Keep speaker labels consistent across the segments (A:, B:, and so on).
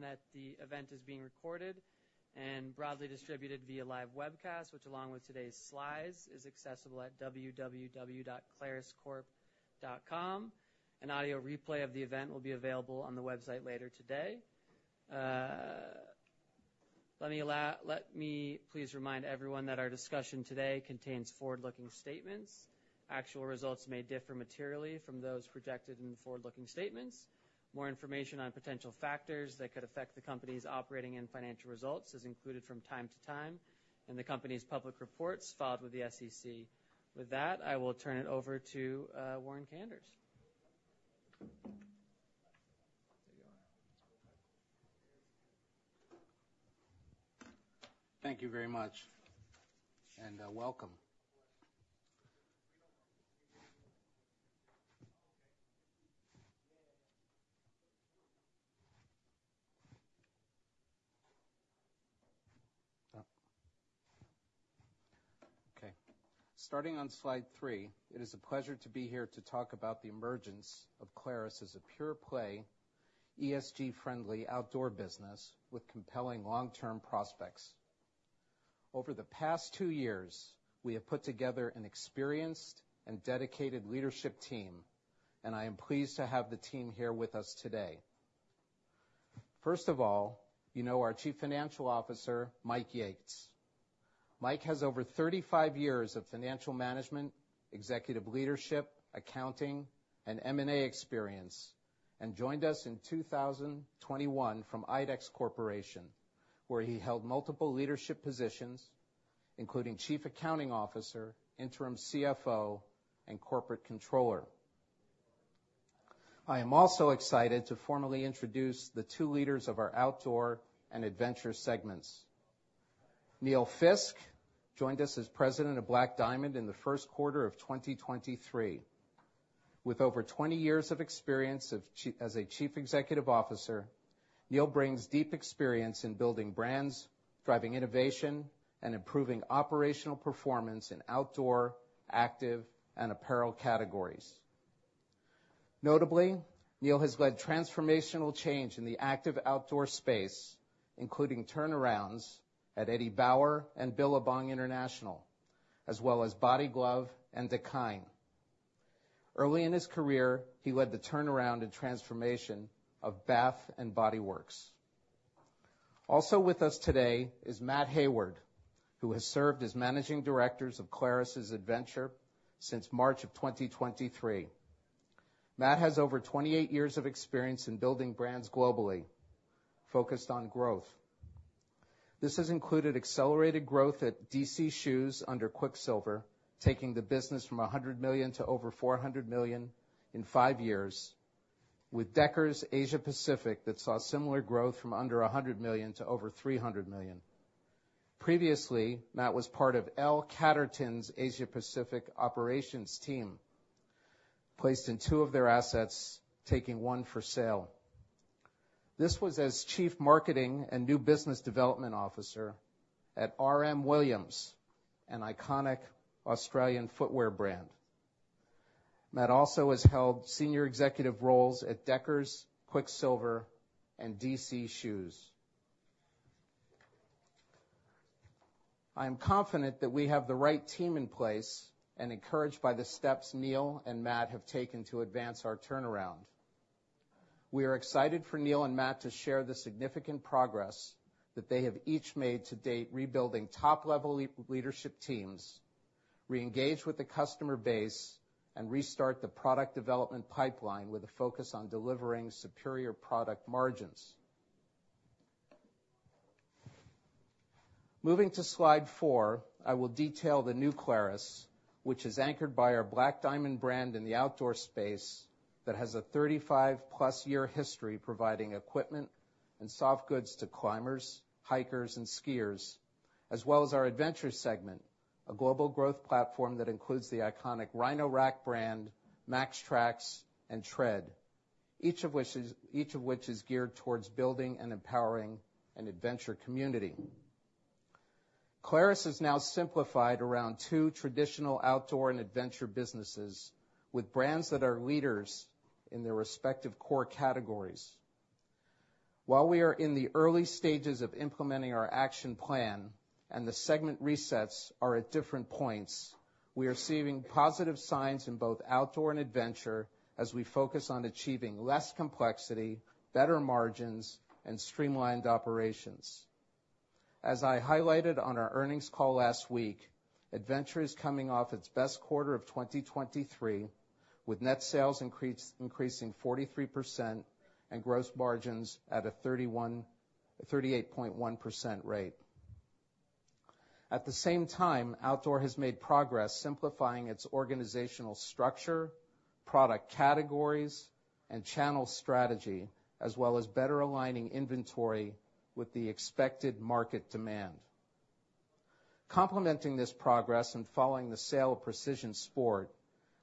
A: that the event is being recorded and broadly distributed via live webcast, which along with today's slides, is accessible at www.claruscorp.com. An audio replay of the event will be available on the website later today. Let me please remind everyone that our discussion today contains forward-looking statements. Actual results may differ materially from those projected in the forward-looking statements. More information on potential factors that could affect the company's operating and financial results is included from time to time in the company's public reports filed with the SEC. With that, I will turn it over to Warren Kanders.
B: Thank you very much, and welcome. Okay, starting on slide three, it is a pleasure to be here to talk about the emergence of Clarus as a pure-play, ESG-friendly outdoor business with compelling long-term prospects. Over the past two years, we have put together an experienced and dedicated leadership team, and I am pleased to have the team here with us today. First of all, you know our Chief Financial Officer, Mike Yates. Mike has over 35 years of financial management, executive leadership, accounting, and M&A experience, and joined us in 2021 from IDEX Corporation, where he held multiple leadership positions, including Chief Accounting Officer, Interim CFO, and Corporate Controller. I am also excited to formally introduce the two leaders of our outdoor and adventure segments. Neil Fiske joined us as president of Black Diamond in the first quarter of 2023. With over 20 years of experience as a Chief Executive Officer, Neil brings deep experience in building brands, driving innovation, and improving operational performance in outdoor, active, and apparel categories. Notably, Neil has led transformational change in the active outdoor space, including turnarounds at Eddie Bauer and Billabong International, as well as Body Glove and Dakine. Early in his career, he led the turnaround and transformation of Bath & Body Works. Also with us today is Matt Hayward, who has served as Managing Director of Clarus's Adventure since March of 2023. Matt has over 28 years of experience in building brands globally, focused on growth. This has included accelerated growth at DC Shoes under Quiksilver, taking the business from $100 million to over $400 million in five years, with Deckers Asia Pacific, that saw similar growth from under $100 million to over $300 million. Previously, Matt was part of L Catterton's Asia Pacific operations team, placed in two of their assets, taking one for sale. This was as Chief Marketing and New Business Development Officer at R.M. Williams, an iconic Australian footwear brand. Matt also has held senior executive roles at Deckers, Quiksilver, and DC Shoes. I am confident that we have the right team in place and encouraged by the steps Neil and Matt have taken to advance our turnaround. We are excited for Neil and Matt to share the significant progress that they have each made to date, rebuilding top-level leadership teams, reengage with the customer base, and restart the product development pipeline with a focus on delivering superior product margins. Moving to slide four, I will detail the new Clarus, which is anchored by our Black Diamond brand in the outdoor space, that has a 35+ year history, providing equipment and soft goods to climbers, hikers, and skiers, as well as our adventure segment, a global growth platform that includes the iconic Rhino-Rack brand, MAXTRAX, and TRED, each of which is geared towards building and empowering an adventure community. Clarus is now simplified around two traditional outdoor and adventure businesses, with brands that are leaders in their respective core categories. While we are in the early stages of implementing our action plan and the segment resets are at different points, we are seeing positive signs in both outdoor and adventure as we focus on achieving less complexity, better margins, and streamlined operations. As I highlighted on our earnings call last week, Adventure is coming off its best quarter of 2023, with net sales increase, increasing 43% and gross margins at a 38.1% rate. At the same time, Outdoor has made progress simplifying its organizational structure, product categories, and channel strategy, as well as better aligning inventory with the expected market demand. Complementing this progress and following the sale of Precision Sports,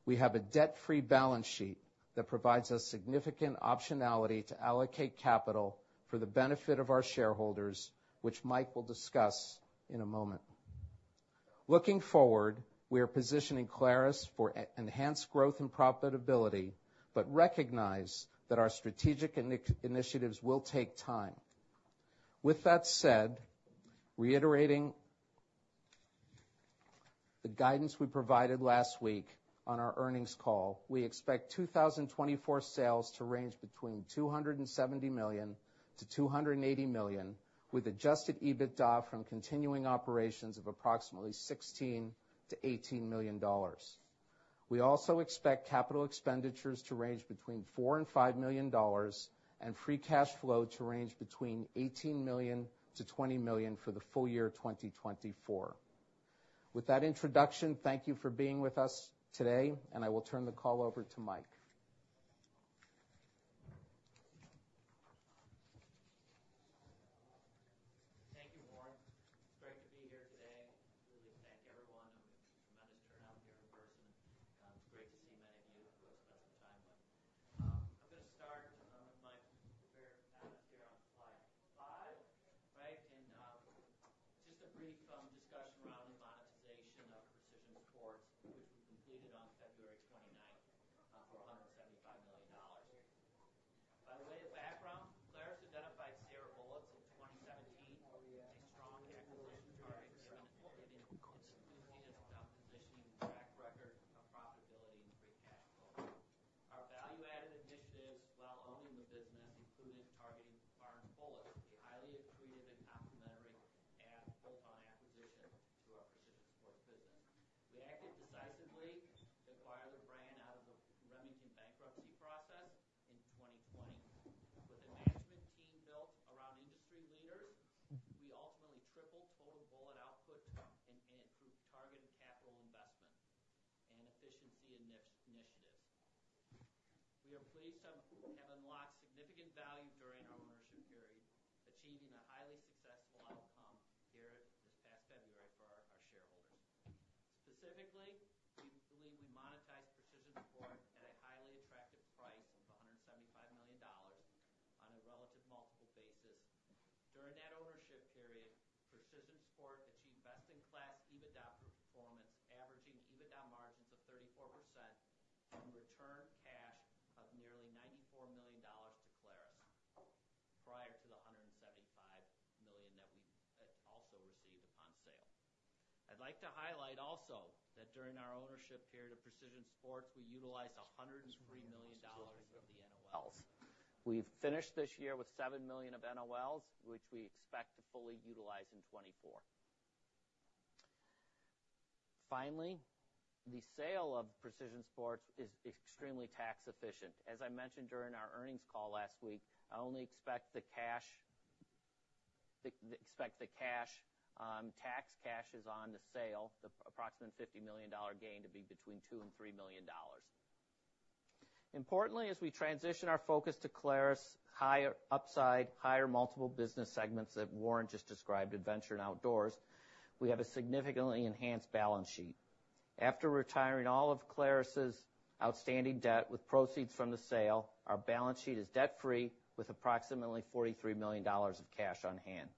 B: we have a debt-free balance sheet that provides us significant optionality to allocate capital for the benefit of our shareholders, which Mike will discuss in a moment. Looking forward, we are positioning Clarus for enhanced growth and profitability, but recognize that our strategic initiatives will take time. With that said, reiterating the guidance we provided last week on our earnings call, we expect 2024 sales to range between $270 million-$280 million, with adjusted EBITDA from continuing operations of approximately $16 million-$18 million. We also expect capital expenditures to range between $4 million and $5 million, and free cash flow to range between $18 million-$20 million for the full year of 2024. With that introduction, thank you for being with us today, and I will turn the call over to Mike.
C: we believe we monetized Precision Sport at a highly attractive price of $175 million on a relative multiple basis. During that ownership period, Precision Sport achieved best-in-class EBITDA performance, averaging EBITDA margins of 34% and return cash of nearly $94 million to Clarus, prior to the $175 million that we also received upon sale. I'd like to highlight also that during our ownership period of Precision Sport, we utilized $103 million of the NOLs. We've finished this year with $7 million of NOLs, which we expect to fully utilize in 2024. Finally, the sale of Precision Sport is extremely tax efficient. As I mentioned during our earnings call last week, I only expect the cash taxes on the sale, the approximate $50 million gain, to be between $2 million and $3 million. Importantly, as we transition our focus to Clarus' higher upside, higher multiple business segments that Warren just described, Adventure and Outdoors, we have a significantly enhanced balance sheet. After retiring all of Clarus' outstanding debt with proceeds from the sale, our balance sheet is debt-free, with approximately $43 million of cash on hand.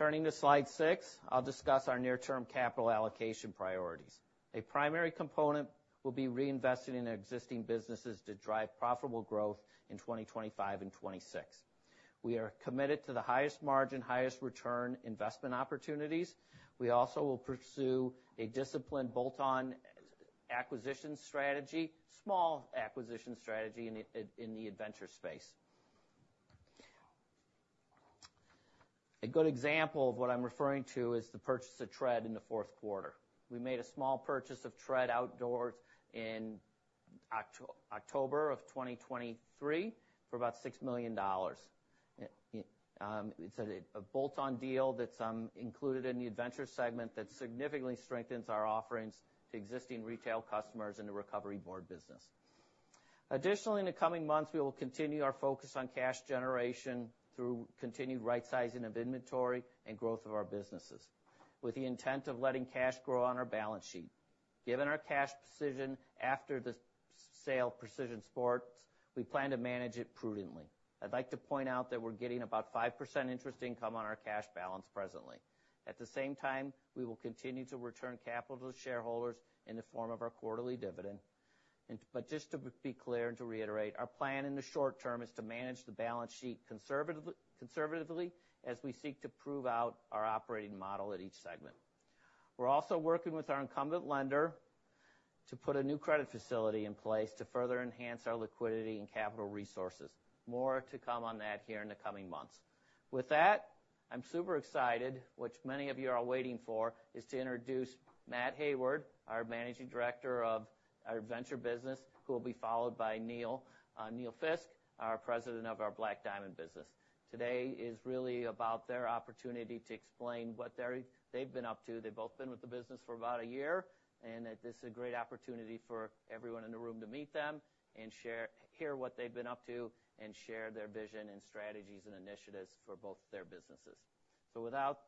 C: Turning to slide six, I'll discuss our near-term capital allocation priorities. A primary component will be reinvested in existing businesses to drive profitable growth in 2025 and 2026. We are committed to the highest margin, highest return investment opportunities. We also will pursue a disciplined bolt-on acquisition strategy, small acquisition strategy in the adventure space. A good example of what I'm referring to is the purchase of TRED in the fourth quarter. We made a small purchase of TRED Outdoors in October 2023 for about $6 million. It's a bolt-on deal that's included in the adventure segment that significantly strengthens our offerings to existing retail customers in the recovery board business. Additionally, in the coming months, we will continue our focus on cash generation through continued rightsizing of inventory and growth of our businesses, with the intent of letting cash grow on our balance sheet. Given our cash position after the sale of Precision Sport, we plan to manage it prudently. I'd like to point out that we're getting about 5% interest income on our cash balance presently. At the same time, we will continue to return capital to shareholders in the form of our quarterly dividend. But just to be clear and to reiterate, our plan in the short term is to manage the balance sheet conservatively, conservatively as we seek to prove out our operating model at each segment. We're also working with our incumbent lender to put a new credit facility in place to further enhance our liquidity and capital resources. More to come on that here in the coming months. With that, I'm super excited, which many of you are waiting for, is to introduce Matt Hayward, our Managing Director of our Adventure business, who will be followed by Neil Fiske, our President of our Black Diamond business. Today is really about their opportunity to explain what they've been up to. They've both been with the business for about a year, and that this is a great opportunity for everyone in the room to meet them and hear what they've been up to, and share their vision and strategies and initiatives for both their businesses. So without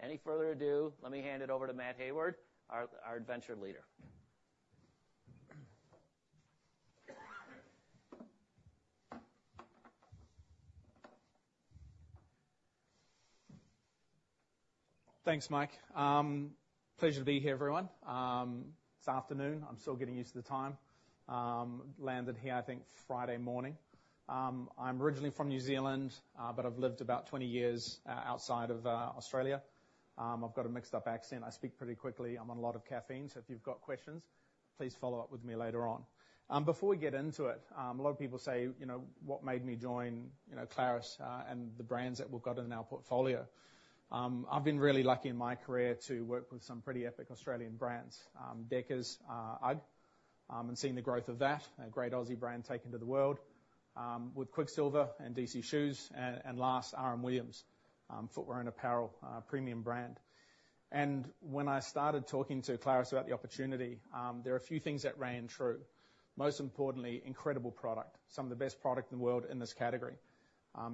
C: any further ado, let me hand it over to Matt Hayward, our Adventure leader.
D: Thanks, Mike. Pleasure to be here, everyone. This afternoon, I'm still getting used to the time. Landed here, I think, Friday morning. I'm originally from New Zealand, but I've lived about 20 years, outside of, Australia. I've got a mixed up accent. I speak pretty quickly. I'm on a lot of caffeine, so if you've got questions, please follow up with me later on. Before we get into it, a lot of people say, you know, what made me join, you know, Clarus, and the brands that we've got in our portfolio? I've been really lucky in my career to work with some pretty epic Australian brands. Deckers, UGG, and seeing the growth of that, a great Aussie brand taken to the world. With Quiksilver and DC Shoes, and last, R.M. R.M. Williams, footwear and apparel, premium brand. When I started talking to Clarus about the opportunity, there are a few things that ran true. Most importantly, incredible product, some of the best product in the world in this category.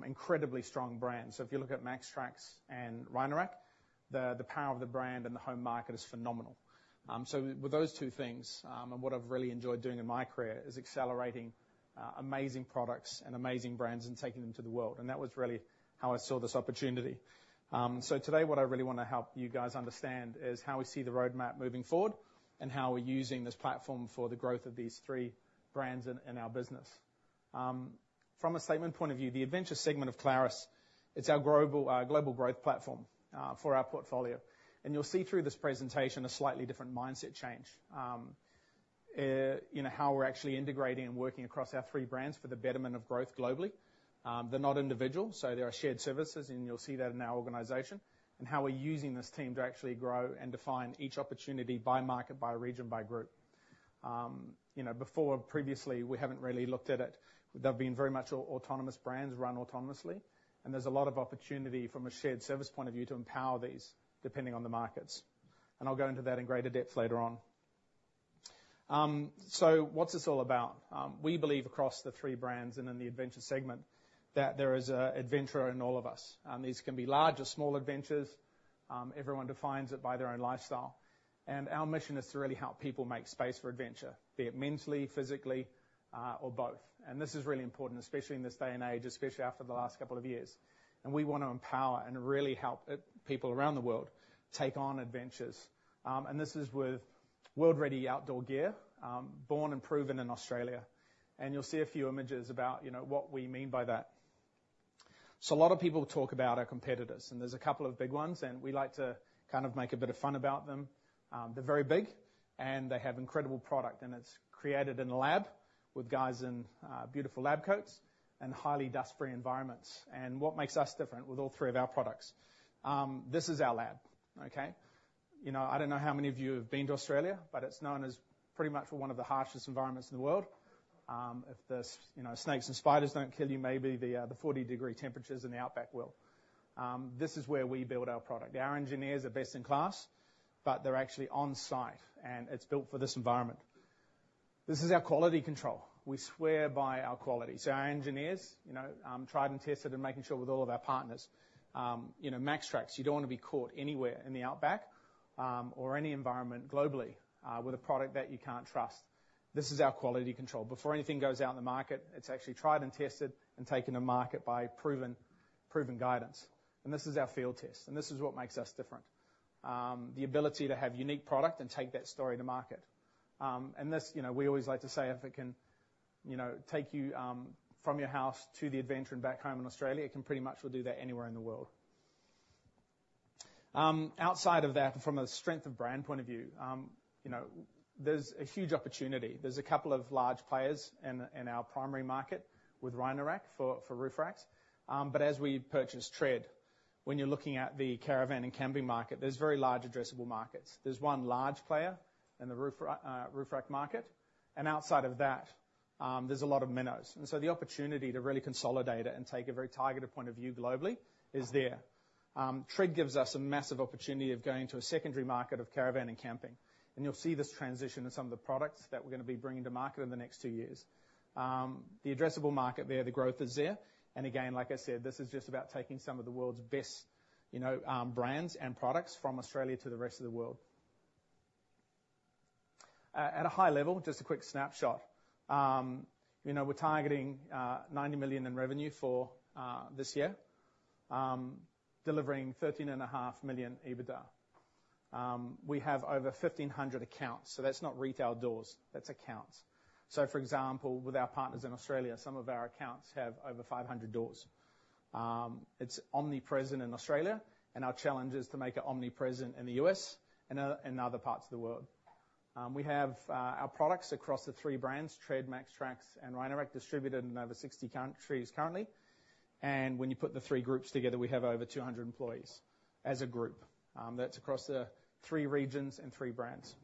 D: Incredibly strong brands. So if you look at MAXTRAX and Rhino-Rack, the power of the brand in the home market is phenomenal. So with those two things, and what I've really enjoyed doing in my career is accelerating amazing products and amazing brands and taking them to the world, and that was really how I saw this opportunity. So today, what I really want to help you guys understand is how we see the roadmap moving forward, and how we're using this platform for the growth of these three brands in our business. From a segment point of view, the adventure segment of Clarus, it's our growable global growth platform for our portfolio. And you'll see through this presentation a slightly different mindset change in how we're actually integrating and working across our three brands for the betterment of growth globally. They're not individual, so there are shared services, and you'll see that in our organization, and how we're using this team to actually grow and define each opportunity by market, by region, by group. You know, before, previously, we haven't really looked at it. They've been very much autonomous brands, run autonomously, and there's a lot of opportunity from a shared service point of view to empower these, depending on the markets. And I'll go into that in greater depth later on. So what's this all about? We believe across the three brands and in the adventure segment, that there is an adventurer in all of us. These can be large or small adventures. Everyone defines it by their own lifestyle, and our mission is to really help people make space for adventure, be it mentally, physically, or both. And this is really important, especially in this day and age, especially after the last couple of years. And we want to empower and really help people around the world take on adventures. And this is with world-ready outdoor gear, born and proven in Australia. And you'll see a few images about, you know, what we mean by that. So a lot of people talk about our competitors, and there's a couple of big ones, and we like to kind of make a bit of fun about them. They're very big, and they have incredible product, and it's created in a lab with guys in beautiful lab coats and highly dust-free environments. What makes us different with all three of our products? This is our lab, okay? You know, I don't know how many of you have been to Australia, but it's known as pretty much one of the harshest environments in the world. If the snakes and spiders don't kill you, maybe the 40-degree temperatures in the outback will. This is where we build our product. Our engineers are best in class, but they're actually on site, and it's built for this environment. This is our quality control. We swear by our quality. So our engineers, you know, tried and tested and making sure with all of our partners. You know, MAXTRAX, you don't want to be caught anywhere in the outback, or any environment globally, with a product that you can't trust. This is our quality control. Before anything goes out in the market, it's actually tried and tested and taken to market by proven guidance. And this is our field test, and this is what makes us different. The ability to have unique product and take that story to market. And this, you know, we always like to say if it can, you know, take you, from your house to the adventure and back home in Australia, it can pretty much well do that anywhere in the world. Outside of that, from a strength of brand point of view, you know, there's a huge opportunity. There's a couple of large players in our primary market with Rhino-Rack for roof racks. But as we purchased TRED, when you're looking at the caravan and camping market, there's very large addressable markets. There's one large player in the roof rack market, and outside of that, there's a lot of minnows. And so the opportunity to really consolidate it and take a very targeted point of view globally is there. TRED gives us a massive opportunity of going to a secondary market of caravan and camping, and you'll see this transition in some of the products that we're gonna be bringing to market in the next two years. The addressable market there, the growth is there. And again, like I said, this is just about taking some of the world's best, you know, brands and products from Australia to the rest of the world. At a high level, just a quick snapshot. You know, we're targeting $90 million in revenue for this year, delivering $13.5 million EBITDA. We have over 1,500 accounts, so that's not retail doors, that's accounts. So for example, with our partners in Australia, some of our accounts have over 500 doors. It's omnipresent in Australia, and our challenge is to make it omnipresent in the U.S. and other parts of the world. We have our products across the three brands, TRED, MAXTRAX, and Rhino-Rack, distributed in over 60 countries currently. When you put the three groups together, we have over 200 employees as a group. That's across the three regions and three brands.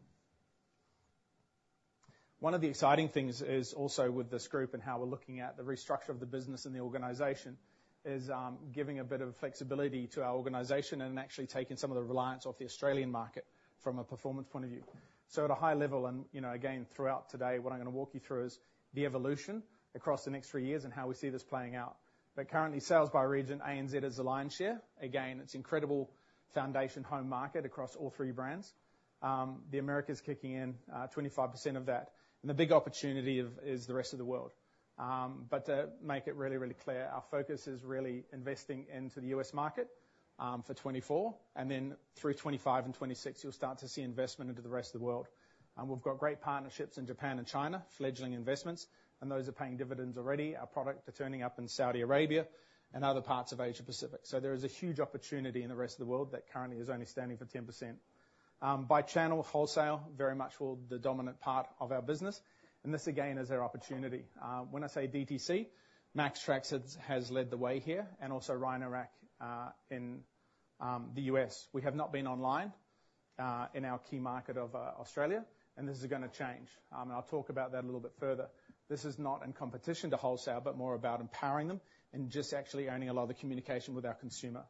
D: One of the exciting things is also with this group and how we're looking at the restructure of the business and the organization, giving a bit of flexibility to our organization and actually taking some of the reliance off the Australian market from a performance point of view. So at a high level and, you know, again, throughout today, what I'm gonna walk you through is the evolution across the next three years and how we see this playing out. But currently, sales by region, ANZ is the lion's share. Again, it's incredible foundation, home market across all three brands. The Americas kicking in, 25% of that, and the big opportunity is the rest of the world. But to make it really, really clear, our focus is really investing into the U.S. market, for 2024, and then through 2025 and 2026, you'll start to see investment into the rest of the world. And we've got great partnerships in Japan and China, fledgling investments, and those are paying dividends already. Our product are turning up in Saudi Arabia and other parts of Asia Pacific. So there is a huge opportunity in the rest of the world that currently is only standing for 10%. By channel, wholesale very much will the dominant part of our business, and this, again, is our opportunity. When I say DTC, MAXTRAX has, has led the way here and also Rhino-Rack, in the U.S. We have not been online, in our key market of Australia, and this is gonna change. I'll talk about that a little bit further. This is not in competition to wholesale, but more about empowering them and just actually owning a lot of the communication with our consumer.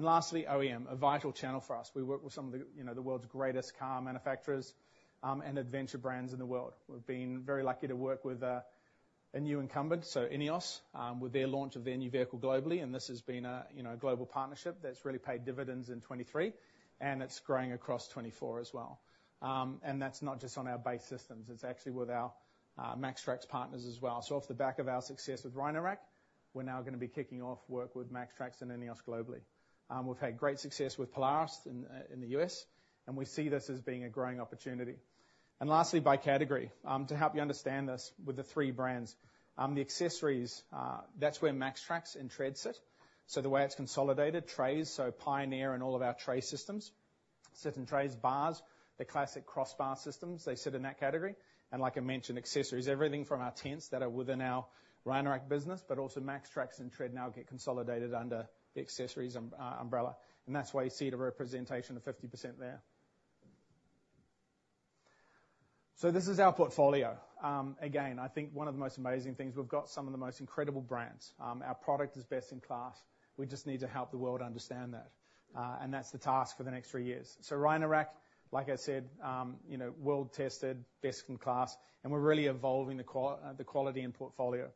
D: Lastly, OEM, a vital channel for us. We work with some of the, you know, the world's greatest car manufacturers, and adventure brands in the world. We've been very lucky to work with a new incumbent, so INEOS, with their launch of their new vehicle globally, and this has been a, you know, a global partnership that's really paid dividends in 2023, and it's growing across 2024 as well. That's not just on our base systems. It's actually with our MAXTRAX partners as well. So off the back of our success with Rhino-Rack, we're now gonna be kicking off work with MAXTRAX and INEOS globally. We've had great success with Polaris in the U.S., and we see this as being a growing opportunity. And lastly, by category, to help you understand this with the three brands. The accessories, that's where MAXTRAX and TRED sit. So the way it's consolidated, trays, so Pioneer and all of our tray systems, certain trays, bars, the classic crossbar systems, they sit in that category. And like I mentioned, accessories, everything from our tents that are within our Rhino-Rack business, but also MAXTRAX and TRED now get consolidated under the accessories umbrella, and that's why you see the representation of 50% there. So this is our portfolio. Again, I think one of the most amazing things, we've got some of the most incredible brands. Our product is best in class. We just need to help the world understand that, and that's the task for the next three years. So Rhino-Rack, like I said, you know, world-tested, best in class, and we're really evolving the quality and portfolio.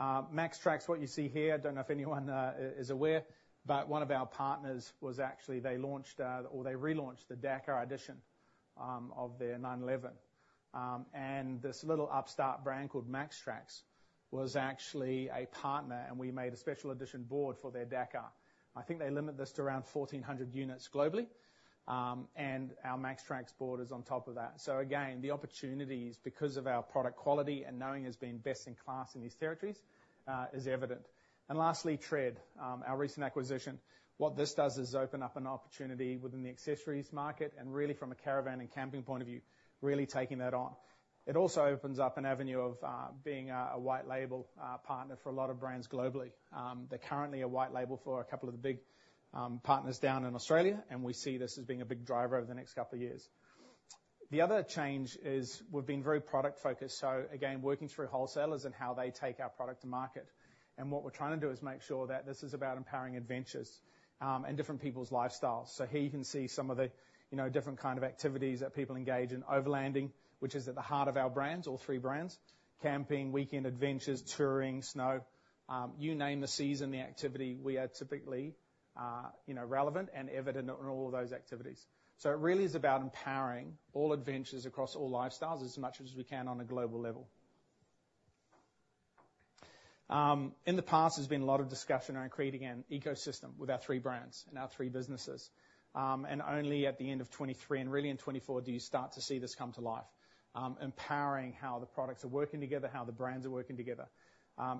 D: MAXTRAX, what you see here, I don't know if anyone is aware, but one of our partners was actually they launched, or they relaunched the Dakar edition of their 911. And this little upstart brand called MAXTRAX was actually a partner, and we made a special edition board for their Dakar. I think they limit this to around 1,400 units globally, and our MAXTRAX board is on top of that. So again, the opportunities, because of our product quality and knowing it's been best in class in these territories, is evident. And lastly, TRED, our recent acquisition. What this does is open up an opportunity within the accessories market and really from a caravan and camping point of view, really taking that on. It also opens up an avenue of, being a, a white label, partner for a lot of brands globally. They're currently a white label for a couple of the big, partners down in Australia, and we see this as being a big driver over the next couple of years. The other change is we've been very product-focused, so again, working through wholesalers and how they take our product to market. What we're trying to do is make sure that this is about empowering adventures, and different people's lifestyles. So here you can see some of the, you know, different kind of activities that people engage in, overlanding, which is at the heart of our brands, all three brands, camping, weekend adventures, touring, snow. You name the season, the activity, we are typically, you know, relevant and evident in all of those activities. So it really is about empowering all adventures across all lifestyles as much as we can on a global level. In the past, there's been a lot of discussion around creating an ecosystem with our three brands and our three businesses. And only at the end of 2023, and really in 2024, do you start to see this come to life, empowering how the products are working together, how the brands are working together.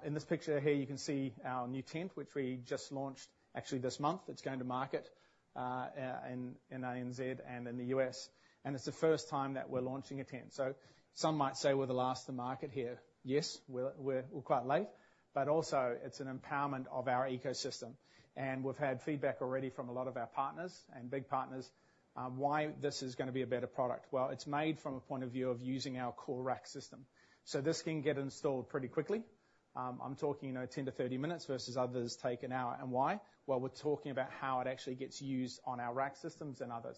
D: In this picture here, you can see our new tent, which we just launched actually this month. It's going to market in ANZ and in the U.S., and it's the first time that we're launching a tent. So some might say we're the last to market here. Yes, we're quite late, but also it's an empowerment of our ecosystem, and we've had feedback already from a lot of our partners and big partners on why this is gonna be a better product. Well, it's made from a point of view of using our core rack system. So this can get installed pretty quickly. I'm talking, you know, 10-30 minutes versus others take an hour. And why? Well, we're talking about how it actually gets used on our rack systems and others.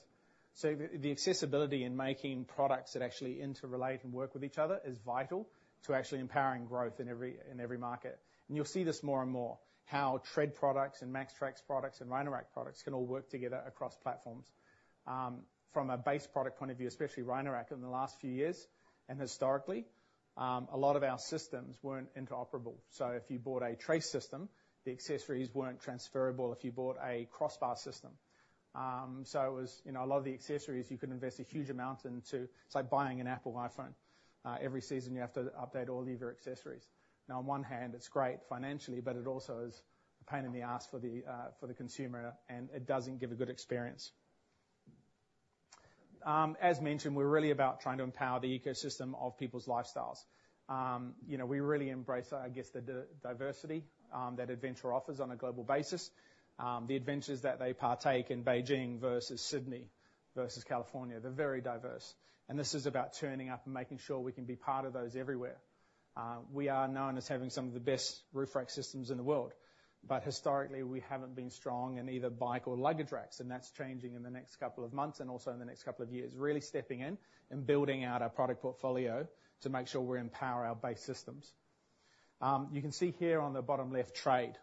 D: So the accessibility in making products that actually interrelate and work with each other is vital to actually empowering growth in every, in every market. And you'll see this more and more, how TRED products and MAXTRAX products and Rhino-Rack products can all work together across platforms. From a base product point of view, especially Rhino-Rack, in the last few years and historically, a lot of our systems weren't interoperable. So if you bought a tray system, the accessories weren't transferable if you bought a crossbar system. So it was, you know, a lot of the accessories, you could invest a huge amount into. It's like buying an Apple iPhone. Every season, you have to update all of your accessories. Now, on one hand, it's great financially, but it also is a pain in the ass for the consumer, and it doesn't give a good experience. As mentioned, we're really about trying to empower the ecosystem of people's lifestyles. You know, we really embrace, I guess, the diversity that adventure offers on a global basis. The adventures that they partake in Beijing versus Sydney versus California, they're very diverse. And this is about turning up and making sure we can be part of those everywhere. We are known as having some of the best roof rack systems in the world, but historically, we haven't been strong in either bike or luggage racks, and that's changing in the next couple of months and also in the next couple of years, really stepping in and building out our product portfolio to make sure we empower our base systems. You can see here on the bottom left, TRED.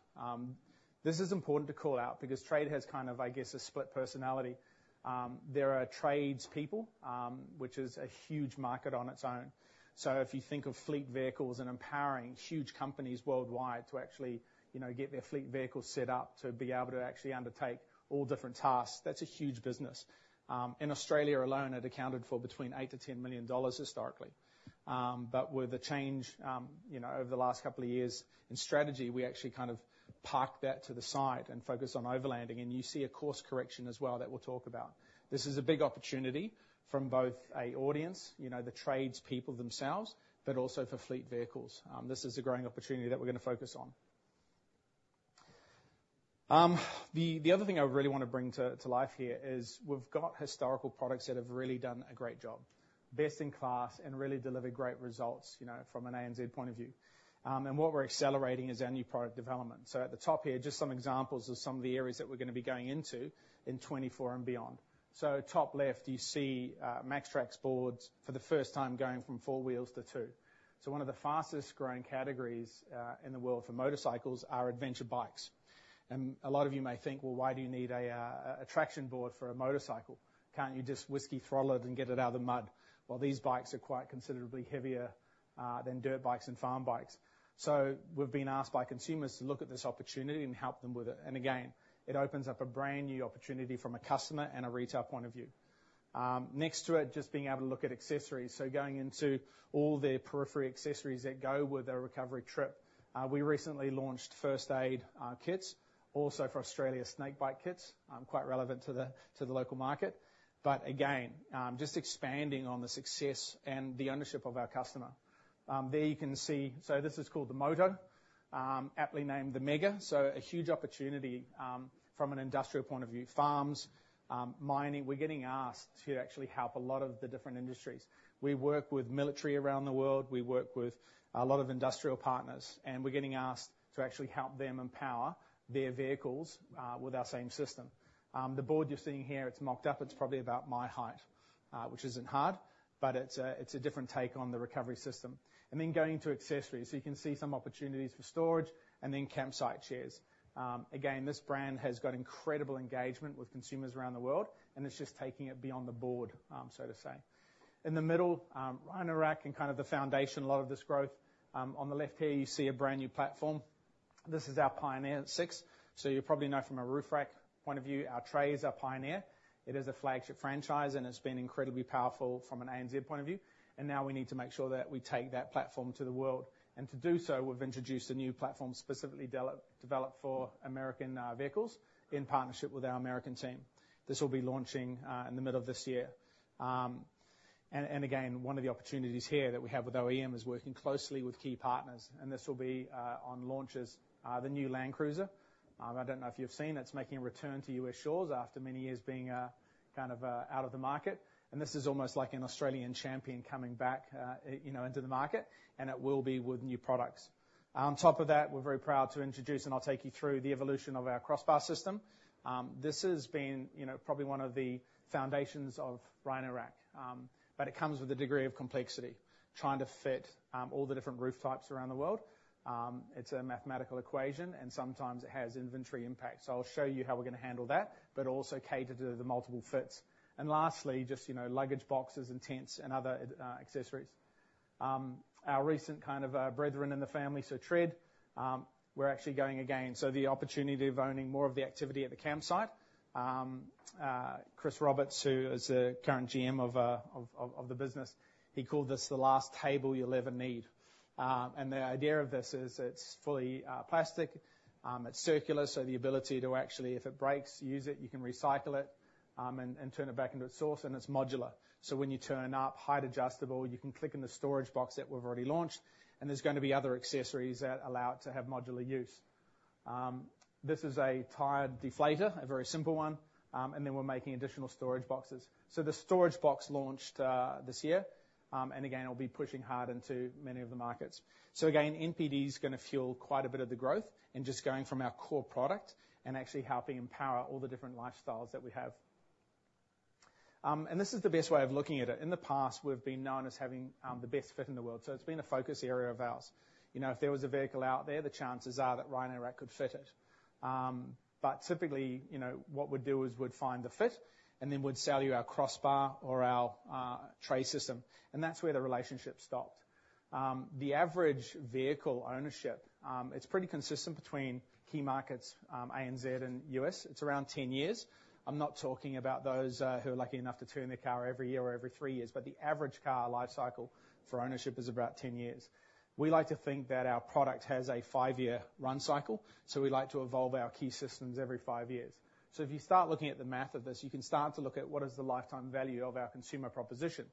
D: This is important to call out because TRED has kind of, I guess, a split personality. There are tradespeople, which is a huge market on its own. So if you think of fleet vehicles and empowering huge companies worldwide to actually, you know, get their fleet vehicles set up to be able to actually undertake all different tasks, that's a huge business. In Australia alone, it accounted for between $8-$10 million historically. But with the change, you know, over the last couple of years in strategy, we actually kind of parked that to the side and focused on overlanding, and you see a course correction as well that we'll talk about. This is a big opportunity from both an audience, you know, the tradespeople themselves, but also for fleet vehicles. This is a growing opportunity that we're gonna focus on. The other thing I really want to bring to life here is we've got historical products that have really done a great job, best in class and really delivered great results, you know, from an ANZ point of view. What we're accelerating is our new product development. So at the top here, just some examples of some of the areas that we're gonna be going into in 2024 and beyond. So top left, you see, MAXTRAX boards for the first time going from four wheels to two. So one of the fastest-growing categories in the world for motorcycles are adventure bikes. And a lot of you may think, "Well, why do you need a a traction board for a motorcycle? Can't you just whiskey throttle it and get it out of the mud?" Well, these bikes are quite considerably heavier than dirt bikes and farm bikes. So we've been asked by consumers to look at this opportunity and help them with it. And again, it opens up a brand-new opportunity from a customer and a retail point of view. Next to it, just being able to look at accessories, so going into all the periphery accessories that go with a recovery trip. We recently launched first aid kits, also for Australia, snake bite kits, quite relevant to the local market. But again, just expanding on the success and the ownership of our customer. There you can see... So this is called the Moto, aptly named the Mega. So a huge opportunity, from an industrial point of view, farms, mining. We're getting asked to actually help a lot of the different industries. We work with military around the world, we work with a lot of industrial partners, and we're getting asked to actually help them empower their vehicles with our same system. The board you're seeing here, it's mocked up. It's probably about my height, which isn't hard, but it's a different take on the recovery system. And then going to accessories. So you can see some opportunities for storage and then campsite chairs. Again, this brand has got incredible engagement with consumers around the world, and it's just taking it beyond the board, so to say. In the middle, Rhino-Rack and kind of the foundation, a lot of this growth. On the left here, you see a brand-new platform. This is our Pioneer 6. So you probably know from a roof rack point of view, our tray is our Pioneer. It is a flagship franchise, and it's been incredibly powerful from an ANZ point of view, and now we need to make sure that we take that platform to the world. And to do so, we've introduced a new platform, specifically developed for American vehicles in partnership with our American team. This will be launching in the middle of this year. And again, one of the opportunities here that we have with OEM is working closely with key partners, and this will be on launches the new Land Cruiser. I don't know if you've seen, it's making a return to U.S. shores after many years being kind of out of the market. And this is almost like an Australian champion coming back, you know, into the market, and it will be with new products. On top of that, we're very proud to introduce, and I'll take you through the evolution of our crossbar system. This has been, you know, probably one of the foundations of Rhino-Rack, but it comes with a degree of complexity, trying to fit all the different roof types around the world. It's a mathematical equation, and sometimes it has inventory impact. So I'll show you how we're gonna handle that, but also cater to the multiple fits. And lastly, just, you know, luggage boxes and tents and other accessories. Our recent kind of brethren in the family, so TRED. We're actually going again, so the opportunity of owning more of the activity at the campsite. Chris Roberts, who is the current GM of the business, he called this the last table you'll ever need. And the idea of this is it's fully plastic. It's circular, so the ability to actually, if it breaks, use it, you can recycle it, and and turn it back into its source, and it's modular. So when you turn up, height adjustable, you can click in the storage box that we've already launched, and there's gonna be other accessories that allow it to have modular use. This is a tire deflater, a very simple one, and then we're making additional storage boxes. So the storage box launched this year, and again, it'll be pushing hard into many of the markets. So again, NPD is gonna fuel quite a bit of the growth in just going from our core product and actually helping empower all the different lifestyles that we have. And this is the best way of looking at it. In the past, we've been known as having the best fit in the world, so it's been a focus area of ours. You know, if there was a vehicle out there, the chances are that Rhino-Rack could fit it. But typically, you know, what we'd do is we'd find the fit, and then we'd sell you our crossbar or our tray system, and that's where the relationship stopped. The average vehicle ownership, it's pretty consistent between key markets, ANZ and U.S. It's around 10 years. I'm not talking about those who are lucky enough to turn their car every year or every three years, but the average car life cycle for ownership is about 10 years. We like to think that our product has a five-year run cycle, so we like to evolve our key systems every five years. So if you start looking at the math of this, you can start to look at what is the lifetime value of our consumer proposition,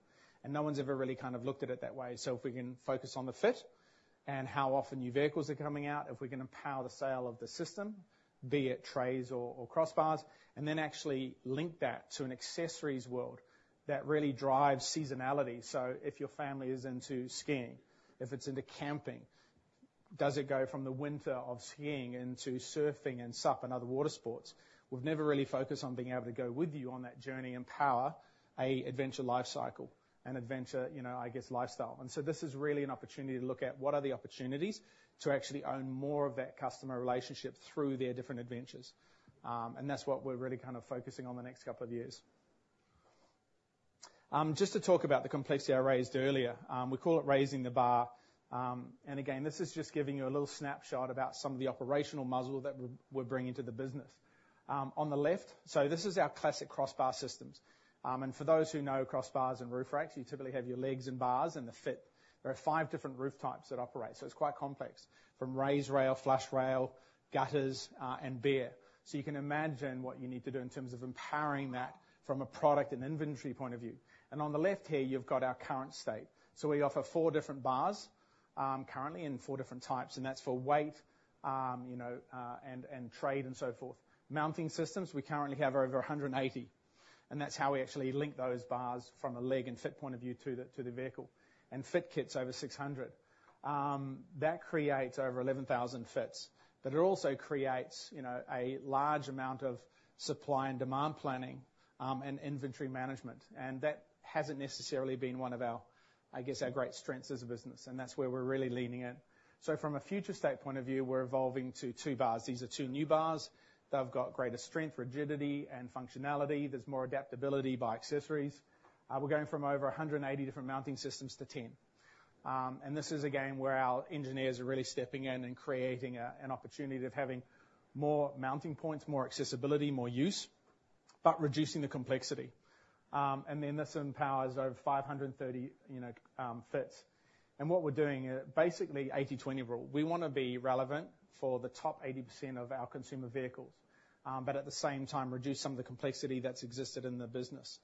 D: and no one's ever really kind of looked at it that way. So if we can focus on the fit and how often new vehicles are coming out, if we can empower the sale of the system, be it trays or crossbars, and then actually link that to an accessories world, that really drives seasonality. So if your family is into skiing, if it's into camping—does it go from the winter of skiing into surfing and SUP and other water sports? We've never really focused on being able to go with you on that journey and power an adventure life cycle and adventure, you know, I guess, lifestyle. This is really an opportunity to look at what are the opportunities to actually own more of that customer relationship through their different adventures. And that's what we're really kind of focusing on the next couple of years. Just to talk about the complexity I raised earlier. We call it raising the bar. And again, this is just giving you a little snapshot about some of the operational muscle that we're bringing to the business. On the left, so this is our classic crossbar systems. And for those who know crossbars and roof racks, you typically have your legs and bars and the fit. There are five different roof types that operate, so it's quite complex, from raised rail, flush rail, gutters, and bare. So you can imagine what you need to do in terms of empowering that from a product and inventory point of view. And on the left here, you've got our current state. So we offer four different bars, currently, and four different types, and that's for weight, you know, and trade and so forth. Mounting systems, we currently have over 180, and that's how we actually link those bars from a leg and fit point of view to the vehicle, and fit kits over 600. That creates over 11,000 fits, but it also creates, you know, a large amount of supply and demand planning, and inventory management, and that hasn't necessarily been one of our, I guess, our great strengths as a business, and that's where we're really leaning in. So from a future state point of view, we're evolving to two bars. These are two new bars. They've got greater strength, rigidity, and functionality. There's more adaptability by accessories. We're going from over 180 different mounting systems to 10. And this is, again, where our engineers are really stepping in and creating an opportunity of having more mounting points, more accessibility, more use, but reducing the complexity. And then this empowers over 530, you know, fits. And what we're doing, basically 80/20 rule. We wanna be relevant for the top 80% of our consumer vehicles, but at the same time, reduce some of the complexity that's existed in the business.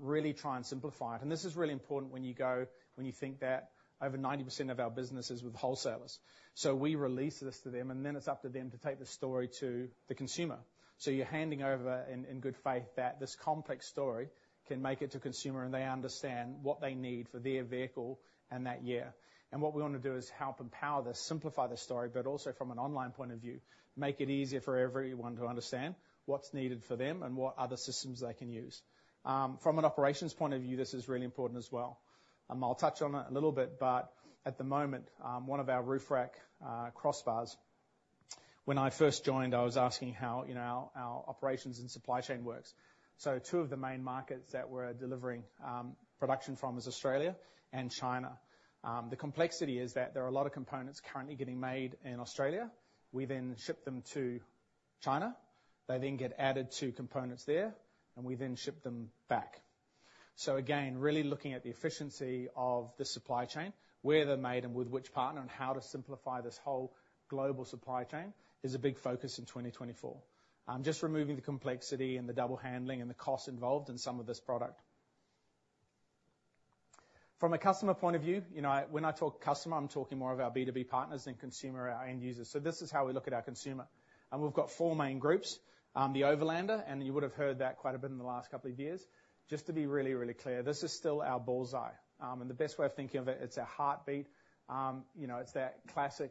D: Really try and simplify it. And this is really important when you think that over 90% of our business is with wholesalers. So we release this to them, and then it's up to them to take the story to the consumer. So you're handing over in good faith that this complex story can make it to consumer, and they understand what they need for their vehicle and that year. And what we want to do is help empower this, simplify the story, but also from an online point of view, make it easier for everyone to understand what's needed for them and what other systems they can use. From an operations point of view, this is really important as well. I'll touch on it a little bit, but at the moment, one of our roof rack crossbars, when I first joined, I was asking how, you know, how operations and supply chain works. So two of the main markets that we're delivering production from is Australia and China. The complexity is that there are a lot of components currently getting made in Australia. We then ship them to China. They then get added to components there, and we then ship them back. So again, really looking at the efficiency of the supply chain, where they're made, and with which partner, and how to simplify this whole global supply chain is a big focus in 2024. Just removing the complexity and the double handling and the cost involved in some of this product. From a customer point of view, you know, when I talk customer, I'm talking more of our B2B partners than consumer, our end users. So this is how we look at our consumer, and we've got four main groups. The Overlander, and you would have heard that quite a bit in the last couple of years. Just to be really, really clear, this is still our bullseye, and the best way of thinking of it, it's a heartbeat. You know, it's that classic,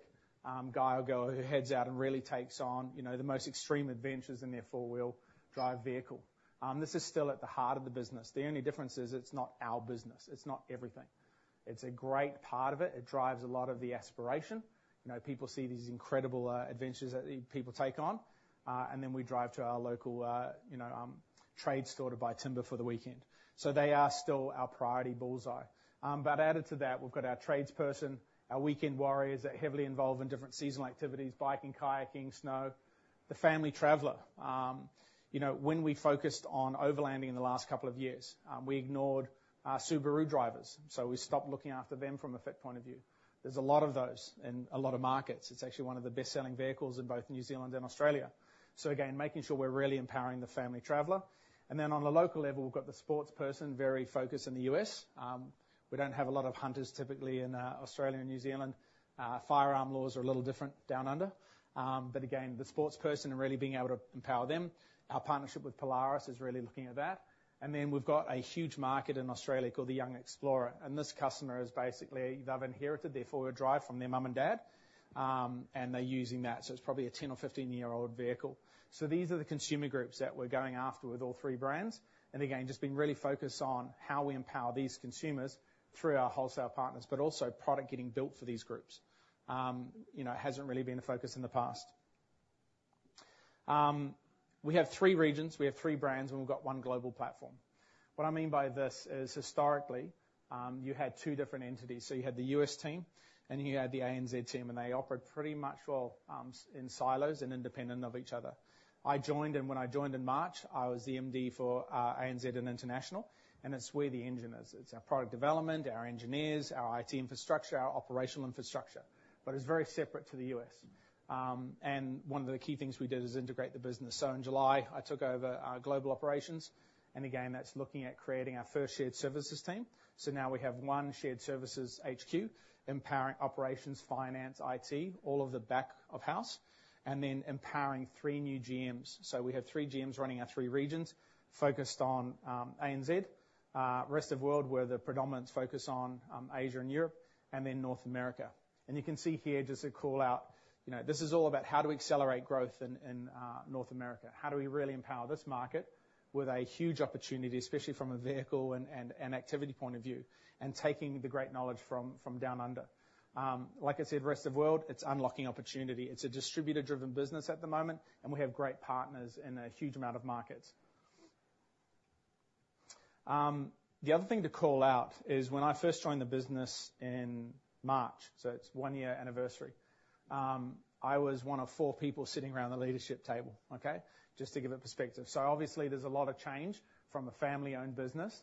D: guy or girl who heads out and really takes on, you know, the most extreme adventures in their four-wheel drive vehicle. This is still at the heart of the business. The only difference is it's not our business. It's not everything. It's a great part of it. It drives a lot of the aspiration. You know, people see these incredible adventures that people take on, and then we drive to our local, you know, trade store to buy timber for the weekend. So they are still our priority bullseye. But added to that, we've got our trades person, our weekend warriors that heavily involved in different seasonal activities, biking, kayaking, snow. The family traveler. You know, when we focused on overlanding in the last couple of years, we ignored our Subaru drivers, so we stopped looking after them from a fit point of view. There's a lot of those in a lot of markets. It's actually one of the best-selling vehicles in both New Zealand and Australia. So again, making sure we're really empowering the family traveler. And then on a local level, we've got the sports person, very focused in the U.S. We don't have a lot of hunters, typically, in Australia and New Zealand. Firearm laws are a little different down under. But again, the sports person and really being able to empower them. Our partnership with Polaris is really looking at that. And then we've got a huge market in Australia called the Young Explorer, and this customer is basically, they've inherited their four-wheel drive from their mum and dad, and they're using that, so it's probably a 10 or 15-year-old vehicle. So these are the consumer groups that we're going after with all three brands. And again, just being really focused on how we empower these consumers through our wholesale partners, but also product getting built for these groups. You know, it hasn't really been a focus in the past. We have three regions, we have three brands, and we've got one global platform. What I mean by this is, historically, you had two different entities. So you had the U.S. team, and you had the ANZ team, and they operated pretty much well in silos and independent of each other. I joined, and when I joined in March, I was the MD for ANZ and International, and it's where the engine is. It's our product development, our engineers, our IT infrastructure, our operational infrastructure, but it's very separate to the U.S. One of the key things we did is integrate the business. So in July, I took over our global operations, and again, that's looking at creating our first shared services team. So now we have one shared services HQ, empowering operations, finance, IT, all of the back of house, and then empowering three new GMs. So we have three GMs running our three regions, focused on ANZ, rest of world, where the predominant focus on Asia and Europe, and then North America. And you can see here, just to call out, you know, this is all about how do we accelerate growth in North America? How do we really empower this market with a huge opportunity, especially from a vehicle and activity point of view, and taking the great knowledge from down under? Like I said, rest of world, it's unlocking opportunity. It's a distributor-driven business at the moment, and we have great partners in a huge amount of markets.... The other thing to call out is when I first joined the business in March, so it's one year anniversary, I was one of four people sitting around the leadership table, okay? Just to give it perspective. So obviously, there's a lot of change from a family-owned business.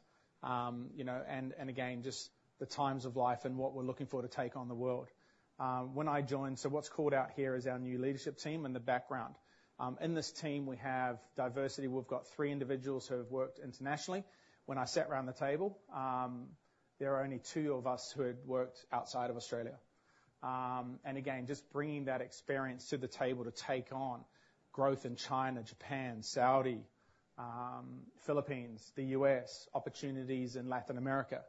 D: You know, and again, just the times of life and what we're looking for to take on the world. When I joined, so what's called out here is our new leadership team in the background. In this team, we have diversity. We've got three individuals who have worked internationally. When I sat around the table, there are only two of us who had worked outside of Australia. And again, just bringing that experience to the table to take on growth in China, Japan, Saudi, Philippines, the U.S., opportunities in Latin America,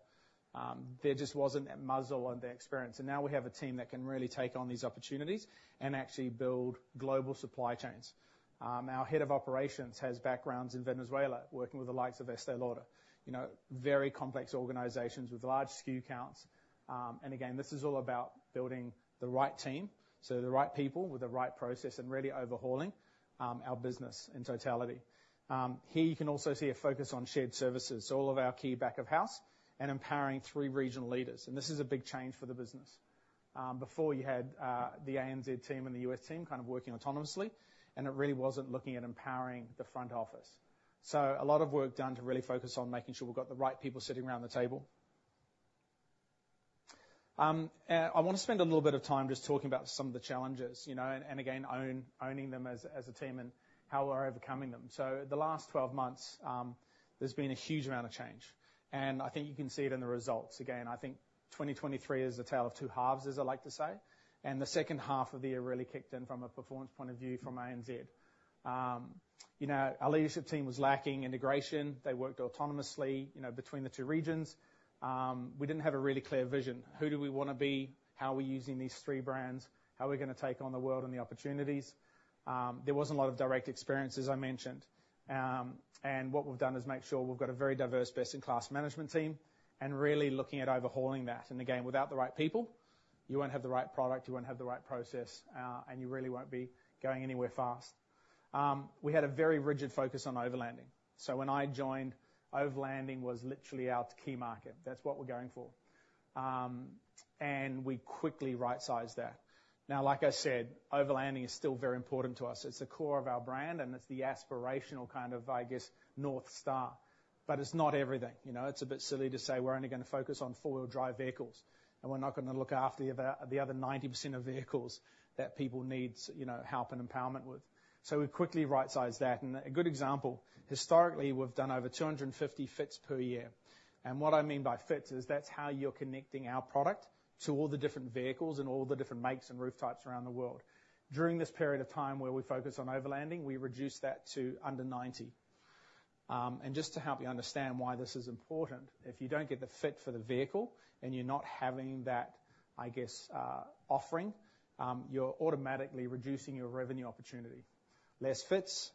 D: there just wasn't that muscle and the experience. And now we have a team that can really take on these opportunities and actually build global supply chains. Our head of operations has backgrounds in Venezuela, working with the likes of Estée Lauder. You know, very complex organizations with large SKU counts. And again, this is all about building the right team, so the right people with the right process, and really overhauling our business in totality. Here you can also see a focus on shared services, so all of our key back-of-house and empowering three regional leaders. And this is a big change for the business. Before you had the ANZ team and the U.S. team kind of working autonomously, and it really wasn't looking at empowering the front office. So a lot of work done to really focus on making sure we've got the right people sitting around the table. I want to spend a little bit of time just talking about some of the challenges, you know, and again, owning them as a team and how we're overcoming them. So the last 12 months, there's been a huge amount of change, and I think you can see it in the results. Again, I think 2023 is a tale of two halves, as I like to say, and the second half of the year really kicked in from a performance point of view from ANZ. You know, our leadership team was lacking integration. They worked autonomously, you know, between the two regions. We didn't have a really clear vision. Who do we wanna be? How are we using these three brands? How are we gonna take on the world and the opportunities? There wasn't a lot of direct experience, as I mentioned. And what we've done is make sure we've got a very diverse best-in-class management team and really looking at overhauling that. And again, without the right people, you won't have the right product, you won't have the right process, and you really won't be going anywhere fast. We had a very rigid focus on overlanding. So when I joined, overlanding was literally our key market. That's what we're going for. And we quickly rightsized that. Now, like I said, overlanding is still very important to us. It's the core of our brand, and it's the aspirational kind of, I guess, North Star, but it's not everything. You know, it's a bit silly to say we're only gonna focus on four-wheel drive vehicles, and we're not gonna look after the other, the other 90% of vehicles that people need, you know, help and empowerment with. So we quickly rightsize that. And a good example, historically, we've done over 250 fits per year. And what I mean by fits is that's how you're connecting our product to all the different vehicles and all the different makes and roof types around the world. During this period of time where we focus on overlanding, we reduced that to under 90. And just to help you understand why this is important, if you don't get the fit for the vehicle and you're not having that, I guess, offering, you're automatically reducing your revenue opportunity. Less fits,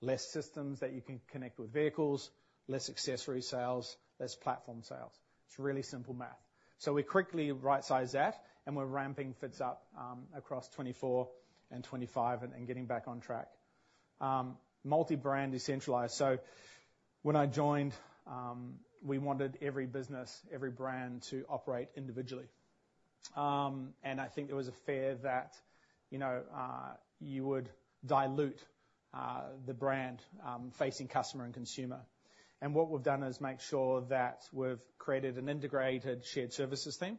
D: less systems that you can connect with vehicles, less accessory sales, less platform sales. It's really simple math. So we quickly rightsize that, and we're ramping fits up, across 2024 and 2025 and getting back on track. Multi-brand decentralized. So when I joined, we wanted every business, every brand, to operate individually. And I think there was a fear that, you know, you would dilute the brand facing customer and consumer. And what we've done is make sure that we've created an integrated shared services team.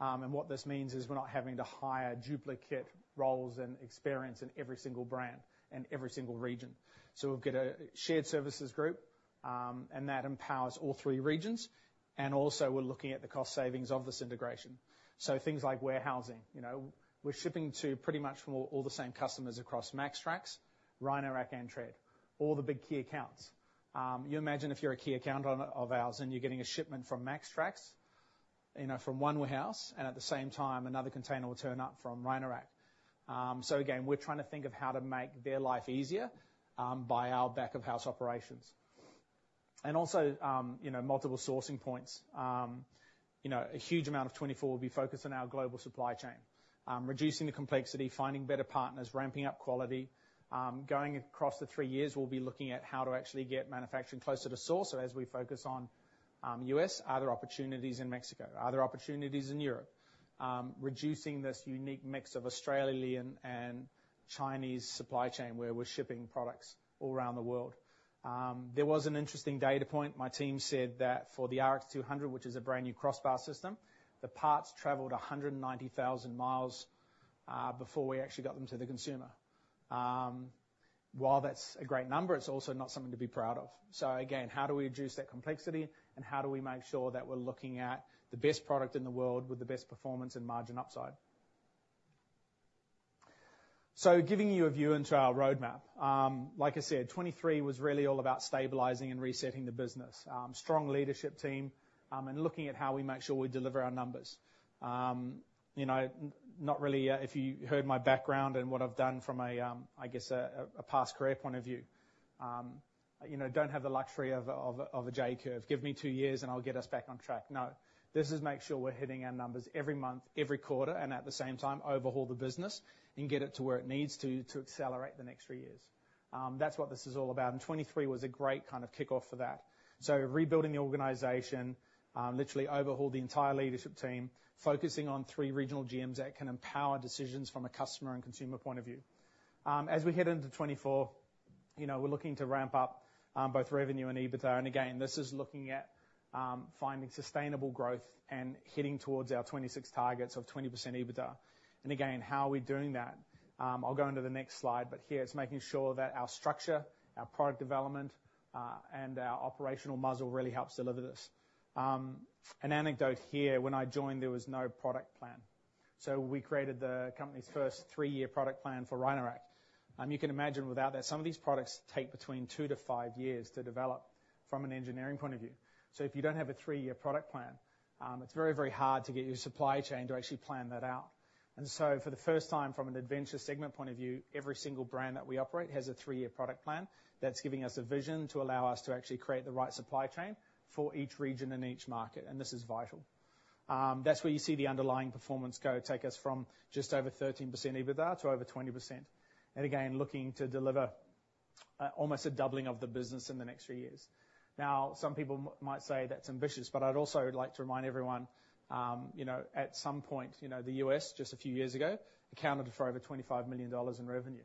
D: And what this means is we're not having to hire duplicate roles and experience in every single brand and every single region. So we've got a shared services group, and that empowers all three regions. And also, we're looking at the cost savings of this integration. So things like warehousing. You know, we're shipping to pretty much all the same customers across MAXTRAX, Rhino-Rack, and TRED, all the big key accounts. You imagine if you're a key account owner of ours and you're getting a shipment from MAXTRAX, you know, from one warehouse, and at the same time, another container will turn up from Rhino-Rack. So again, we're trying to think of how to make their life easier by our back-of-house operations. And also, you know, multiple sourcing points. You know, a huge amount of 2024 will be focused on our global supply chain, reducing the complexity, finding better partners, ramping up quality. Going across the three years, we'll be looking at how to actually get manufacturing closer to source so as we focus on, U.S., are there opportunities in Mexico? Are there opportunities in Europe? Reducing this unique mix of Australian and Chinese supply chain, where we're shipping products all around the world. There was an interesting data point. My team said that for the RX200, which is a brand-new crossbar system, the parts traveled 190,000 miles, before we actually got them to the consumer. While that's a great number, it's also not something to be proud of. So again, how do we reduce that complexity, and how do we make sure that we're looking at the best product in the world with the best performance and margin upside? So giving you a view into our roadmap. Like I said, 2023 was really all about stabilizing and resetting the business. Strong leadership team, and looking at how we make sure we deliver our numbers. You know, not really, if you heard my background and what I've done from a, I guess, past career point of view, you know, don't have the luxury of a J curve. Give me two years, and I'll get us back on track. No, this is make sure we're hitting our numbers every month, every quarter, and at the same time, overhaul the business and get it to where it needs to, to accelerate the next three years. That's what this is all about, and 2023 was a great kind of kickoff for that. So rebuilding the organization, literally overhauled the entire leadership team, focusing on three regional GMs that can empower decisions from a customer and consumer point of view. As we head into 2024, you know, we're looking to ramp up, both revenue and EBITDA, and again, this is looking at, finding sustainable growth and heading towards our 2026 targets of 20% EBITDA. And again, how are we doing that? I'll go into the next slide, but here, it's making sure that our structure, our product development, and our operational muscle really helps deliver this. An anecdote here, when I joined, there was no product plan. So we created the company's first three-year product plan for Rhino-Rack. And you can imagine without that, some of these products take between two to five years to develop from an engineering point of view. So if you don't have a three-year product plan, it's very, very hard to get your supply chain to actually plan that out. And so for the first time, from an adventure segment point of view, every single brand that we operate has a three-year product plan that's giving us a vision to allow us to actually create the right supply chain for each region and each market, and this is vital. That's where you see the underlying performance go, take us from just over 13% EBITDA to over 20%. And again, looking to deliver almost a doubling of the business in the next few years. Now, some people might say that's ambitious, but I'd also like to remind everyone, you know, at some point, you know, the U.S., just a few years ago, accounted for over $25 million in revenue,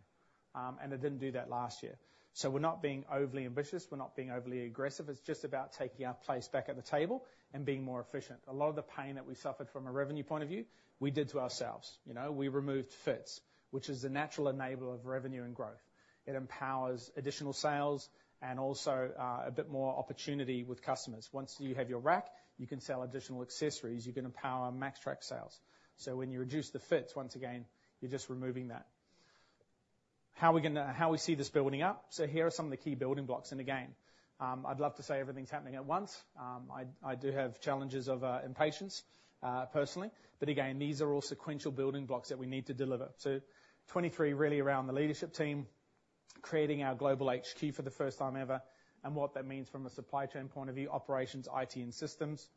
D: and it didn't do that last year. So we're not being overly ambitious, we're not being overly aggressive. It's just about taking our place back at the table and being more efficient. A lot of the pain that we suffered from a revenue point of view, we did to ourselves. You know, we removed fits, which is the natural enabler of revenue and growth. It empowers additional sales and also a bit more opportunity with customers. Once you have your rack, you can sell additional accessories, you can empower MAXTRAX sales. So when you reduce the fits, once again, you're just removing that. How we gonna - How we see this building up? So here are some of the key building blocks, and again, I'd love to say everything's happening at once. I do have challenges of impatience personally, but again, these are all sequential building blocks that we need to deliver. So 2023, really around the leadership team, creating our global HQ for the first time ever, and what that means from a supply chain point of view, operations, IT, and systems.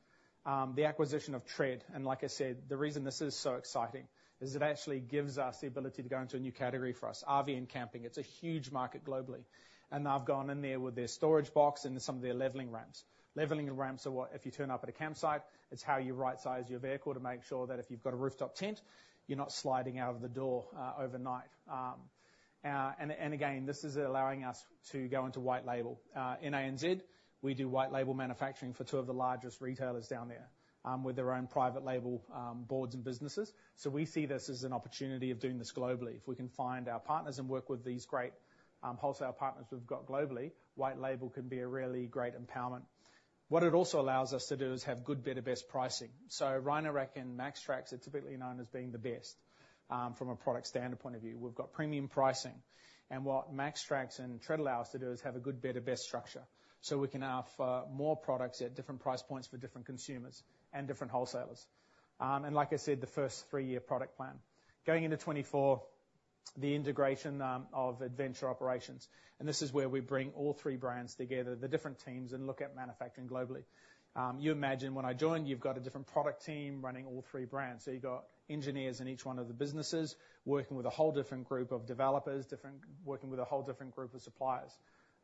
D: The acquisition of TRED, and like I said, the reason this is so exciting is it actually gives us the ability to go into a new category for us, RV and camping. It's a huge market globally, and they've gone in there with their storage box and some of their leveling ramps. Leveling ramps are what—if you turn up at a campsite, it's how you right-size your vehicle to make sure that if you've got a rooftop tent, you're not sliding out of the door overnight. And again, this is allowing us to go into white label. In ANZ, we do white label manufacturing for two of the largest retailers down there with their own private label boards and boxes. So we see this as an opportunity of doing this globally. If we can find our partners and work with these great, wholesale partners we've got globally, white label can be a really great empowerment. What it also allows us to do is have good, better, best pricing. So Rhino-Rack and MAXTRAX are typically known as being the best, from a product standard point of view. We've got premium pricing, and what MAXTRAX and TRED allow us to do is have a good, better, best structure. So we can now offer more products at different price points for different consumers and different wholesalers. And like I said, the first three-year product plan. Going into 2024, the integration of adventure operations, and this is where we bring all three brands together, the different teams, and look at manufacturing globally. You imagine when I joined, you've got a different product team running all three brands. So you've got engineers in each one of the businesses, working with a whole different group of developers, working with a whole different group of suppliers.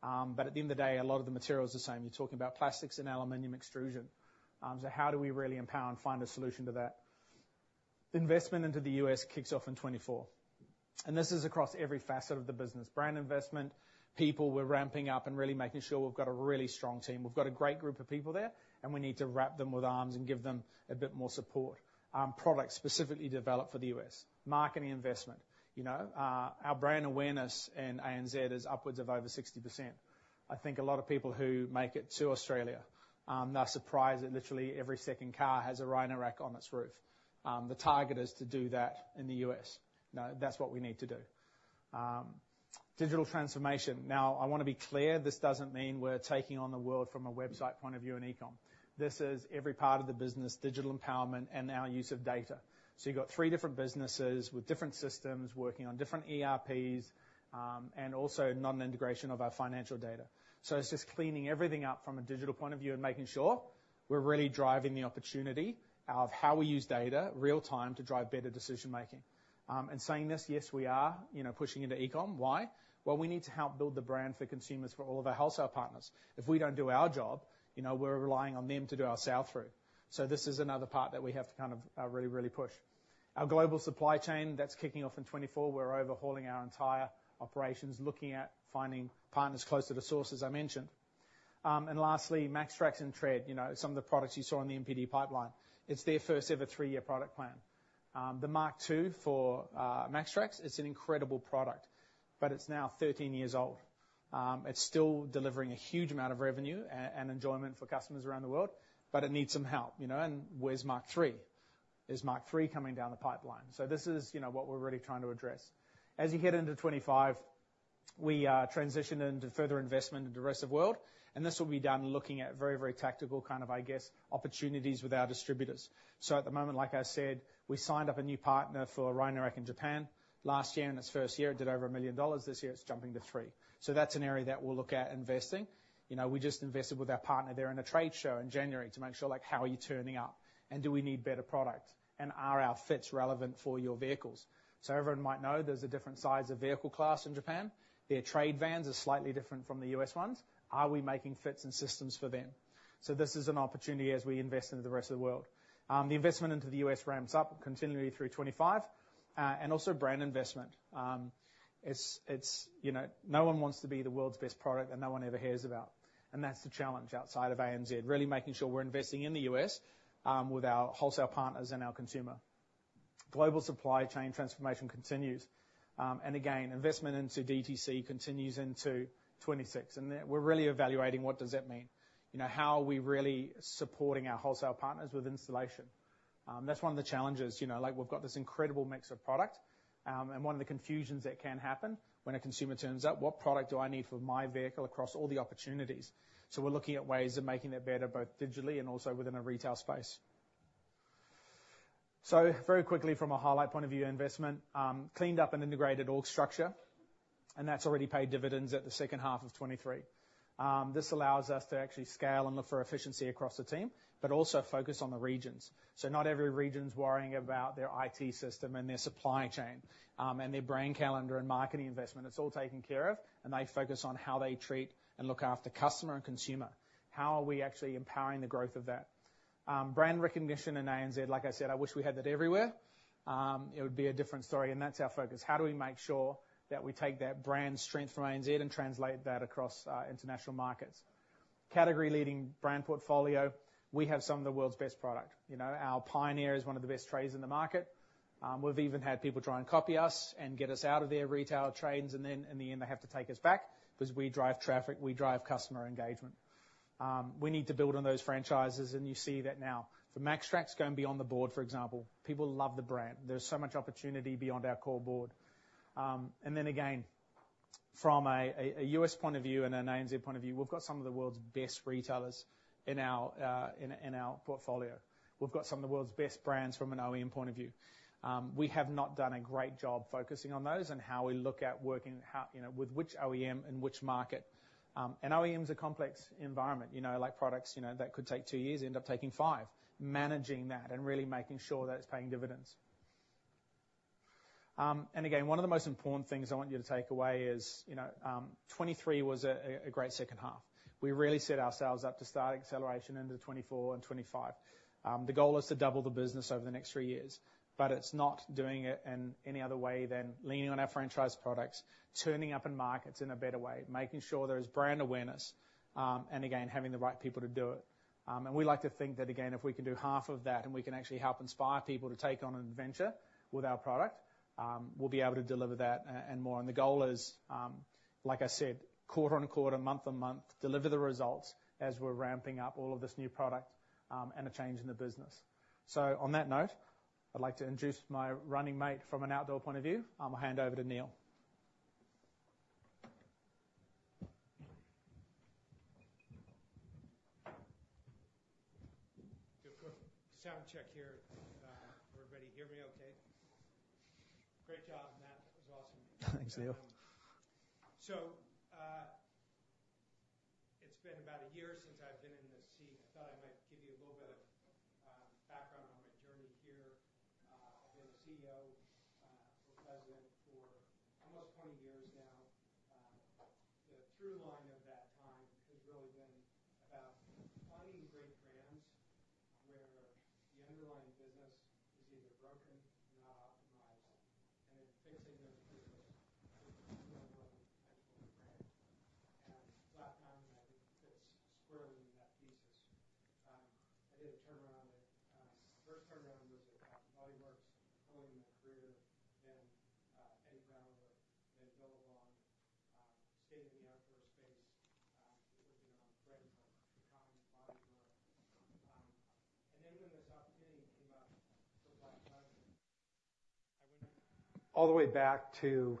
D: But at the end of the day, a lot of the material is the same. You're talking about plastics and aluminum extrusion. So how do we really empower and find a solution to that? Investment into the U.S. kicks off in 2024, and this is across every facet of the business. Brand investment, people, we're ramping up and really making sure we've got a really strong team. We've got a great group of people there, and we need to wrap them with arms and give them a bit more support. Products specifically developed for the U.S. Marketing investment. You know, our brand awareness in ANZ is upwards of over 60%. I think a lot of people who make it to Australia, they're surprised that literally every second car has a Rhino-Rack on its roof. The target is to do that in the U.S. Now, that's what we need to do. Digital transformation. Now, I wanna be clear, this doesn't mean we're taking on the world from a website point of view and e-com. This is every part of the business, digital empowerment, and our use of data. So you've got three different businesses with different systems, working on different ERPs, and also non-integration of our financial data. So it's just cleaning everything up from a digital point of view and making sure we're really driving the opportunity of how we use data in real time to drive better decision making. And saying this, yes, we are, you know, pushing into e-com. Why? Well, we need to help build the brand for consumers, for all of our wholesale partners. If we don't do our job, you know, we're relying on them to do our sell-through. So this is another part that we have to kind of really, really push. Our global supply chain, that's kicking off in 2024. We're overhauling our entire operations, looking at finding partners closer to the source, as I mentioned. And lastly, MAXTRAX and TRED, you know, some of the products you saw in the NPD pipeline. It's their first ever three-year product plan. The Mark II for MAXTRAX, it's an incredible product, but it's now 13 years old. It's still delivering a huge amount of revenue and enjoyment for customers around the world, but it needs some help, you know, and where's Mark III? Is Mark III coming down the pipeline? So this is, you know, what we're really trying to address. As you head into 2025, we transition into further investment in the rest of world, and this will be done looking at very, very tactical, kind of, I guess, opportunities with our distributors. So at the moment, like I said, we signed up a new partner for Rhino-Rack in Japan last year. In its first year, it did over $1 million. This year, it's jumping to $3 million. So that's an area that we'll look at investing. You know, we just invested with our partner there in a trade show in January to make sure, like, how are you turning up? And do we need better product? And are our fits relevant for your vehicles? So everyone might know there's a different size of vehicle class in Japan. Their trade vans are slightly different from the U.S. ones. Are we making fits and systems for them? So this is an opportunity as we invest into the rest of the world. The investment into the U.S.. ramps up continually through 2025, and also brand investment. It's, you know, no one wants to be the world's best product that no one ever hears about, and that's the challenge outside of ANZ, really making sure we're investing in the U.S., with our wholesale partners and our consumer. Global supply chain transformation continues. And again, investment into DTC continues into 2026, and there—we're really evaluating what does that mean? You know, how are we really supporting our wholesale partners with installation? That's one of the challenges, you know. Like, we've got this incredible mix of product, and one of the confusions that can happen when a consumer turns up, "What product do I need for my vehicle across all the opportunities?" So we're looking at ways of making that better, both digitally and also within a retail space. So very quickly, from a highlight point of view, investment. Cleaned up and integrated org structure, and that's already paid dividends at the second half of 2023. This allows us to actually scale and look for efficiency across the team, but also focus on the regions. So not every region's worrying about their IT system and their supply chain, and their brand calendar and marketing investment. It's all taken care of, and they focus on how they treat and look after customer and consumer. How are we actually empowering the growth of that? Brand recognition in ANZ, like I said, I wish we had that everywhere. It would be a different story, and that's our focus. How do we make sure that we take that brand strength from ANZ and translate that across international markets? Category-leading brand portfolio. We have some of the world's best product. You know, our Pioneer is one of the best trays in the market. We've even had people try and copy us and get us out of their retail trades, and then in the end, they have to take us back because we drive traffic, we drive customer engagement. We need to build on those franchises, and you see that now. For MAXTRAX going beyond the board, for example, people love the brand. There's so much opportunity beyond our core board. And then again, from a U.S. point of view and an ANZ point of view, we've got some of the world's best retailers in our portfolio. We've got some of the world's best brands from an OEM point of view. We have not done a great job focusing on those and how we look at working, you know, with which OEM in which market. And OEM is a complex environment, you know, like products, you know, that could take two years, end up taking five. Managing that and really making sure that it's paying dividends. And again, one of the most important things I want you to take away is, you know, 2023 was a great second half. We really set ourselves up to start acceleration into 2024 and 2025. The goal is to double the business over the next three years, but it's not doing it in any other way than leaning on our franchise products, turning up in markets in a better way, making sure there is brand awareness, and again, having the right people to do it. And we like to think that again, if we can do half of that, and we can actually help inspire people to take on an adventure with our product, we'll be able to deliver that and more. And the goal is, like I said, quarter-on-quarter, month-on-month, deliver the results as we're ramping up all of this new product, and a change in the business. So on that note, I'd like to introduce my running mate from an outdoor point of view. I'll hand over to Neil.
E: Do a quick sound check here. Everybody hear me okay? Great job, Matt. That was awesome.
D: Thanks, Neil. So, it's been about a year since I've been in this seat. I thought I might give you a little bit of background on my journey here. I've been a CEO or president for almost 20 years now. The through line of that time has really been about finding great brands, where the underlying business is either broken or not optimized, and then fixing those business potential brand. And Black Diamond, I think, fits squarely in that thesis. I did a turnaround at... The first turnaround was at Bath & Body Works, early in my career, then Eddie Bauer, then Billabong, stayed in the outdoor space, working on brands like Dakine and Body Glove. And then when this opportunity came up for Black Diamond, I went all the way back to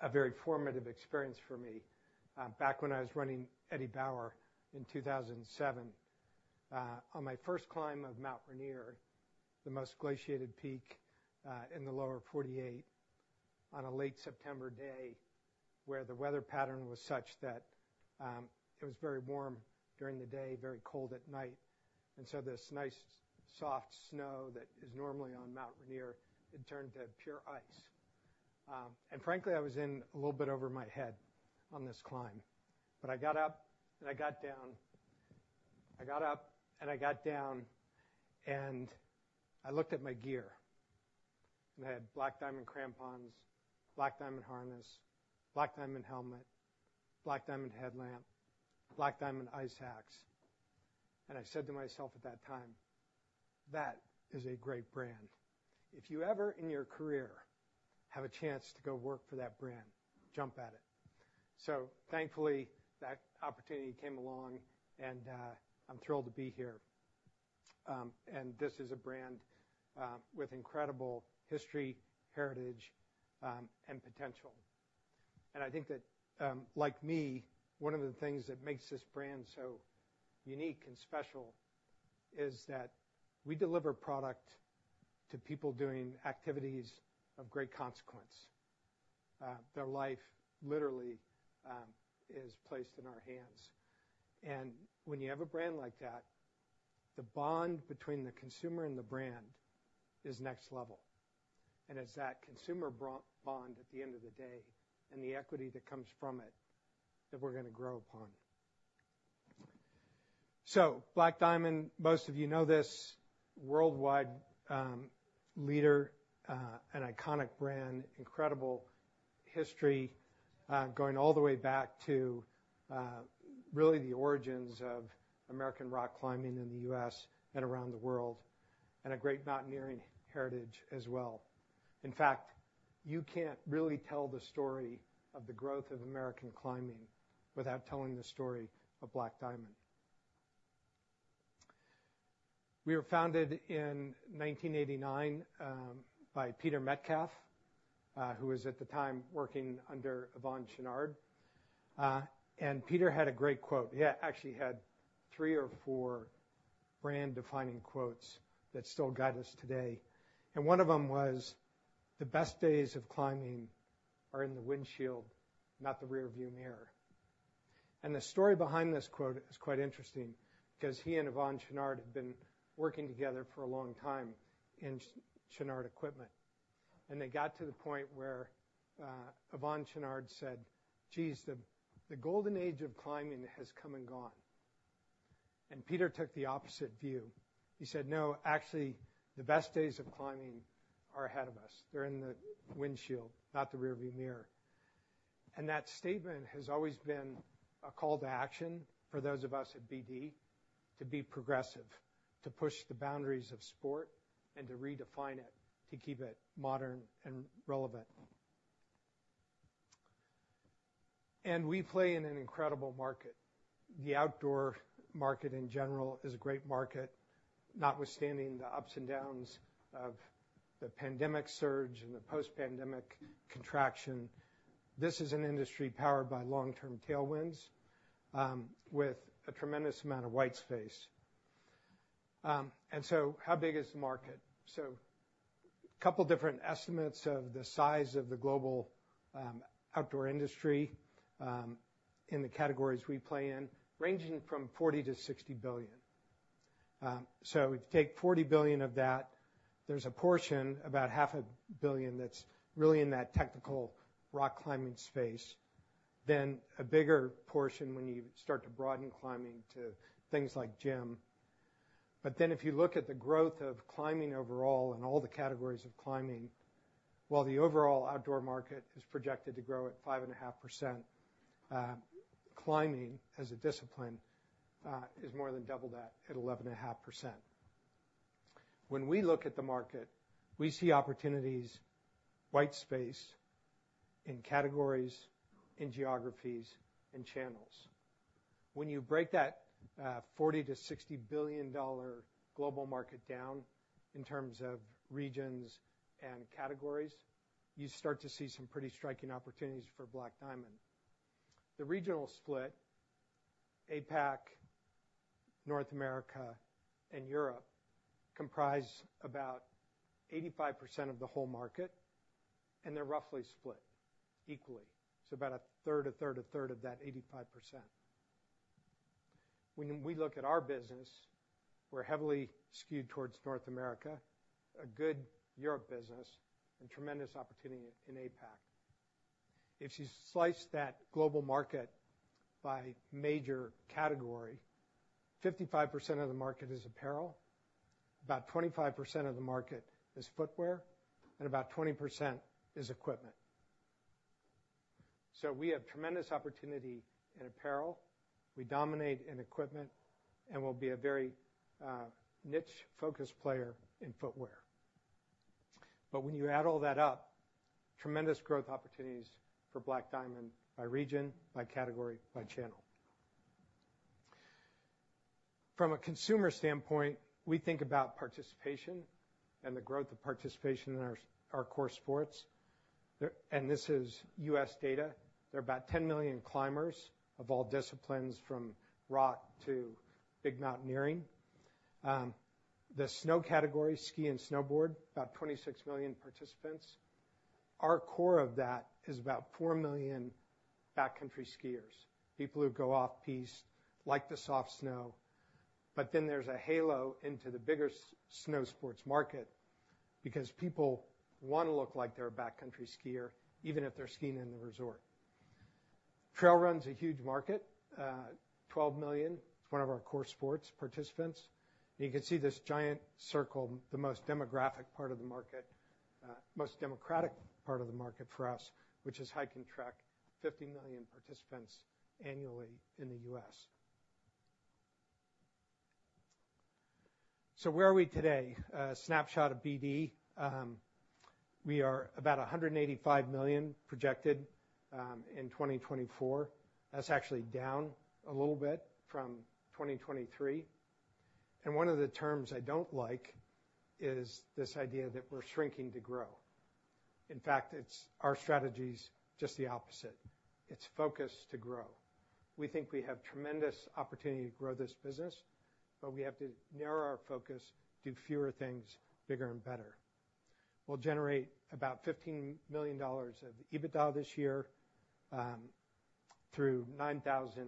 D: a very formative experience for me, back when I was running Eddie Bauer in 2007. On my first climb of Mount Rainier, the most glaciated peak in the lower 48, on a late September day, where the weather pattern was such that it was very warm during the day, very cold at night, and so this nice, soft snow that is normally on Mount Rainier, it turned to pure ice. Frankly, I was in a little bit over my head on this climb, but I got up, and I got down. I got up, and I got down, and I looked at my gear, and I had Black Diamond crampons, Black Diamond harness, Black Diamond helmet, Black Diamond headlamp, Black Diamond ice axe. And I said to myself at that time, "That is a great brand. If you ever, in your career, have a chance to go work for that brand, jump at it." So thankfully, that opportunity came along, and I'm thrilled to be here. And this is a brand with incredible history, heritage, and potential. And I think that, like me, one of the things that makes this brand so unique and special is that we deliver product to people doing activities of great consequence. Their life literally is placed in our hands. And when you have a brand like that, the bond between the consumer and the brand is next level. And it's that consumer bond at the end of the day, and the equity that comes from it, that we're gonna grow upon. So Black Diamond, most of you know this, worldwide leader, an iconic brand, incredible history, going all the way back to really the origins of American rock climbing in the U.S. and around the world, and a great mountaineering heritage as well. In fact, you can't really tell the story of the growth of American climbing without telling the story of Black Diamond. We were founded in 1989 by Peter Metcalf, who was at the time working under Yvon Chouinard. And Peter had a great quote. He actually had three or four brand-defining quotes that still guide us today, and one of them was: "The best days of climbing are in the windshield, not the rearview mirror." And the story behind this quote is quite interesting because he and Yvon Chouinard had been working together for a long time in Chouinard Equipment. And they got to the point where Yvon Chouinard said, "Geez, the golden age of climbing has come and gone." And Peter took the opposite view. He said, "No, actually, the best days of climbing are ahead of us. They're in the windshield, not the rearview mirror." And that statement has always been a call to action for those of us at BD to be progressive, to push the boundaries of sport, and to redefine it, to keep it modern and relevant. And we play in an incredible market. The outdoor market, in general, is a great market, notwithstanding the ups and downs of the pandemic surge and the post-pandemic contraction. This is an industry powered by long-term tailwinds, with a tremendous amount of white space. And so how big is the market? So couple different estimates of the size of the global outdoor industry in the categories we play in, ranging from $40 billion-$60 billion. So if you take $40 billion of that, there's a portion, about $500 million, that's really in that technical rock climbing space. Then a bigger portion when you start to broaden climbing to things like gym. But then, if you look at the growth of climbing overall and all the categories of climbing, while the overall outdoor market is projected to grow at 5.5%, climbing as a discipline is more than double that at 11.5%. When we look at the market, we see opportunities, white space in categories, in geographies, in channels. When you break that $40 billion-$60 billion global market down in terms of regions and categories, you start to see some pretty striking opportunities for Black Diamond. The regional split, APAC, North America, and Europe, comprise about 85% of the whole market, and they're roughly split equally. So about a third, a third, a third of that 85%. When we look at our business, we're heavily skewed towards North America, a good Europe business, and tremendous opportunity in APAC. If you slice that global market by major category, 55% of the market is apparel, about 25% of the market is footwear, and about 20% is equipment. So we have tremendous opportunity in apparel, we dominate in equipment, and we'll be a very niche-focused player in footwear. But when you add all that up, tremendous growth opportunities for Black Diamond by region, by category, by channel. From a consumer standpoint, we think about participation and the growth of participation in our core sports. And this is U.S. data. There are about 10 million climbers of all disciplines, from rock to big mountaineering. The snow category, ski and snowboard, about 26 million participants. Our core of that is about four million backcountry skiers, people who go off-piste, like the soft snow. But then there's a halo into the bigger snow sports market because people want to look like they're a backcountry skier, even if they're skiing in the resort. Trail run's a huge market, 12 million, one of our core sports participants. You can see this giant circle, the most demographic part of the market, most democratic part of the market for us, which is hike and trek, 50 million participants annually in the U.S. So where are we today? A snapshot of BD. We are about $185 million projected in 2024. That's actually down a little bit from 2023, and one of the terms I don't like is this idea that we're shrinking to grow. In fact, our strategy's just the opposite. It's focus to grow. We think we have tremendous opportunity to grow this business, but we have to narrow our focus, do fewer things bigger and better. We'll generate about $15 million of EBITDA this year through 9,000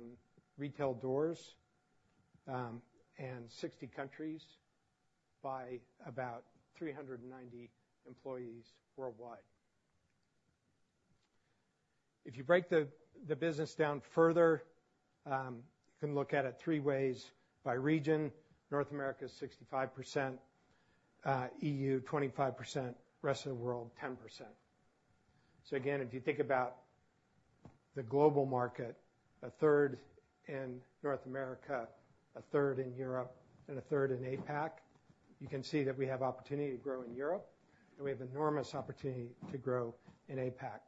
D: retail doors and 60 countries by about 390 employees worldwide. If you break the business down further, you can look at it three ways: by region, North America is 65%, EU 25%, rest of the world 10%. So again, if you think about the global market, a third in North America, a third in Europe, and a third in APAC, you can see that we have opportunity to grow in Europe, and we have enormous opportunity to grow in APAC.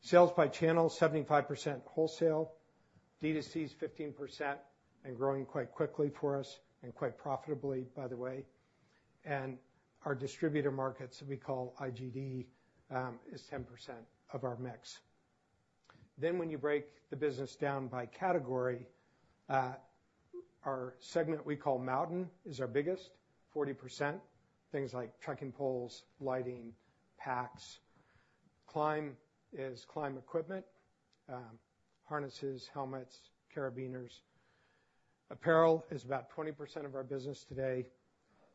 D: Sales by channel, 75% wholesale, D2C is 15% and growing quite quickly for us and quite profitably, by the way. Our distributor markets, we call IGD, is 10% of our mix. Then when you break the business down by category, our segment we call Mountain, is our biggest, 40%. Things like trekking poles, lighting, packs. Climb is climb equipment, harnesses, helmets, carabiners. Apparel is about 20% of our business today,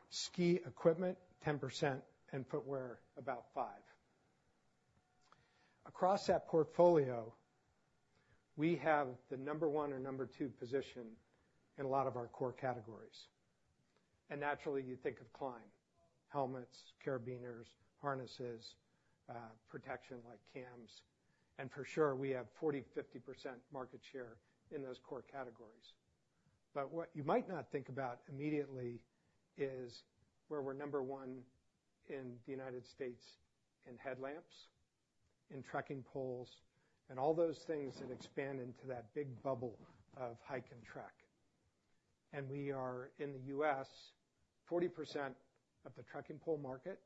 D: ski equipment, 10%, and footwear, about five. Across that portfolio, we have the number one or number two position in a lot of our core categories. And naturally, you think of climb: helmets, carabiners, harnesses, protection like cams, and for sure, we have 40%-50% market share in those core categories. But what you might not think about immediately is where we're number one in the United States in headlamps, in trekking poles, and all those things that expand into that big bubble of hike and trek. We are, in the U.S., 40% of the trekking pole market.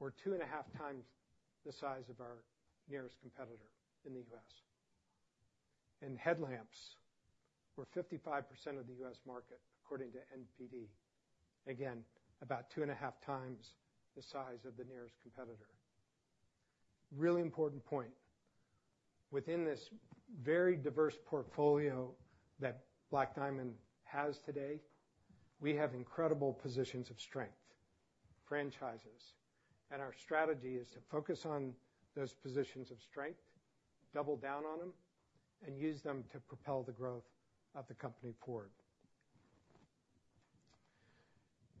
D: We're 2.5x the size of our nearest competitor in the U.S. In headlamps, we're 55% of the U.S. market, according to NPD. Again, about 2.5x the size of the nearest competitor. Really important point: within this very diverse portfolio that Black Diamond has today, we have incredible positions of strength, franchises, and our strategy is to focus on those positions of strength, double down on them, and use them to propel the growth of the company forward.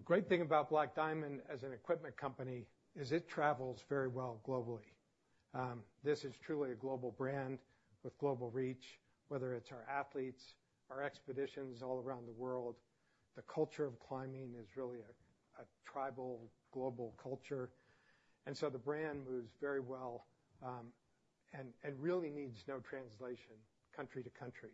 D: Great thing about Black Diamond as an equipment company is it travels very well globally. This is truly a global brand with global reach, whether it's our athletes, our expeditions all around the world. The culture of climbing is really a tribal, global culture. So the brand moves very well, and really needs no translation country to country.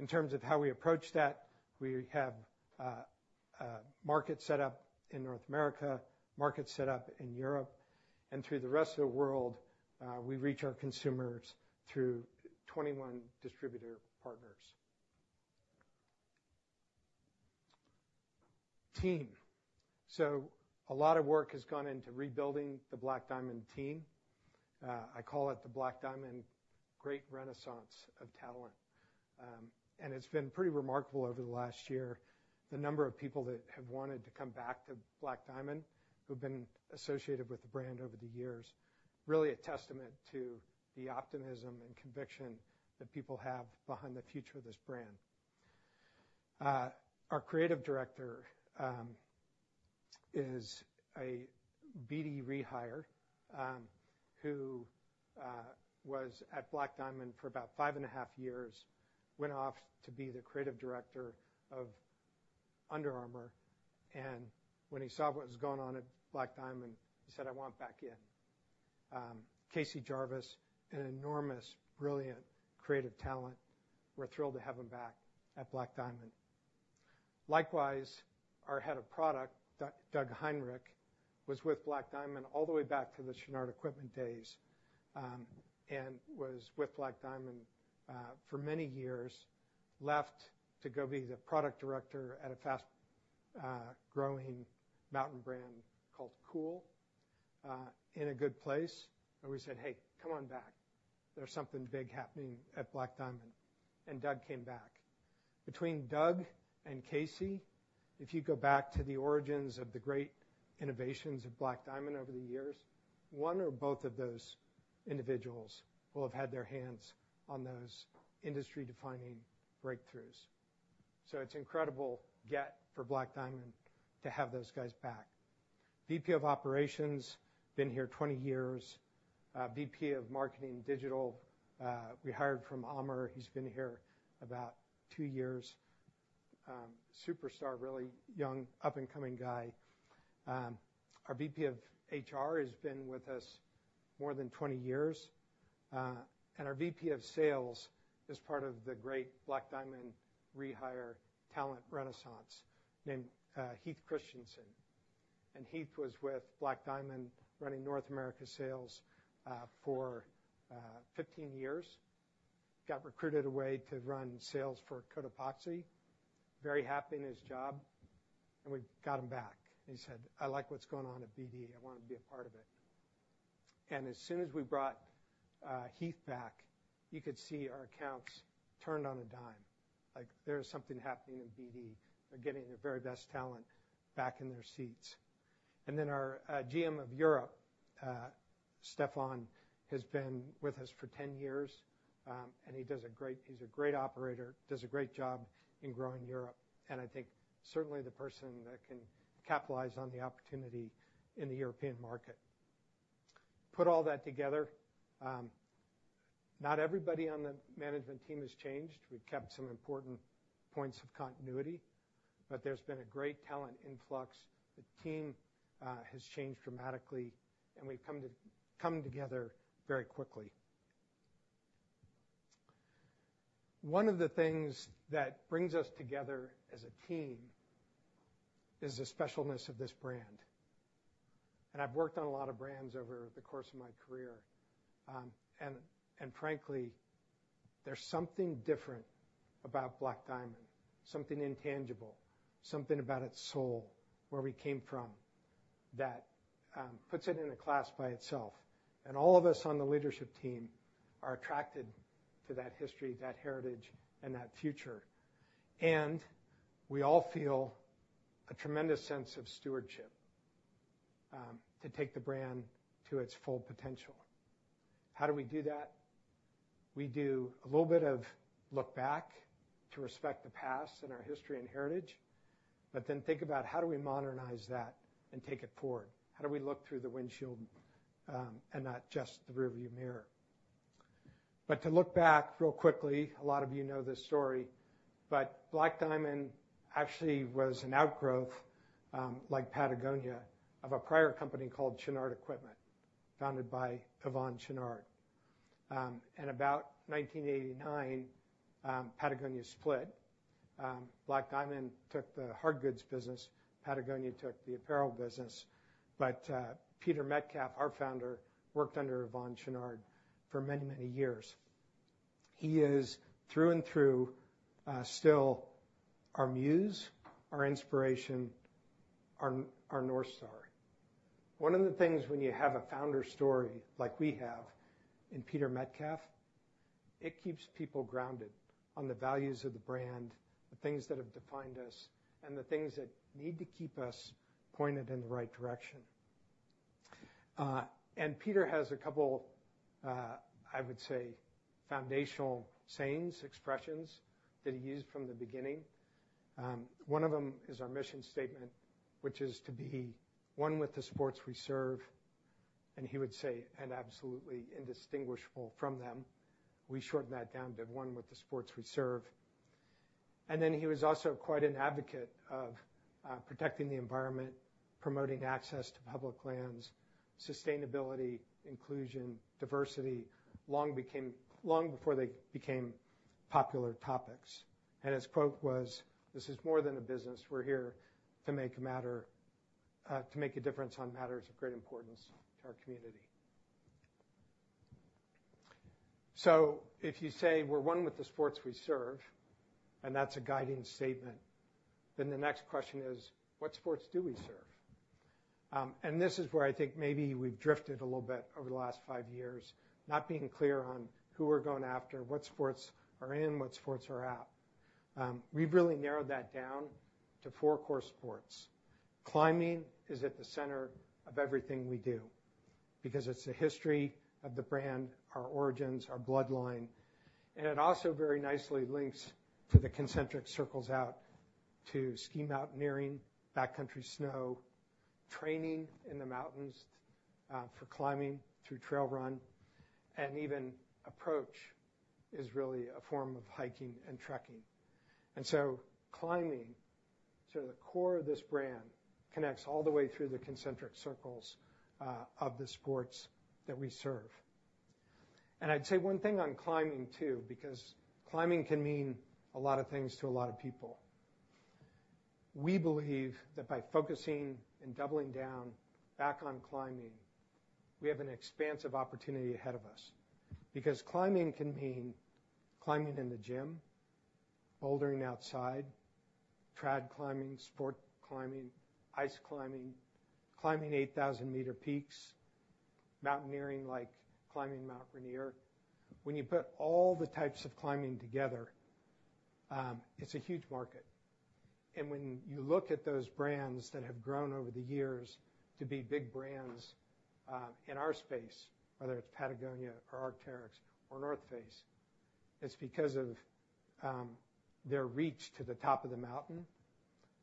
D: In terms of how we approach that, we have a market set up in North America, market set up in Europe, and through the rest of the world, we reach our consumers through 21 distributor partners. Team. So a lot of work has gone into rebuilding the Black Diamond team. I call it the Black Diamond Great Renaissance of Talent. And it's been pretty remarkable over the last year, the number of people that have wanted to come back to Black Diamond, who've been associated with the brand over the years. Really a testament to the optimism and conviction that people have behind the future of this brand. Our creative director is a BD rehire who was at Black Diamond for about five and a half years, went off to be the creative director of Under Armour, and when he saw what was going on at Black Diamond, he said, "I want back in." Kasey Jarvis, an enormous, brilliant, creative talent. We're thrilled to have him back at Black Diamond. Likewise, our head of product, Doug Heinrich, was with Black Diamond all the way back to the Chouinard Equipment days, and was with Black Diamond for many years, left to go be the product director at a fast growing mountain brand called Kühl in a good place, and we said, "Hey, come on back. There's something big happening at Black Diamond." Doug came back. Between Doug and Casey, if you go back to the origins of the great innovations of Black Diamond over the years, one or both of those individuals will have had their hands on those industry-defining breakthroughs. So it's incredible get for Black Diamond to have those guys back. VP of Operations, been here 20 years, VP of Marketing and Digital, we hired from Arc'teryx. He's been here about two years, superstar, really young, up-and-coming guy. Our VP of HR has been with us more than 20 years, and our VP of Sales is part of the great Black Diamond rehire talent renaissance, named Heath Christensen. Heath was with Black Diamond, running North America sales, for 15 years. Got recruited away to run sales for Cotopaxi. Very happy in his job, and we got him back. He said: "I like what's going on at BD. I wanna be a part of it." And as soon as we brought Heath back, you could see our accounts turned on a dime, like: There's something happening in BD. They're getting their very best talent back in their seats. And then our GM of Europe, Stephan, has been with us for 10 years, and he does a great. He's a great operator, does a great job in growing Europe, and I think certainly the person that can capitalize on the opportunity in the European market. Put all that together, not everybody on the management team has changed. We've kept some important points of continuity, but there's been a great talent influx. The team has changed dramatically, and we've come together very quickly. One of the things that brings us together as a team is the specialness of this brand. And I've worked on a lot of brands over the course of my career, and frankly, there's something different about Black Diamond, something intangible, something about its soul, where we came from, that puts it in a class by itself. And all of us on the leadership team are attracted to that history, that heritage, and that future. And we all feel a tremendous sense of stewardship to take the brand to its full potential. How do we do that? We do a little bit of look back to respect the past and our history and heritage, but then think about how do we modernize that and take it forward? How do we look through the windshield, and not just the rearview mirror? To look back real quickly, a lot of you know this story, but Black Diamond actually was an outgrowth, like Patagonia, of a prior company called Chouinard Equipment, founded by Yvon Chouinard. In about 1989, Patagonia split. Black Diamond took the hard goods business, Patagonia took the apparel business. But, Peter Metcalf, our founder, worked under Yvon Chouinard for many, many years. He is, through and through, still our muse, our inspiration, our, our North Star. One of the things when you have a founder story like we have in Peter Metcalf, it keeps people grounded on the values of the brand, the things that have defined us, and the things that need to keep us pointed in the right direction. Peter has a couple, I would say, foundational sayings, expressions that he used from the beginning. One of them is our mission statement, which is to be one with the sports we serve, and he would say, "and absolutely indistinguishable from them." We shortened that down to one with the sports we serve. And then he was also quite an advocate of protecting the environment, promoting access to public lands, sustainability, inclusion, diversity, long before they became popular topics. And his quote was: "This is more than a business. We're here to make a matter, to make a difference on matters of great importance to our community." So if you say we're one with the sports we serve, and that's a guiding statement, then the next question is: What sports do we serve? And this is where I think maybe we've drifted a little bit over the last five years, not being clear on who we're going after, what sports are in, what sports are out. We've really narrowed that down to four core sports. Climbing is at the center of everything we do because it's the history of the brand, our origins, our bloodline, and it also very nicely links to the concentric circles out to ski mountaineering, backcountry snow, training in the mountains, for climbing through trail run, and even approach is really a form of hiking and trekking. And so climbing, so the core of this brand, connects all the way through the concentric circles, of the sports that we serve. And I'd say one thing on climbing, too, because climbing can mean a lot of things to a lot of people. We believe that by focusing and doubling down back on climbing, we have an expansive opportunity ahead of us. Because climbing can mean climbing in the gym, bouldering outside, trad climbing, sport climbing, ice climbing, climbing 8,000-meter peaks, mountaineering, like climbing Mount Rainier. When you put all the types of climbing together, it's a huge market. And when you look at those brands that have grown over the years to be big brands, in our space, whether it's Patagonia or Arc'teryx or North Face, it's because of their reach to the top of the mountain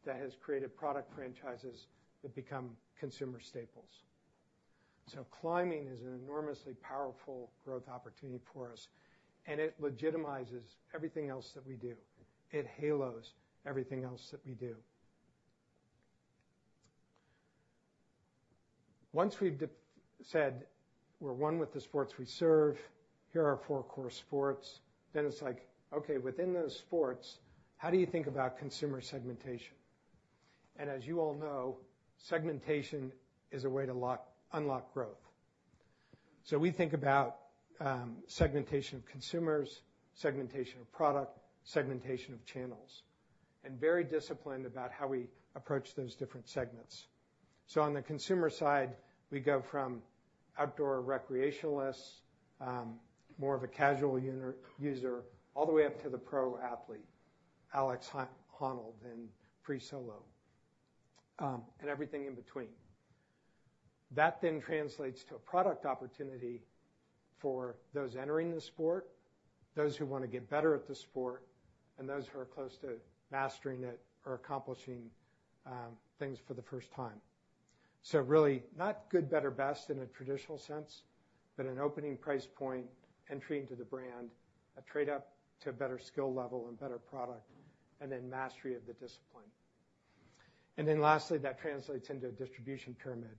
D: that has created product franchises that become consumer staples. So climbing is an enormously powerful growth opportunity for us, and it legitimizes everything else that we do. It halos everything else that we do. Once we've decided we're one with the sports we serve, here are our four core sports, then it's like, okay, within those sports, how do you think about consumer segmentation? And as you all know, segmentation is a way to unlock growth. So we think about segmentation of consumers, segmentation of product, segmentation of channels, and very disciplined about how we approach those different segments. So on the consumer side, we go from outdoor recreationalists, more of a casual user, all the way up to the pro athlete, Alex Honnold in Free Solo, and everything in between. That then translates to a product opportunity for those entering the sport, those who want to get better at the sport, and those who are close to mastering it or accomplishing things for the first time. So really, not good, better, best in a traditional sense, but an opening price point, entry into the brand, a trade-up to a better skill level and better product, and then mastery of the discipline. Then lastly, that translates into a distribution pyramid.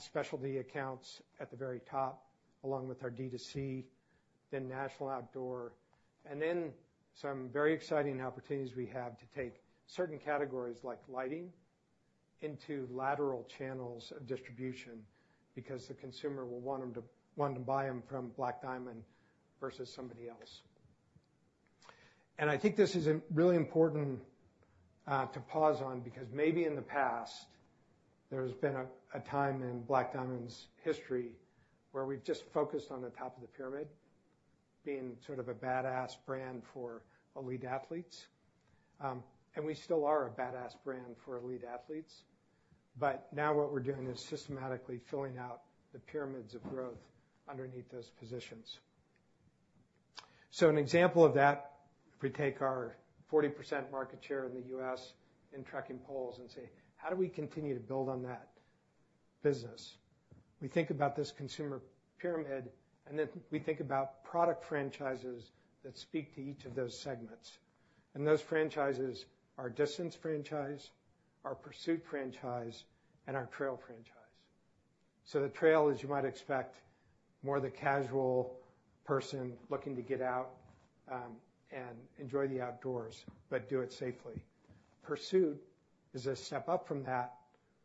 D: Specialty accounts at the very top, along with our D2C, then national outdoor, and then some very exciting opportunities we have to take certain categories, like lighting, into lateral channels of distribution because the consumer will want them to want to buy them from Black Diamond versus somebody else. And I think this is really important to pause on, because maybe in the past, there's been a time in Black Diamond's history where we've just focused on the top of the pyramid, being sort of a badass brand for elite athletes. and we still are a badass brand for elite athletes, but now what we're doing is systematically filling out the pyramids of growth underneath those positions. So an example of that, if we take our 40% market share in the U.S. in trekking poles and say: How do we continue to build on that business? We think about this consumer pyramid, and then we think about product franchises that speak to each of those segments. And those franchises are Distance franchise, our Pursuit franchise, and our Trail franchise. So the Trail, as you might expect, more the casual person looking to get out, and enjoy the outdoors, but do it safely. Pursuit is a step up from that,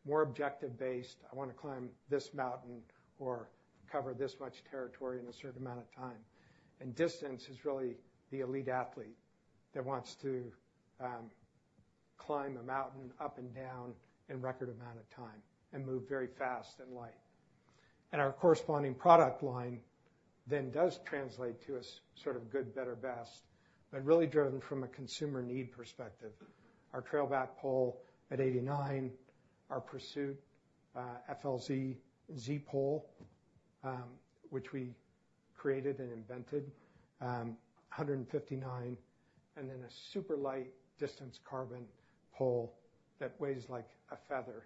D: more objective-based. I want to climb this mountain or cover this much territory in a certain amount of time. Distance is really the elite athlete that wants to climb a mountain up and down in record amount of time and move very fast and light. Our corresponding product line then does translate to a sort of good, better, best, but really driven from a consumer need perspective. Our Trail Back pole at $89, our Pursuit FLZ Z-Pole, which we created and invented, $159, and then a super light Distance Carbon pole that weighs like a feather,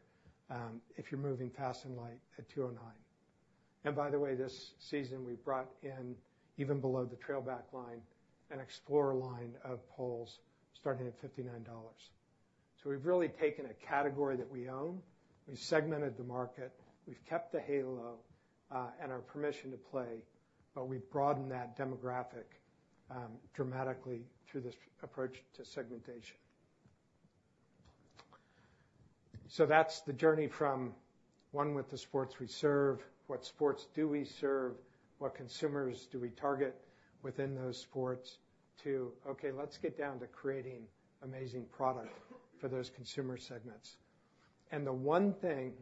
D: if you're moving fast and light at $209. And by the way, this season, we brought in, even below the Trail Back line, an Explorer line of poles, starting at $59. So we've really taken a category that we own, we've segmented the market, we've kept the halo, and our permission to play, but we've broadened that demographic, dramatically through this approach to segmentation. So that's the journey from one with the sports we serve, what sports do we serve, what consumers do we target within those sports, to, okay, let's get down to creating amazing product for those consumer segments. And the one thing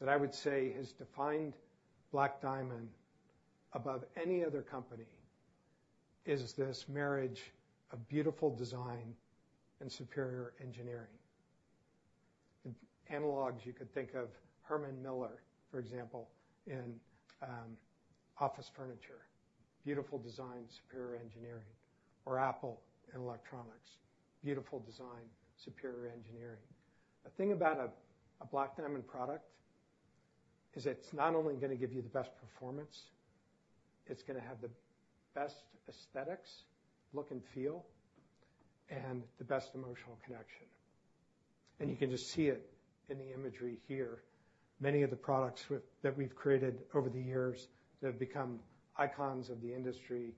D: that I would say has defined Black Diamond above any other company is this marriage of beautiful design and superior engineering. Analogs, you could think of Herman Miller, for example, in, office furniture, beautiful design, superior engineering, or Apple in electronics, beautiful design, superior engineering. The thing about a Black Diamond product is it's not only gonna give you the best performance, it's gonna have the best aesthetics, look, and feel, and the best emotional connection. And you can just see it in the imagery here. Many of the products that we've created over the years have become icons of the industry,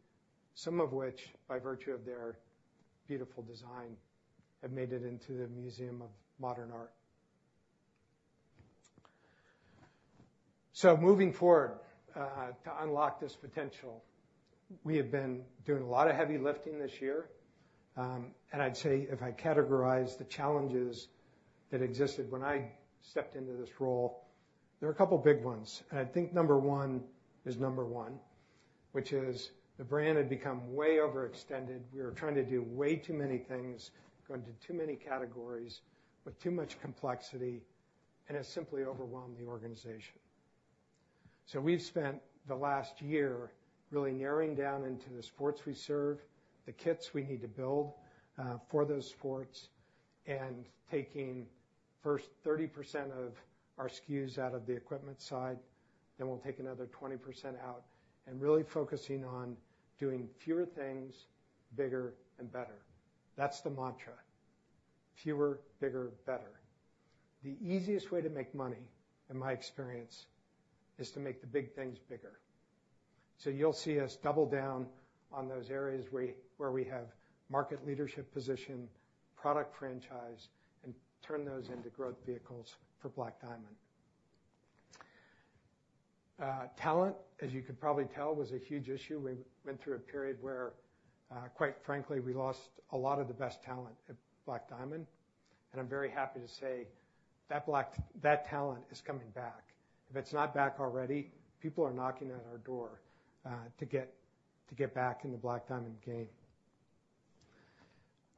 D: some of which, by virtue of their beautiful design, have made it into the Museum of Modern Art. So moving forward, to unlock this potential, we have been doing a lot of heavy lifting this year, and I'd say if I categorize the challenges that existed when I stepped into this role, there are a couple of big ones. And I think number one is number one, which is the brand had become way overextended. We were trying to do way too many things, go into too many categories with too much complexity, and it simply overwhelmed the organization. So we've spent the last year really narrowing down into the sports we serve, the kits we need to build for those sports, and taking first 30% of our SKUs out of the equipment side. Then we'll take another 20% out, and really focusing on doing fewer things, bigger and better. That's the mantra. Fewer, bigger, better. The easiest way to make money, in my experience, is to make the big things bigger. So you'll see us double down on those areas where we have market leadership position, product franchise, and turn those into growth vehicles for Black Diamond. Talent, as you could probably tell, was a huge issue. We went through a period where, quite frankly, we lost a lot of the best talent at Black Diamond, and I'm very happy to say that that talent is coming back. If it's not back already, people are knocking at our door to get back in the Black Diamond game.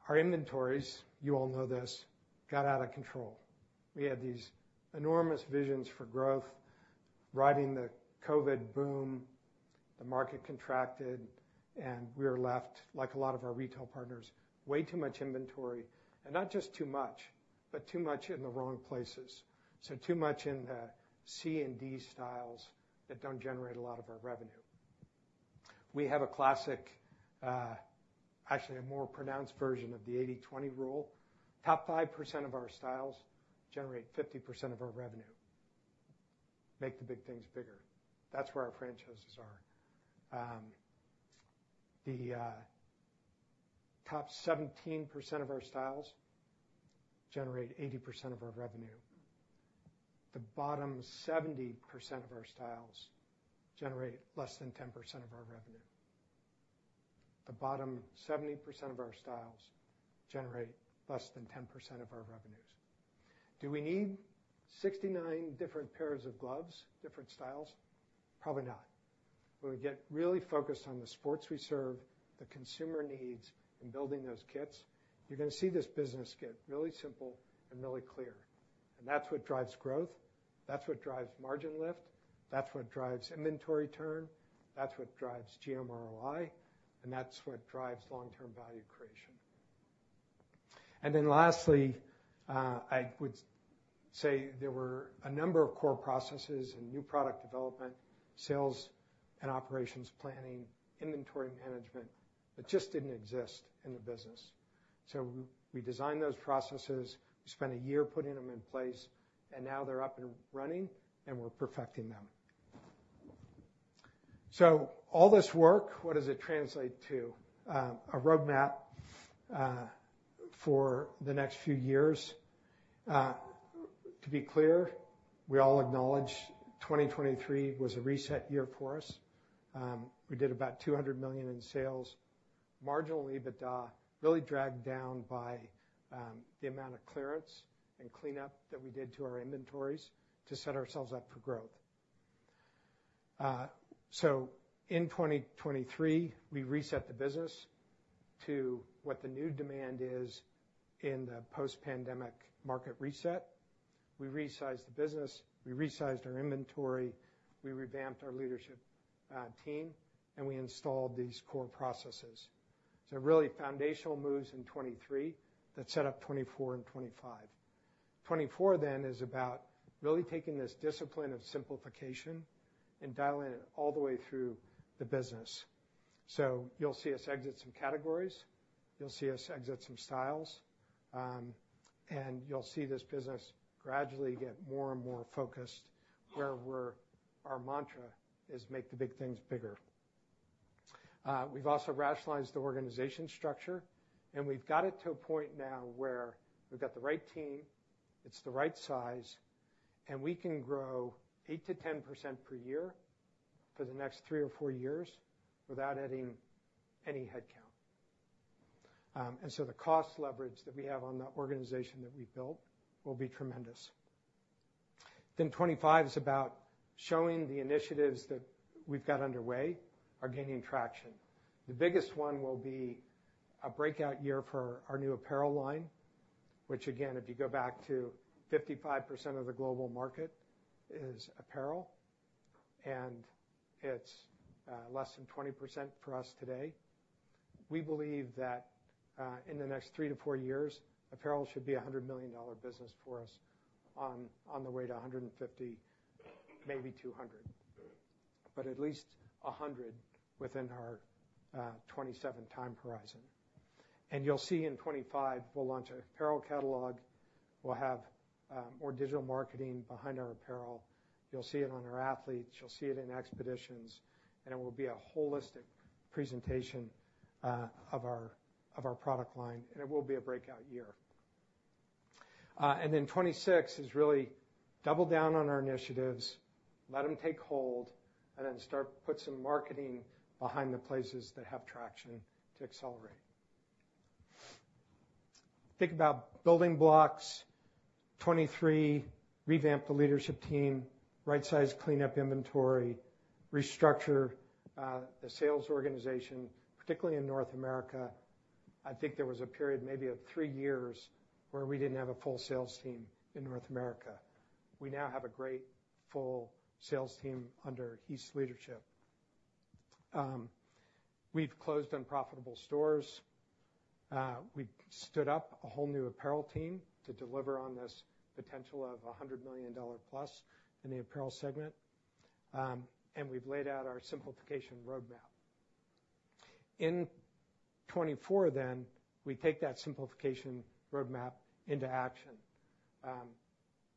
D: Our inventories, you all know this, got out of control. We had these enormous visions for growth, riding the COVID boom, the market contracted, and we were left, like a lot of our retail partners, way too much inventory, and not just too much, but too much in the wrong places. So too much in the C and D styles that don't generate a lot of our revenue. We have a classic, actually, a more pronounced version of the 80-20 rule. Top 5% of our styles generate 50% of our revenue. Make the big things bigger. That's where our franchises are. The top 17% of our styles generate 80% of our revenue. The bottom 70% of our styles generate less than 10% of our revenue. The bottom 70% of our styles generate less than 10% of our revenues. Do we need 69 different pairs of gloves, different styles? Probably not. When we get really focused on the sports we serve, the consumer needs in building those kits, you're gonna see this business get really simple and really clear. And that's what drives growth, that's what drives margin lift, that's what drives inventory turn, that's what drives GMROI, and that's what drives long-term value creation. Then lastly, I would say there were a number of core processes and new product development, sales and operations planning, inventory management, that just didn't exist in the business. So we designed those processes, we spent a year putting them in place, and now they're up and running, and we're perfecting them. So all this work, what does it translate to? A roadmap for the next few years. To be clear, we all acknowledge 2023 was a reset year for us. We did about $200 million in sales, marginally, but really dragged down by the amount of clearance and cleanup that we did to our inventories to set ourselves up for growth. So in 2023, we reset the business to what the new demand is in the post-pandemic market reset. We resized the business, we resized our inventory, we revamped our leadership team, and we installed these core processes. So really foundational moves in 2023 that set up 2024 and 2025. 2024, then, is about really taking this discipline of simplification and dialing it all the way through the business. So you'll see us exit some categories, you'll see us exit some styles, and you'll see this business gradually get more and more focused, where we're, our mantra is, "Make the big things bigger." We've also rationalized the organization structure, and we've got it to a point now where we've got the right team, it's the right size, and we can grow 8%-10% per year for the next three or four years without adding any headcount. And so the cost leverage that we have on the organization that we've built will be tremendous. 2025 is about showing the initiatives that we've got underway are gaining traction. The biggest one will be a breakout year for our new apparel line, which, again, if you go back to 55% of the global market, is apparel, and it's less than 20% for us today. We believe that in the next three to four years, apparel should be a $100 million business for us on the way to $150 million, maybe $200 million, but at least $100 million within our 2027 time horizon. And you'll see in 2025, we'll launch an apparel catalog. We'll have more digital marketing behind our apparel. You'll see it on our athletes, you'll see it in expeditions, and it will be a holistic presentation of our product line, and it will be a breakout year. And then 2026 is really double down on our initiatives, let them take hold, and then start put some marketing behind the places that have traction to accelerate. Think about building blocks, 2023, revamp the leadership team, right-size cleanup inventory... restructure, the sales organization, particularly in North America. I think there was a period, maybe of three years, where we didn't have a full sales team in North America. We now have a great full sales team under Heath's leadership. We've closed unprofitable stores. We've stood up a whole new apparel team to deliver on this potential of $100 million plus in the apparel segment. And we've laid out our simplification roadmap. In 2024 then, we take that simplification roadmap into action.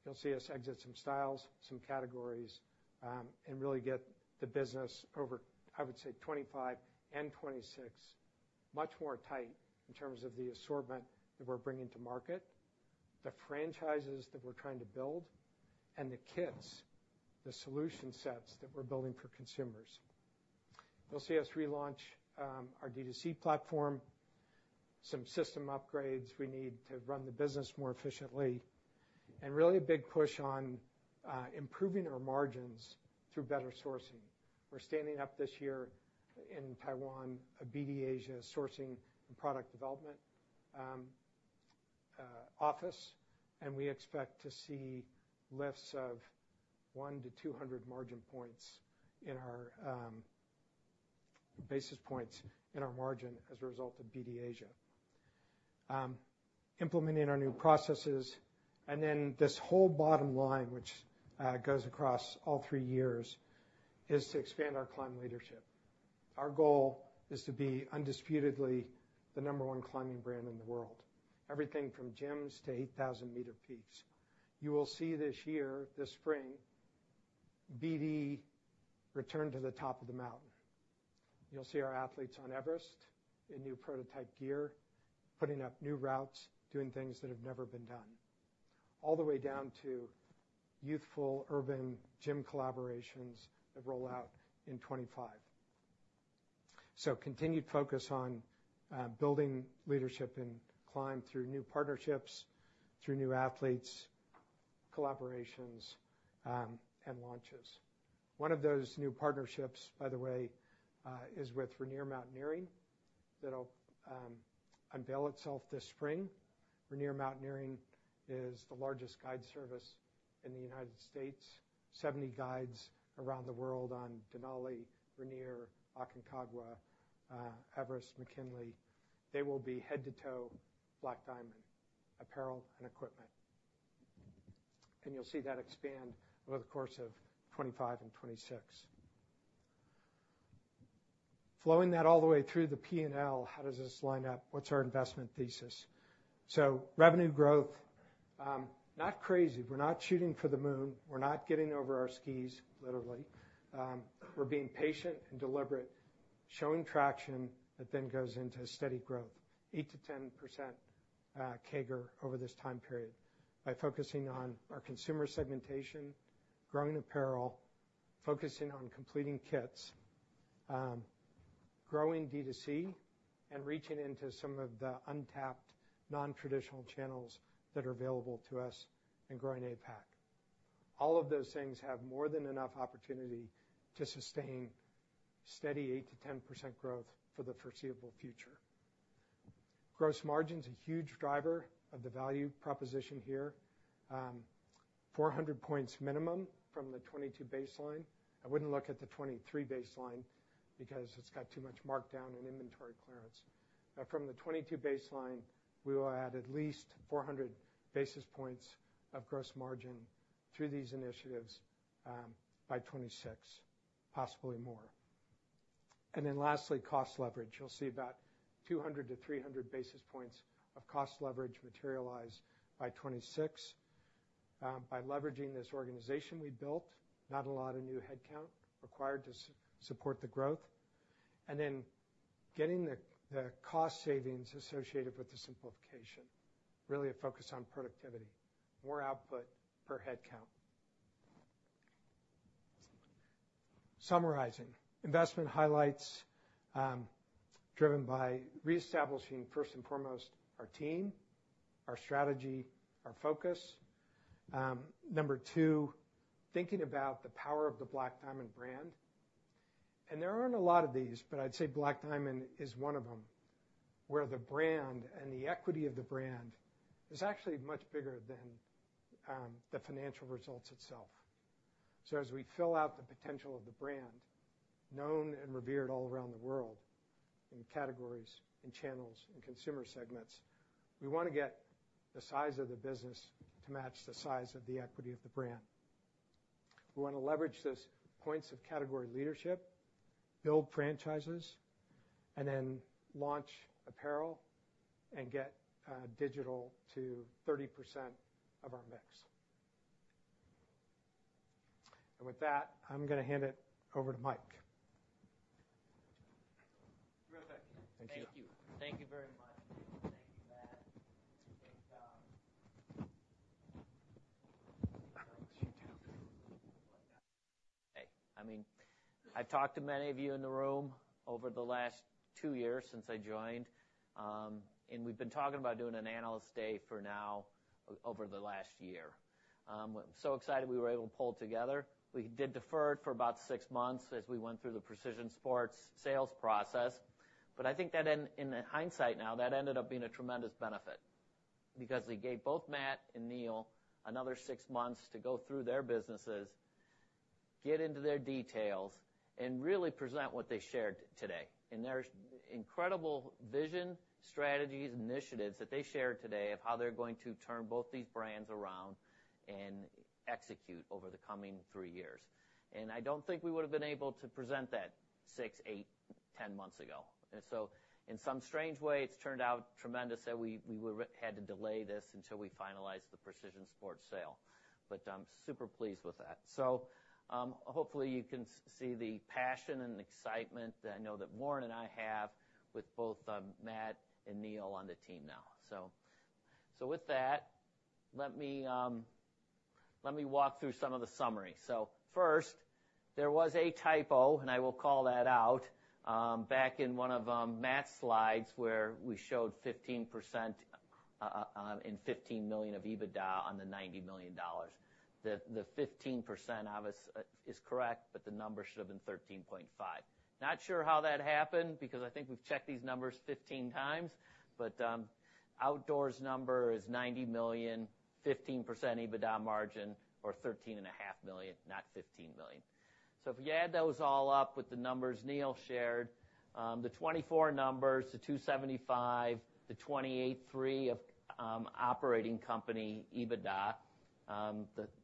D: You'll see us exit some styles, some categories, and really get the business over, I would say, 2025 and 2026, much more tight in terms of the assortment that we're bringing to market, the franchises that we're trying to build, and the kits, the solution sets that we're building for consumers. You'll see us relaunch our D2C platform, some system upgrades we need to run the business more efficiently, and really a big push on improving our margins through better sourcing. We're standing up this year in Taiwan, a BD Asia sourcing and product development office, and we expect to see lifts of 100-200 basis points in our margin as a result of BD Asia. Implementing our new processes, and then this whole bottom line, which goes across all three years, is to expand our climb leadership. Our goal is to be undisputedly the number one climbing brand in the world, everything from gyms to 8,000-meter peaks. You will see this year, this spring, BD return to the top of the mountain. You'll see our athletes on Everest, in new prototype gear, putting up new routes, doing things that have never been done, all the way down to youthful, urban gym collaborations that roll out in 2025. So continued focus on building leadership and climb through new partnerships, through new athletes, collaborations, and launches. One of those new partnerships, by the way, is with Rainier Mountaineering, that'll unveil itself this spring. Rainier Mountaineering is the largest guide service in the United States. 70 guides around the world on Denali, Rainier, Aconcagua, Everest, McKinley. They will be head-to-toe Black Diamond apparel and equipment. And you'll see that expand over the course of 2025 and 2026. Flowing that all the way through the P&L, how does this line up? What's our investment thesis? So revenue growth, not crazy. We're not shooting for the moon. We're not getting over our skis, literally. We're being patient and deliberate, showing traction that then goes into steady growth, 8%-10% CAGR over this time period, by focusing on our consumer segmentation, growing apparel, focusing on completing kits, growing D2C, and reaching into some of the untapped, non-traditional channels that are available to us in growing APAC. All of those things have more than enough opportunity to sustain steady 8%-10% growth for the foreseeable future. Gross margin's a huge driver of the value proposition here. 400 points minimum from the 2022 baseline. I wouldn't look at the 2023 baseline because it's got too much markdown and inventory clearance. But from the 2022 baseline, we will add at least 400 basis points of gross margin through these initiatives, by 2026, possibly more. And then lastly, cost leverage. You'll see about 200-300 basis points of cost leverage materialize by 2026, by leveraging this organization we built, not a lot of new headcount required to support the growth, and then getting the cost savings associated with the simplification. Really a focus on productivity, more output per headcount. Summarizing. Investment highlights, driven by reestablishing, first and foremost, our team, our strategy, our focus. Number two, thinking about the power of the Black Diamond brand. And there aren't a lot of these, but I'd say Black Diamond is one of them, where the brand and the equity of the brand is actually much bigger than the financial results itself. So as we fill out the potential of the brand, known and revered all around the world in categories, in channels, in consumer segments, we wanna get the size of the business to match the size of the equity of the brand. We want to leverage those points of category leadership, build franchises, and then launch apparel and get digital to 30% of our mix. And with that, I'm gonna hand it over to Mike. Real quick.
C: Thank you.
D: Thank you. Thank you very much.
C: Thank you, Matt. Great job. Hey, I mean, I've talked to many of you in the room over the last two years since I joined, and we've been talking about doing an analyst day for now, over the last year. I'm so excited we were able to pull it together. We did defer it for about six months as we went through the Precision Sport sales process.... But I think that in, in hindsight now, that ended up being a tremendous benefit, because it gave both Matt and Neil another six months to go through their businesses, get into their details, and really present what they shared today. And there's incredible vision, strategies, initiatives that they shared today of how they're going to turn both these brands around and execute over the coming three years. I don't think we would've been able to present that six, eight, 10 months ago. So in some strange way, it's turned out tremendous that we had to delay this until we finalized the Precision Sport sale. But I'm super pleased with that. Hopefully you can see the passion and excitement that I know that Warren and I have with both Matt and Neil on the team now. So with that, let me walk through some of the summary. First, there was a typo, and I will call that out, back in one of Matt's slides, where we showed 15%, and $15 million of EBITDA on the $90 million. The 15% obviously is correct, but the number should have been $13.5 million. Not sure how that happened, because I think we've checked these numbers 15 times, but, outdoors number is $90 million, 15% EBITDA margin, or $13.5 million, not $15 million. So if you add those all up with the numbers Neil shared, the 2024 numbers, the $275, the $283 of operating company EBITDA,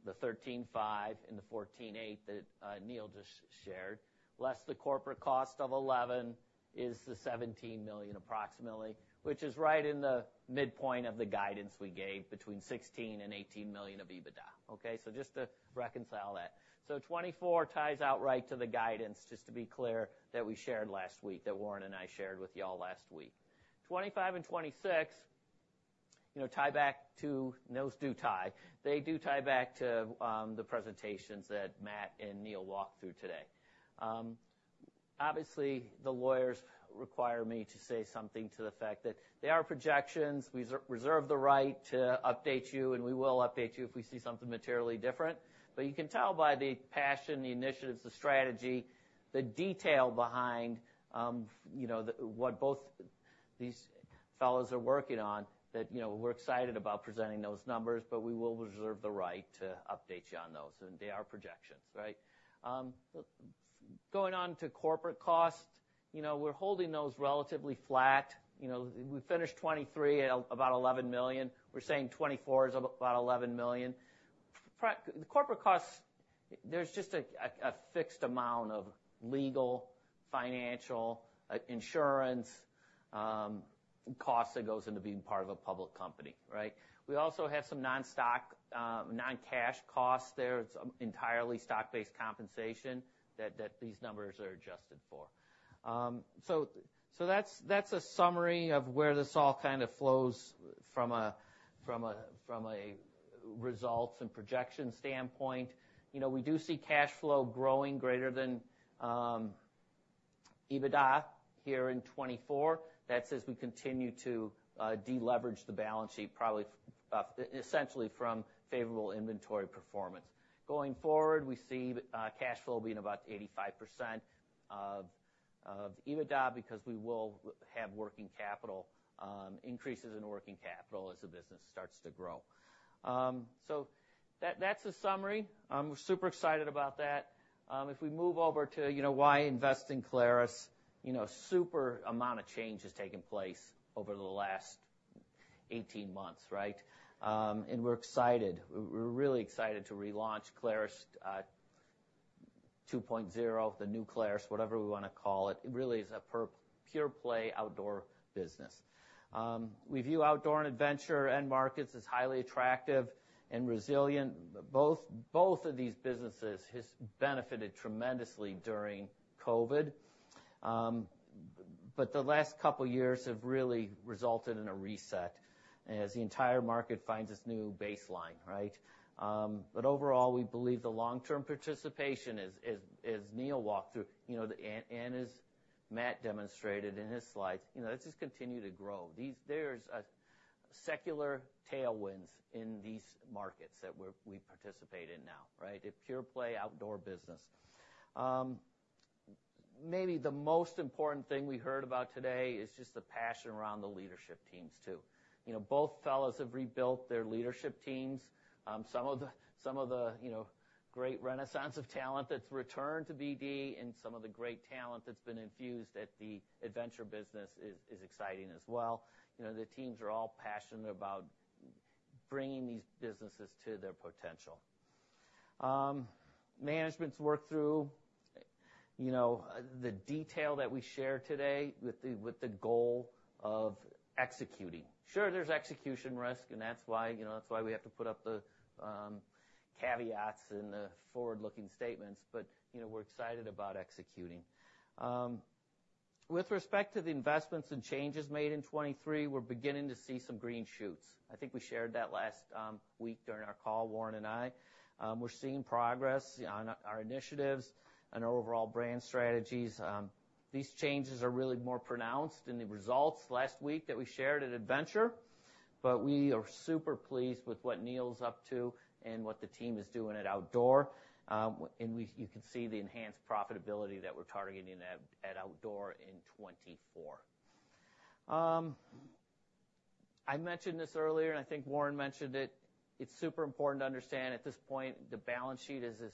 C: the thirteen five and the fourteen eight that Neil just shared, less the corporate cost of $11, is the $17 million approximately, which is right in the midpoint of the guidance we gave between $16 million and $18 million of EBITDA, okay? So just to reconcile that. So 2024 ties outright to the guidance, just to be clear, that we shared last week, that Warren and I shared with you all last week. 2025 and 2026, you know, tie back to... Those do tie. They do tie back to the presentations that Matt and Neil walked through today. Obviously, the lawyers require me to say something to the fact that they are projections. We reserve the right to update you, and we will update you if we see something materially different. But you can tell by the passion, the initiatives, the strategy, the detail behind, you know, what both these fellows are working on, that, you know, we're excited about presenting those numbers, but we will reserve the right to update you on those, and they are projections, right? Going on to corporate cost, you know, we're holding those relatively flat. You know, we finished 2023 at about $11 million. We're saying 2024 is about $11 million. The corporate costs, there's just a fixed amount of legal, financial, insurance, costs that goes into being part of a public company, right? We also have some non-stock, non-cash costs there. It's entirely stock-based compensation that these numbers are adjusted for. So that's a summary of where this all kind of flows from a results and projection standpoint. You know, we do see cash flow growing greater than EBITDA here in 2024. That's as we continue to deleverage the balance sheet, probably essentially from favorable inventory performance. Going forward, we see cash flow being about 85% of EBITDA because we will have working capital increases in working capital as the business starts to grow. So that's the summary. I'm super excited about that. If we move over to, you know, why invest in Clarus? You know, super amount of change has taken place over the last 18 months, right? And we're excited. We're, we're really excited to relaunch Clarus 2.0, the new Clarus, whatever we wanna call it. It really is a pure-play outdoor business. We view outdoor and adventure end markets as highly attractive and resilient. Both, both of these businesses has benefited tremendously during COVID, but the last couple of years have really resulted in a reset as the entire market finds its new baseline, right? But overall, we believe the long-term participation as, as, as Neil walked through, you know, and, and as Matt demonstrated in his slides, you know, let's just continue to grow. These, there's a secular tailwinds in these markets that we participate in now, right? A pure-play outdoor business. Maybe the most important thing we heard about today is just the passion around the leadership teams, too. You know, both fellows have rebuilt their leadership teams. Some of the, you know, great renaissance of talent that's returned to BD and some of the great talent that's been infused at the adventure business is exciting as well. You know, the teams are all passionate about bringing these businesses to their potential. Management's work through, you know, the detail that we shared today with the goal of executing. Sure, there's execution risk, and that's why, you know, that's why we have to put up the caveats in the forward-looking statements, but, you know, we're excited about executing. With respect to the investments and changes made in 2023, we're beginning to see some green shoots. I think we shared that last week during our call, Warren and I. We're seeing progress on our initiatives and overall brand strategies. These changes are really more pronounced in the results last week that we shared at Adventure. But we are super pleased with what Neil's up to and what the team is doing at Outdoor. And you can see the enhanced profitability that we're targeting at Outdoor in 2024. I mentioned this earlier, and I think Warren mentioned it. It's super important to understand, at this point, the balance sheet is as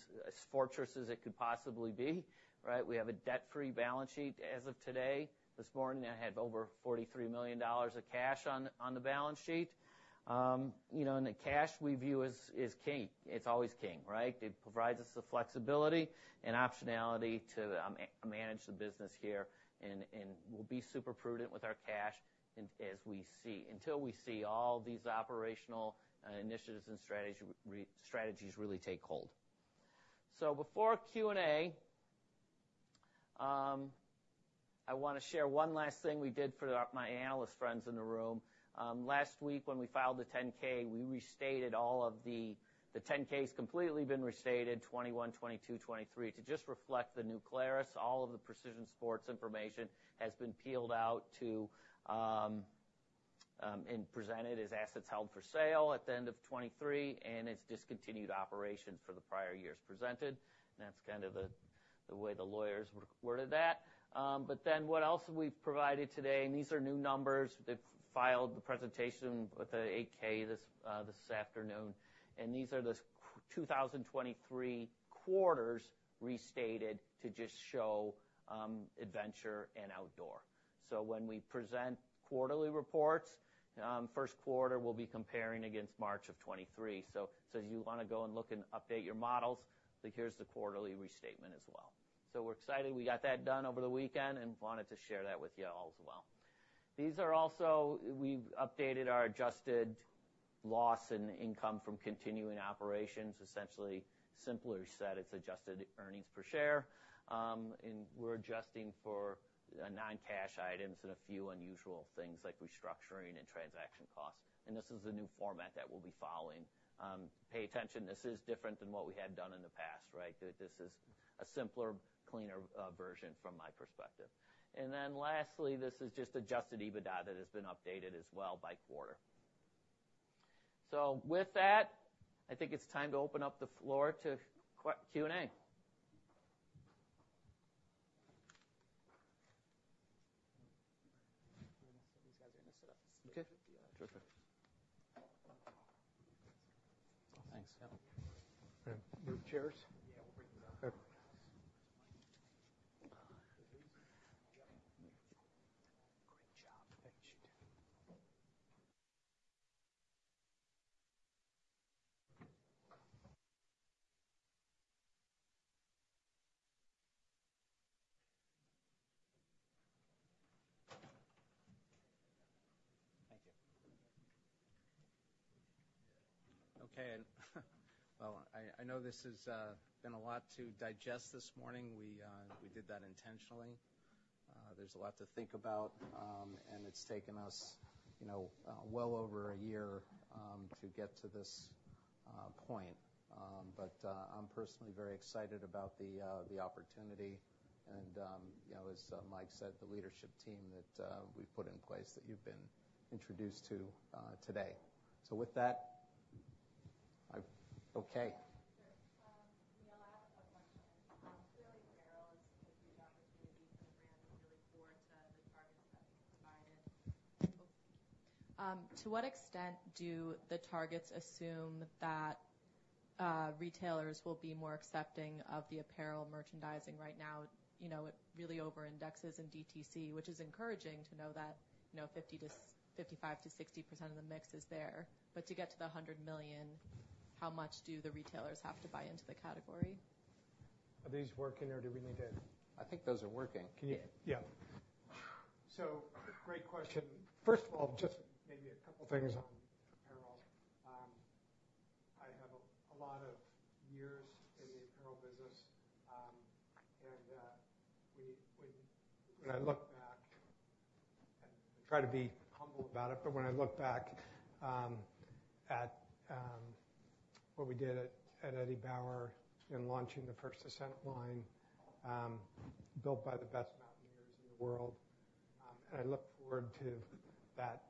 C: fortress as it could possibly be, right? We have a debt-free balance sheet as of today. This morning, I had over $43 million of cash on the balance sheet. You know, and the cash we view as is king. It's always king, right? It provides us the flexibility and optionality to manage the business here, and we'll be super prudent with our cash as we see until we see all these operational initiatives and strategies really take hold. So before Q&A, I wanna share one last thing we did for my analyst friends in the room. Last week, when we filed the 10-K, we restated all of the... The 10-K's completely been restated, 2021, 2022, 2023, to just reflect the new Clarus. All of the Precision Sport information has been peeled out to and presented as assets held for sale at the end of 2023, and it's discontinued operations for the prior years presented. And that's kind of the way the lawyers worded that. But then what else we've provided today, and these are new numbers. They've filed the presentation with the 8-K this afternoon, and these are the first 2023 quarters restated to just show Adventure and Outdoor. So when we present quarterly reports, first quarter, we'll be comparing against March of 2023. So, so if you wanna go and look and update your models, then here's the quarterly restatement as well. So we're excited we got that done over the weekend and wanted to share that with you all as well. These are also... We've updated our adjusted loss and income from continuing operations, essentially, simply said, it's adjusted earnings per share. And we're adjusting for non-cash items and a few unusual things like restructuring and transaction costs, and this is the new format that we'll be following. Pay attention, this is different than what we had done in the past, right? This is a simpler, cleaner, version from my perspective. And then lastly, this is just adjusted EBITDA that has been updated as well by quarter. So with that, I think it's time to open up the floor to Q&A. These guys are going to set up. Okay, perfect. Thanks. Yeah. Move chairs? Yeah, we'll bring them out. Okay. Great job. Thanks. Thank you.
E: Okay, well, I, I know this has been a lot to digest this morning. We, we did that intentionally. There's a lot to think about, and it's taken us, you know, well over a year, to get to this point. But, I'm personally very excited about the the opportunity and, you know, as Mike said, the leadership team that we've put in place that you've been introduced to today. So with that, I've-- okay.
F: Sure. Neil, I have a question. Clearly, apparel is a huge opportunity for the brand and really core to the targets that you provided. To what extent do the targets assume that retailers will be more accepting of the apparel merchandising right now? You know, it really overindexes in DTC, which is encouraging to know that, you know, 55%-60% of the mix is there. But to get to the $100 million, how much do the retailers have to buy into the category?
E: Are these working, or do we need to-
G: I think those are working.
E: Can you-
G: Yeah.
E: So great question. First of all, just maybe a couple of things on apparel. I have a lot of years in the apparel business, and when I look back and try to be humble about it, but when I look back at what we did at Eddie Bauer in launching the First Ascent line, built by the best mountaineers in the world, and I look forward to that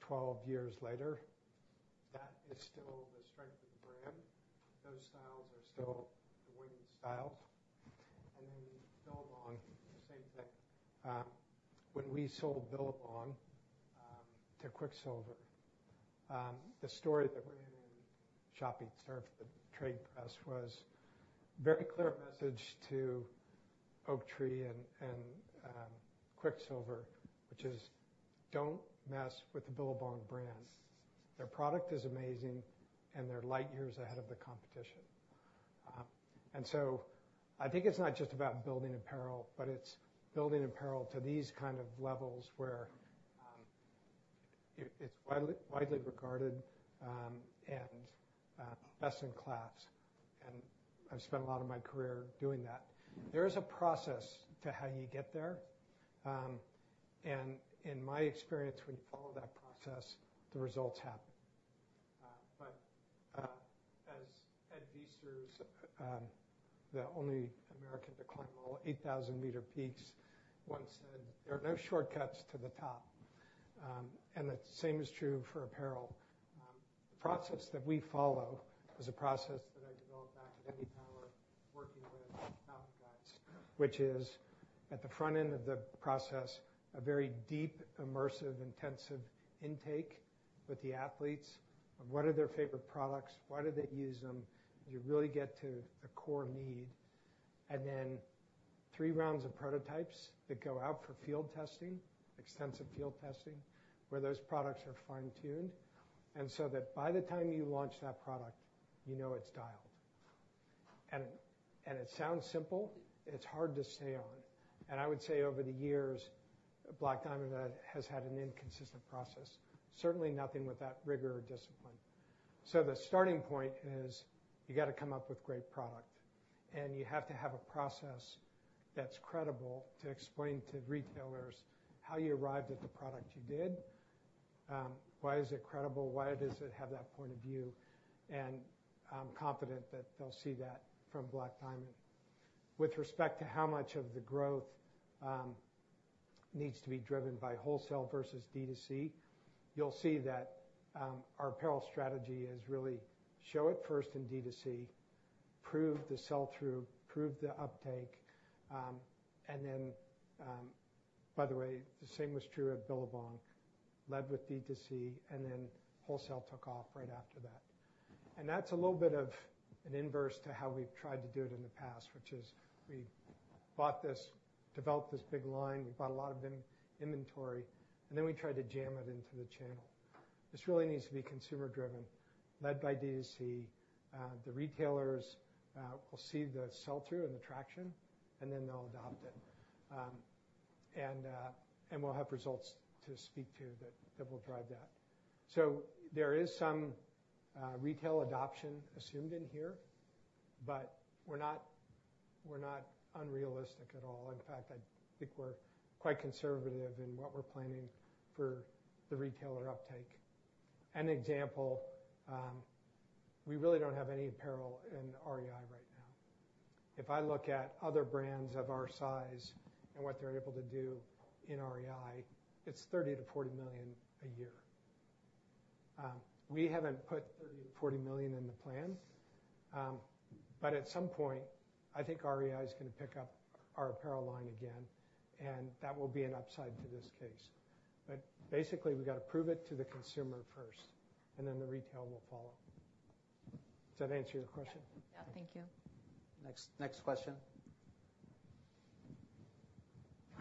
E: 12 years later, that is still the strength of the brand. Those styles are still the winning styles. And then Billabong, the same thing. When we sold Billabong to Quiksilver, the story that we had in Shopping, sorry, the trade press, was very clear message to Oaktree and Quiksilver, which is: Don't mess with the Billabong brand. Their product is amazing, and they're light years ahead of the competition. So I think it's not just about building apparel, but it's building apparel to these kind of levels where, it, it's widely, widely regarded, and, best-in-class, and I've spent a lot of my career doing that. There is a process to how you get there. In my experience, when you follow that process, the results happen. Viesturs, the only American to climb all 8,000-meter peaks, once said, "There are no shortcuts to the top." The same is true for apparel. The process that we follow is a process that I developed back at Eddie Bauer, working with mountain guides, which is, at the front end of the process, a very deep, immersive, intensive intake with the athletes. Of what are their favorite products? Why do they use them? You really get to the core need, and then three rounds of prototypes that go out for field testing, extensive field testing, where those products are fine-tuned, and so that by the time you launch that product, you know it's dialed. And, and it sounds simple, and it's hard to stay on. And I would say over the years, Black Diamond has had an inconsistent process, certainly nothing with that rigor or discipline. So the starting point is, you got to come up with great product, and you have to have a process that's credible to explain to retailers how you arrived at the product you did. Why is it credible? Why does it have that point of view? And I'm confident that they'll see that from Black Diamond. With respect to how much of the growth needs to be driven by wholesale versus D2C, you'll see that our apparel strategy is really show it first in D2C, prove the sell-through, prove the uptake, and then. By the way, the same was true at Billabong. Led with D2C, and then wholesale took off right after that. And that's a little bit of an inverse to how we've tried to do it in the past, which is we developed this big line. We bought a lot of in inventory, and then we tried to jam it into the channel. This really needs to be consumer driven, led by D2C. The retailers will see the sell-through and the traction, and then they'll adopt it. And we'll have results to speak to that, that will drive that. So there is some retail adoption assumed in here, but we're not, we're not unrealistic at all. In fact, I think we're quite conservative in what we're planning for the retailer uptake. An example, we really don't have any apparel in REI right now. If I look at other brands of our size and what they're able to do in REI, it's $30 million-$40 million a year. We haven't put $30 million-$40 million in the plan, but at some point, I think REI is going to pick up our apparel line again, and that will be an upside to this case. But basically, we've got to prove it to the consumer first, and then the retail will follow. Does that answer your question? Yeah. Thank you. Next, next question.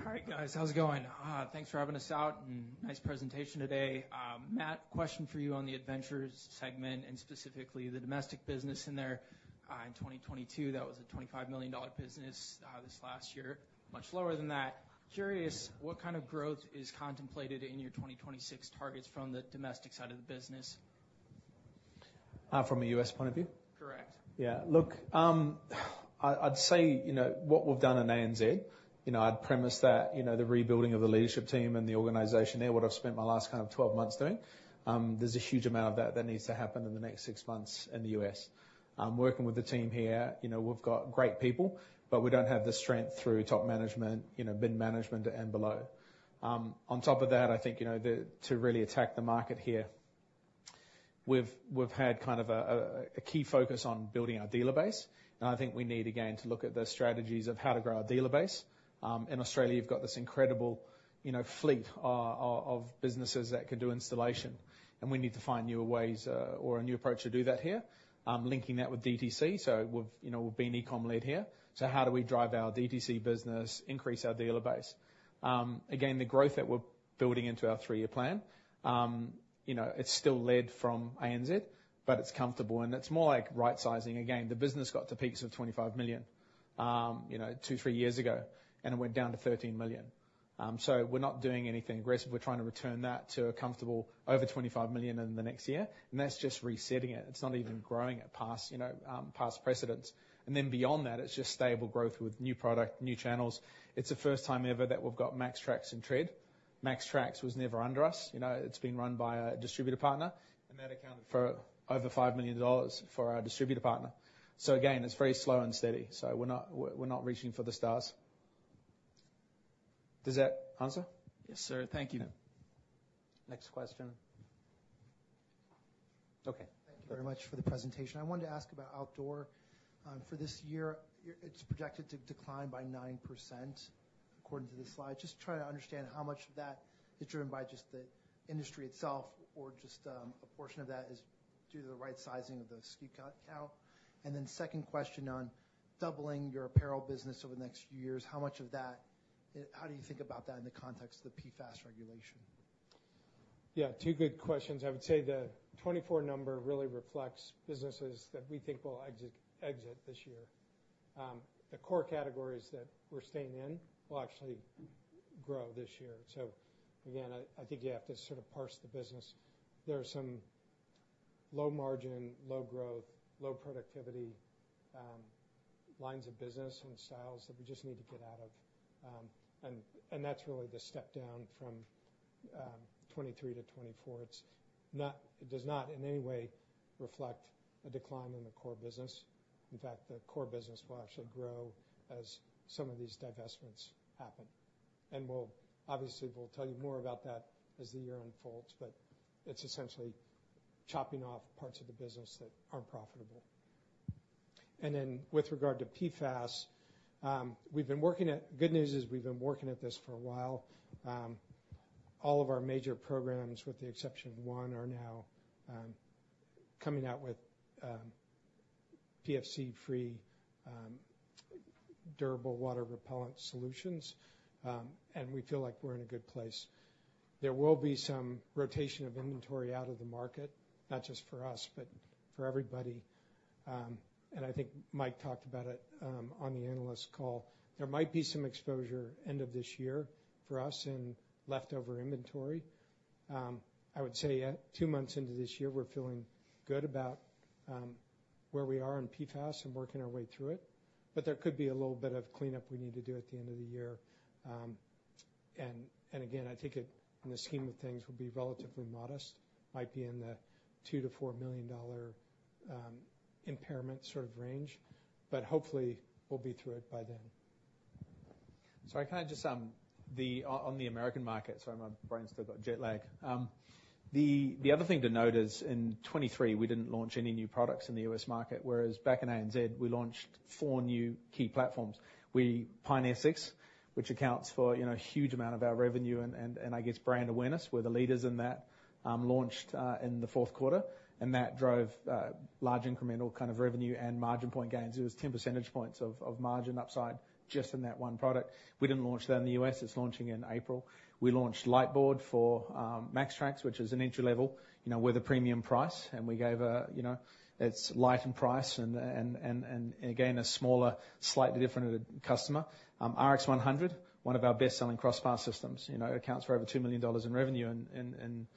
H: All right, guys, how's it going? Thanks for having us out, and nice presentation today. Matt, question for you on the adventures segment and specifically the domestic business in there. In 2022, that was a $25 million business. This last year, much lower than that. Curious, what kind of growth is contemplated in your 2026 targets from the domestic side of the business?
D: From a U.S. point of view?
H: Correct.
D: Yeah. Look, I'd say, you know, what we've done in ANZ, you know, I'd premise that, you know, the rebuilding of the leadership team and the organization there, what I've spent my last kind of 12 months doing. There's a huge amount of that that needs to happen in the next six months in the U.S. I'm working with the team here. You know, we've got great people, but we don't have the strength through top management, you know, mid-management and below. On top of that, I think, you know, to really attack the market here, we've had kind of a key focus on building our dealer base, and I think we need, again, to look at the strategies of how to grow our dealer base. In Australia, you've got this incredible, you know, fleet of businesses that can do installation, and we need to find newer ways, or a new approach to do that here. Linking that with DTC, so we've, you know, we've been e-com led here. So how do we drive our DTC business, increase our dealer base? Again, the growth that we're building into our three-year plan, you know, it's still led from ANZ, but it's comfortable, and it's more like right-sizing. Again, the business got to peaks of $25 million, you know, two, three years ago, and it went down to $13 million. So we're not doing anything aggressive. We're trying to return that to a comfortable over $25 million in the next year, and that's just resetting it. It's not even growing it past, you know, past precedents. Then beyond that, it's just stable growth with new product, new channels. It's the first time ever that we've got MAXTRAX and TRED. MAXTRAX was never under us. You know, it's been run by a distributor partner, and that accounted for over $5 million for our distributor partner. So again, it's very slow and steady, so we're not, we're not reaching for the stars. Does that answer?
H: Yes, sir. Thank you.
D: Yeah.
E: Next question. Okay.
I: Thank you very much for the presentation. I wanted to ask about outdoor. For this year, it's projected to decline by 9%, according to this slide. Just trying to understand how much of that is driven by just the industry itself or just a portion of that is due to the right sizing of the ski count? And then second question on doubling your apparel business over the next few years, how much of that, how do you think about that in the context of the PFAS regulation?
E: Yeah, two good questions. I would say the 2024 number really reflects businesses that we think will exit this year. The core categories that we're staying in will actually grow this year. So again, I think you have to sort of parse the business. There are some low margin, low growth, low productivity lines of business and styles that we just need to get out of. And that's really the step down from 2023 to 2024. It's not. It does not in any way reflect a decline in the core business. In fact, the core business will actually grow as some of these divestments happen. And we'll obviously tell you more about that as the year unfolds, but it's essentially chopping off parts of the business that aren't profitable. With regard to PFAS, we've been working at this. Good news is we've been working at this for a while. All of our major programs, with the exception of one, are now coming out with PFC-free durable water repellent solutions, and we feel like we're in a good place. There will be some rotation of inventory out of the market, not just for us, but for everybody. And I think Mike talked about it on the analyst call. There might be some exposure end of this year for us in leftover inventory. I would say at two months into this year, we're feeling good about where we are in PFAS and working our way through it, but there could be a little bit of cleanup we need to do at the end of the year. And again, I think it in the scheme of things will be relatively modest. Might be in the $2 million-$4 million impairment sort of range, but hopefully, we'll be through it by then.
D: So I kind of just on the American market, sorry, my brain's still got jet lag. The other thing to note is, in 2023, we didn't launch any new products in the U.S. market, whereas back in ANZ, we launched four new key platforms. Pioneer Six, which accounts for, you know, a huge amount of our revenue and I guess brand awareness. We're the leaders in that, launched in the fourth quarter, and that drove large incremental kind of revenue and margin point gains. It was 10 percentage points of margin upside just in that one product. We didn't launch that in the U.S. It's launching in April. We launched Lite boards for MAXTRAX, which is an entry level, you know, with a premium price, and we gave a, you know, it's light in price and again, a smaller, slightly different customer. RX100, one of our best-selling crossbar systems, you know, accounts for over $2 million in revenue in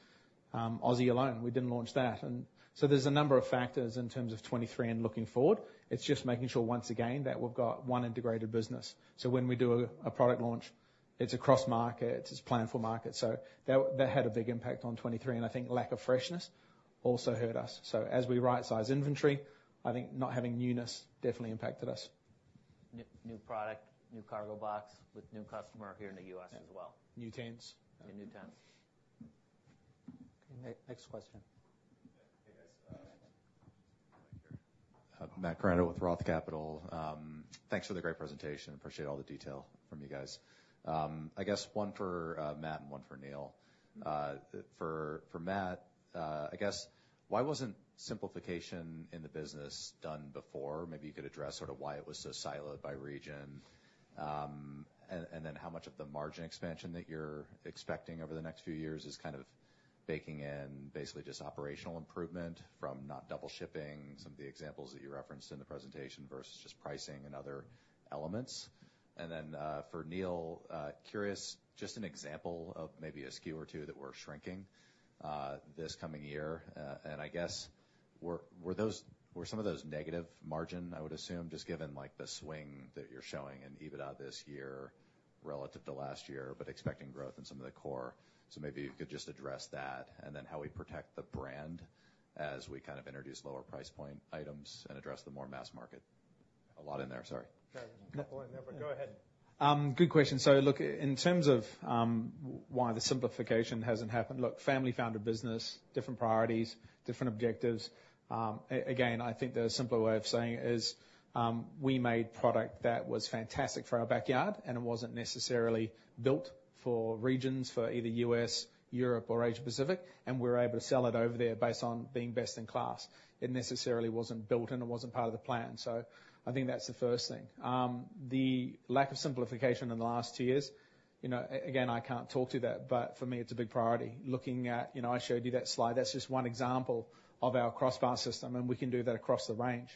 D: Aussie alone. We didn't launch that. And so there's a number of factors in terms of 2023 and looking forward. It's just making sure, once again, that we've got one integrated business. So when we do a product launch, it's across markets, it's planned for market. So that had a big impact on 2023, and I think lack of freshness also hurt us. So as we rightsize inventory, I think not having newness definitely impacted us.
C: New, new product, new cargo box with new customer here in the U.S. as well.
D: New tents.
C: New tents.
E: Okay, next question.
J: Hey, guys, Matt Koranda with Roth Capital. Thanks for the great presentation. Appreciate all the detail from you guys. I guess one for Matt and one for Neil. For Matt, I guess why wasn't simplification in the business done before? Maybe you could address sort of why it was so siloed by region. And then how much of the margin expansion that you're expecting over the next few years is kind of baking in basically just operational improvement from not double shipping, some of the examples that you referenced in the presentation, versus just pricing and other elements. And then for Neil, curious, just an example of maybe a SKU or two that we're shrinking this coming year. And I guess, were some of those negative margin, I would assume, just given, like, the swing that you're showing in EBITDA this year relative to last year, but expecting growth in some of the core. So maybe you could just address that, and then how we protect the brand as we kind of introduce lower price point items and address the more mass market. A lot in there. Sorry.
E: Go ahead.
D: Good question. So look, in terms of why the simplification hasn't happened. Look, family-founded business, different priorities, different objectives. Again, I think the simpler way of saying it is, we made product that was fantastic for our backyard, and it wasn't necessarily built for regions, for either U.S., Europe, or Asia-Pacific, and we're able to sell it over there based on being best in class. It necessarily wasn't built and it wasn't part of the plan, so I think that's the first thing. The lack of simplification in the last two years, you know, again, I can't talk to that, but for me, it's a big priority. Looking at... You know, I showed you that slide. That's just one example of our crossbar system, and we can do that across the range.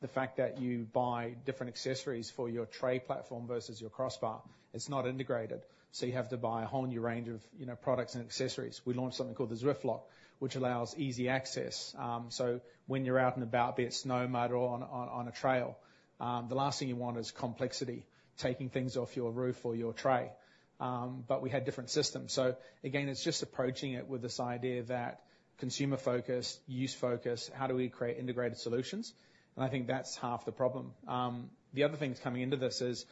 D: The fact that you buy different accessories for your tray platform versus your crossbar, it's not integrated, so you have to buy a whole new range of, you know, products and accessories. We launched something called the Zwifloc, which allows easy access. So when you're out and about, be it snow, mud, or on a trail, the last thing you want is complexity, taking things off your roof or your tray. But we had different systems. So again, it's just approaching it with this idea that consumer focus, use focus, how do we create integrated solutions? And I think that's half the problem. The other thing that's coming into this is,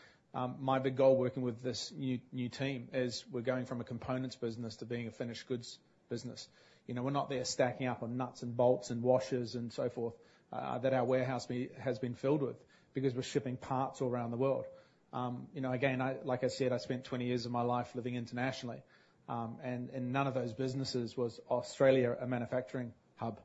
D: my big goal working with this new team is we're going from a components business to being a finished goods business. You know, we're not there stacking up on nuts and bolts and washers and so forth, that our warehouse has been filled with because we're shipping parts all around the world. You know, again, like I said, I spent 20 years of my life living internationally, and none of those businesses was Australia a manufacturing hub.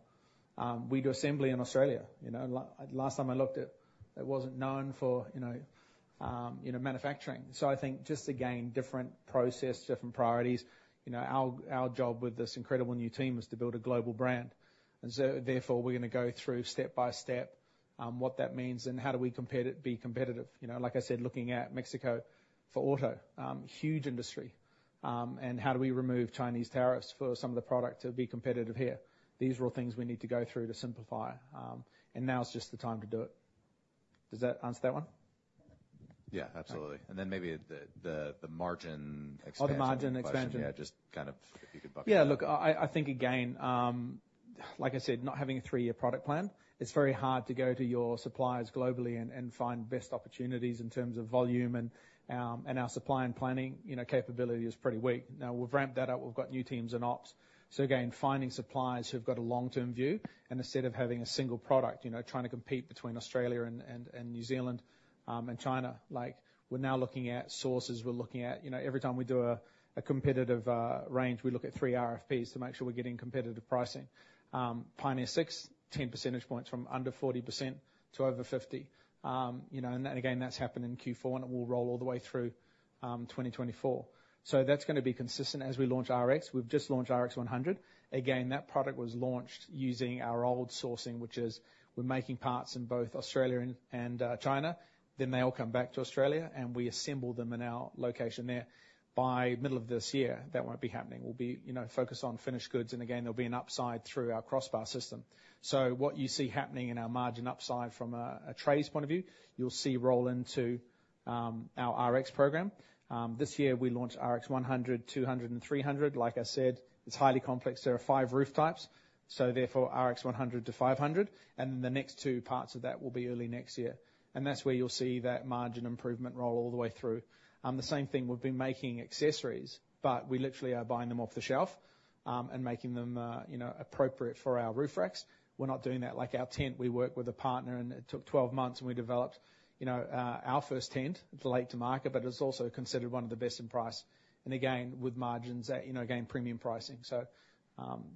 D: We do assembly in Australia. You know, last time I looked, it wasn't known for, you know, manufacturing. So I think just again, different process, different priorities. You know, our job with this incredible new team is to build a global brand. And so therefore, we're going to go through step by step, what that means and how do we compete it be competitive. You know, like I said, looking at Mexico for auto, huge industry. How do we remove Chinese tariffs for some of the product to be competitive here? These are all things we need to go through to simplify, and now is just the time to do it. Does that answer that one?
J: Yeah, absolutely.
D: Okay.
J: And then maybe the margin expansion-
D: Oh, the margin expansion.
J: Yeah, just kind of if you could bucket.
D: Yeah. Look, I think again, like I said, not having a three-year product plan, it's very hard to go to your suppliers globally and find best opportunities in terms of volume and our supply and planning, you know, capability is pretty weak. Now. We've ramped that up. We've got new teams and ops. So again, finding suppliers who've got a long-term view, and instead of having a single product, you know, trying to compete between Australia and New Zealand and China, like, we're now looking at sources. We're looking at, you know, every time we do a competitive range, we look at three RFPs to make sure we're getting competitive pricing. Pioneer Six, 10 percentage points from under 40% to over 50%. You know, and again, that's happened in Q4, and it will roll all the way through 2024. So that's gonna be consistent as we launch RX. We've just launched RX100. Again, that product was launched using our old sourcing, which is we're making parts in both Australia and China. Then they all come back to Australia, and we assemble them in our location there. By middle of this year, that won't be happening. We'll be, you know, focused on finished goods, and again, there'll be an upside through our crossbar system. So what you see happening in our margin upside from a trade point of view, you'll see roll into our RX program. This year, we launched RX 100, 200, and 300. Like I said, it's highly complex. There are five roof types, so therefore, RX 100-500, and then the next two parts of that will be early next year. That's where you'll see that margin improvement roll all the way through. The same thing, we've been making accessories, but we literally are buying them off the shelf, and making them, you know, appropriate for our roof racks. We're not doing that. Like our tent, we work with a partner, and it took 12 months, and we developed, you know, our first tent. It's late to market, but it's also considered one of the best in price and again, with margins at, you know, again, premium pricing.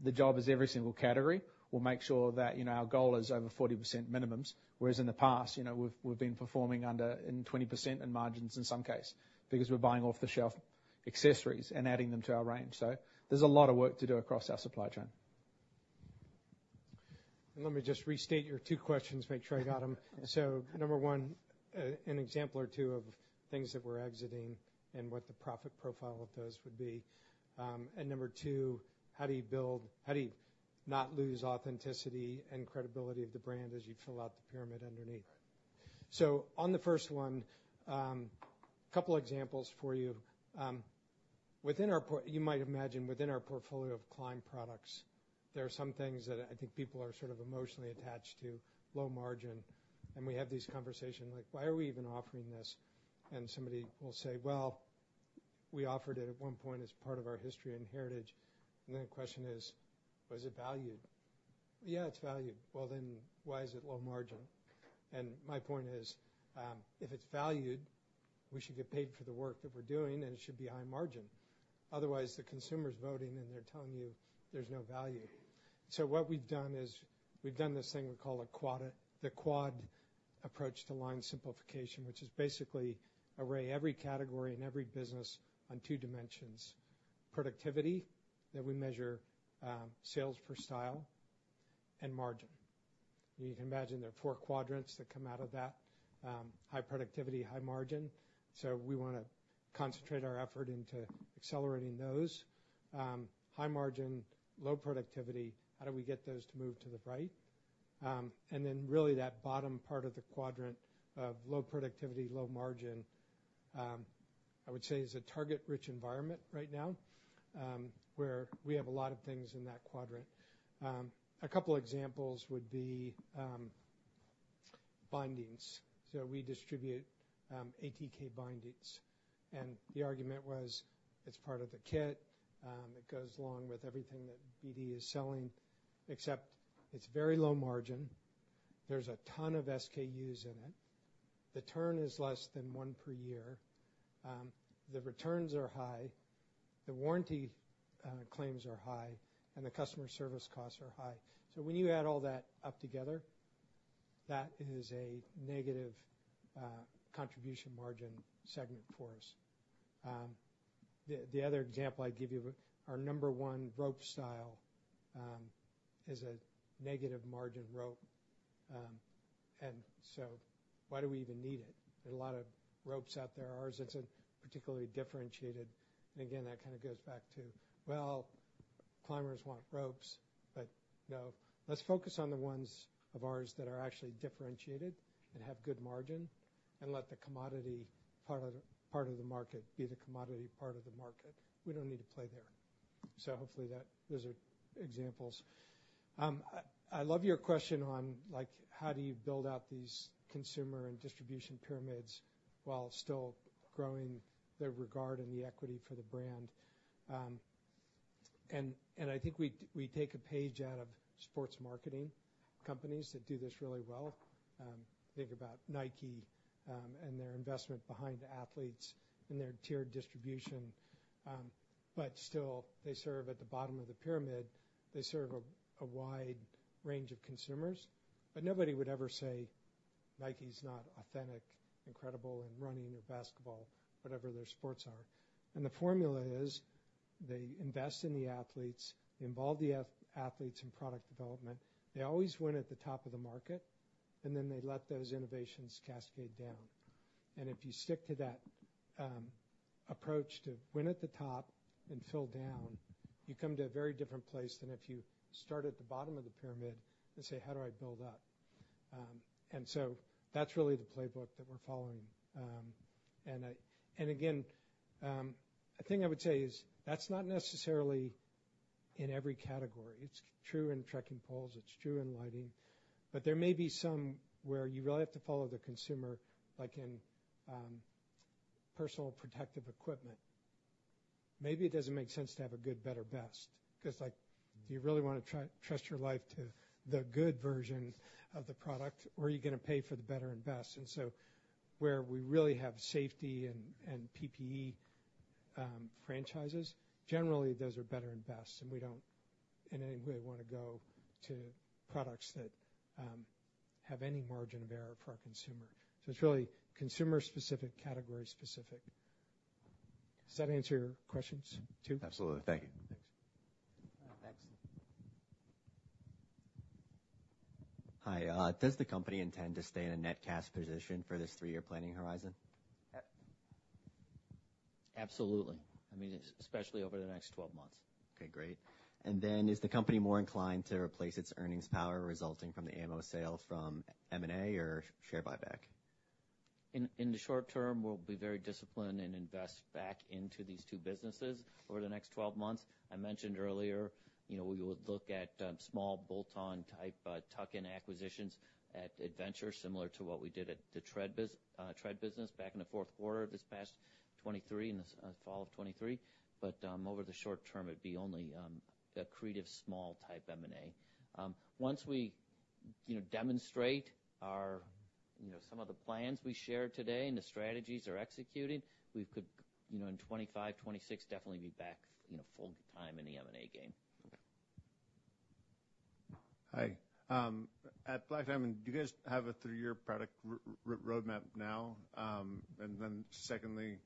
D: The job is every single category. We'll make sure that, you know, our goal is over 40% minimums, whereas in the past, you know, we've been performing under 20% in margins in some cases, because we're buying off-the-shelf accessories and adding them to our range. So there's a lot of work to do across our supply chain.
E: Let me just restate your two questions, make sure I got them. So number one, an example or two of things that we're exiting and what the profit profile of those would be. And number two, how do you build - how do you not lose authenticity and credibility of the brand as you fill out the pyramid underneath?
J: Right.
E: So on the first one, couple examples for you. Within our portfolio of climb products, there are some things that I think people are sort of emotionally attached to, low margin, and we have this conversation like: Why are we even offering this? And somebody will say, "Well, we offered it at one point as part of our history and heritage." And then the question is, was it valued? "Yeah, it's valued." Well, then why is it low margin? And my point is, if it's valued, we should get paid for the work that we're doing, and it should be high margin. Otherwise, the consumer's voting, and they're telling you there's no value. So what we've done is, we've done this thing we call a quad, the quad approach to line simplification, which is basically array every category and every business on two dimensions: productivity, that we measure, sales per style and margin. You can imagine there are four quadrants that come out of that, high productivity, high margin, so we wanna concentrate our effort into accelerating those. High margin, low productivity, how do we get those to move to the right? And then really, that bottom part of the quadrant of low productivity, low margin, I would say is a target-rich environment right now, where we have a lot of things in that quadrant. A couple examples would be, bindings. So we distribute ATK bindings, and the argument was, it's part of the kit, it goes along with everything that BD is selling, except it's very low margin. There's a ton of SKUs in it. The turn is less than one per year, the returns are high, the warranty claims are high, and the customer service costs are high. So when you add all that up together, that is a negative contribution margin segment for us. The other example I'd give you, our number one rope style, is a negative margin rope. And so why do we even need it? There are a lot of ropes out there. Ours isn't particularly differentiated. And again, that kind of goes back to, well, climbers want ropes, but no, let's focus on the ones of ours that are actually differentiated and have good margin, and let the commodity part of the, part of the market be the commodity part of the market. We don't need to play there. So hopefully, that those are examples. I love your question on, like, how do you build out these consumer and distribution pyramids while still growing the regard and the equity for the brand? And I think we take a page out of sports marketing companies that do this really well. Think about Nike, and their investment behind athletes and their tiered distribution, but still, they serve at the bottom of the pyramid. They serve a wide range of consumers, but nobody would ever say Nike's not authentic, incredible in running or basketball, whatever their sports are. The formula is they invest in the athletes, involve the athletes in product development. They always win at the top of the market, and then they let those innovations cascade down. If you stick to that approach to win at the top and fill down, you come to a very different place than if you start at the bottom of the pyramid and say: How do I build up? So that's really the playbook that we're following. And again, a thing I would say is that's not necessarily in every category. It's true in trekking poles, it's true in lighting, but there may be some where you really have to follow the consumer, like in personal protective equipment. Maybe it doesn't make sense to have a good, better, best, 'cause, like, do you really wanna trust your life to the good version of the product, or are you gonna pay for the better and best? And so where we really have safety and PPE franchises, generally, those are better and best, and we don't in any way wanna go to products that have any margin of error for our consumer. So it's really consumer-specific, category-specific. Does that answer your questions, too?
J: Absolutely. Thank you.
E: Thanks.
C: Next.
K: Hi. Does the company intend to stay in a net cash position for this three-year planning horizon?
C: Absolutely. I mean, especially over the next 12 months.
K: Okay, great. And then is the company more inclined to replace its earnings power resulting from the ammo sale from M&A or share buyback?
C: In the short term, we'll be very disciplined and invest back into these two businesses over the next 12 months. I mentioned earlier, you know, we would look at small bolt-on type tuck-in acquisitions at Adventure, similar to what we did at the TRED business back in the fourth quarter of this past 2023, in the fall of 2023. But over the short term, it'd be only accretive, small type M&A. Once we, you know, demonstrate our, you know, some of the plans we shared today and the strategies are executing, we could, you know, in 2025, 2026, definitely be back, you know, full time in the M&A game.
K: Okay.
L: Hi. At Black Diamond, do you guys have a three-year product roadmap now? And then secondly,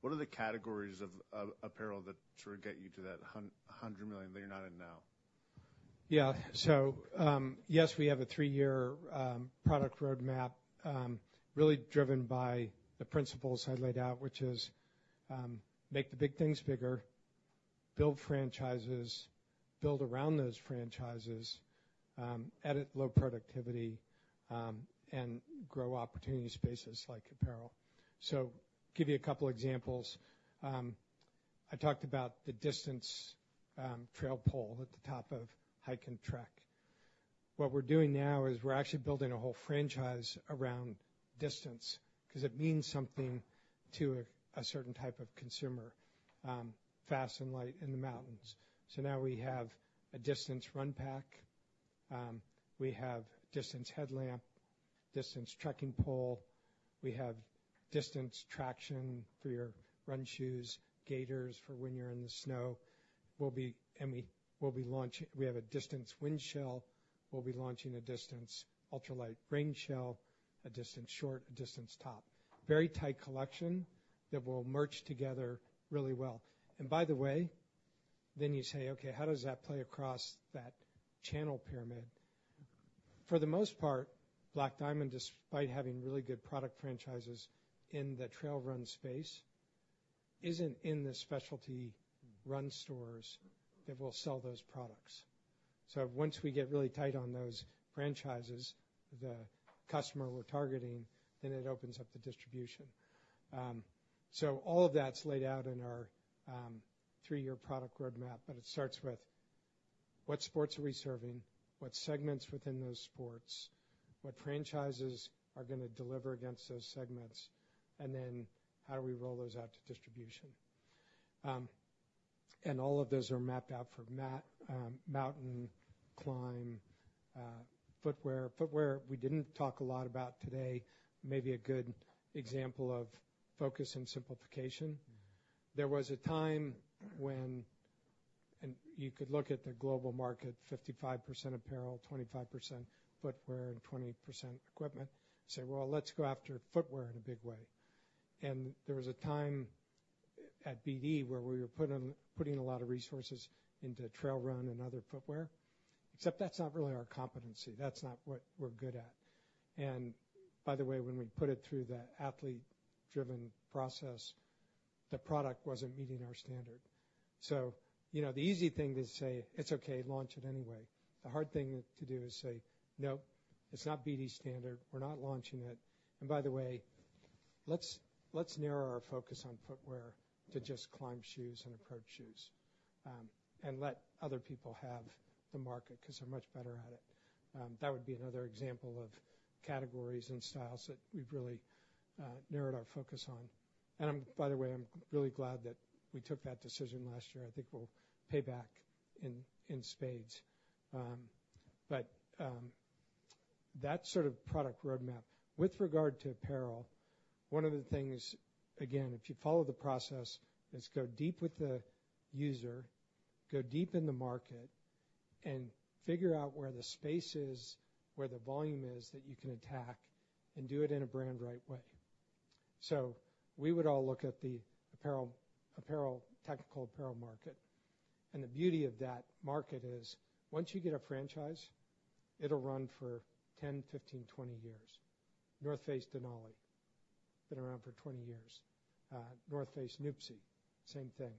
L: what are the categories of apparel that sort of get you to that $100 million that you're not in now?
E: Yeah. So, yes, we have a three-year product roadmap, really driven by the principles I laid out, which is, make the big things bigger, build franchises, build around those franchises, edit low productivity, and grow opportunity spaces like apparel. So give you a couple examples. I talked about the Distance Trail pole at the top of Hike and Trek. What we're doing now is we're actually building a whole franchise around Distance, 'cause it means something to a certain type of consumer, fast and light in the mountains. So now we have a Distance run pack, we have Distance headlamp, Distance trekking pole, we have Distance traction for your run shoes, gaiters for when you're in the snow. And we'll be launching a Distance wind shell. We'll be launching a Distance ultralight rain shell, a Distance short, a Distance top. Very tight collection that will merge together really well. And by the way, then you say, "Okay, how does that play across that channel pyramid?" For the most part, Black Diamond, despite having really good product franchises in the trail run space, isn't in the specialty run stores that will sell those products. So once we get really tight on those franchises, the customer we're targeting, then it opens up the distribution. So all of that's laid out in our three-year product roadmap, but it starts with: What sports are we serving? What segments within those sports? What franchises are gonna deliver against those segments? And then, how do we roll those out to distribution? And all of those are mapped out for mountain, climb, footwear. Footwear, we didn't talk a lot about today, maybe a good example of focus and simplification. There was a time when... And you could look at the global market, 55% apparel, 25% footwear, and 20% equipment, and say: Well, let's go after footwear in a big way. And there was a time at BD where we were putting, putting a lot of resources into trail run and other footwear, except that's not really our competency. That's not what we're good at. And by the way, when we put it through the athlete-driven process, the product wasn't meeting our standard. So, you know, the easy thing to say, "It's okay, launch it anyway." The hard thing to do is say: "No, it's not BD standard. We're not launching it. And by the way, let's narrow our focus on footwear to just climbing shoes and approach shoes, and let other people have the market 'cause they're much better at it." That would be another example of categories and styles that we've really narrowed our focus on. And by the way, I'm really glad that we took that decision last year. I think it will pay back in spades. That sort of product roadmap. With regard to apparel, one of the things, again, if you follow the process, is go deep with the user, go deep in the market, and figure out where the space is, where the volume is, that you can attack, and do it in a brand right way.... So we would all look at the apparel, technical apparel market. The beauty of that market is once you get a franchise, it'll run for 10, 15, 20 years. North Face Denali, been around for 20 years. North Face Nuptse, same thing.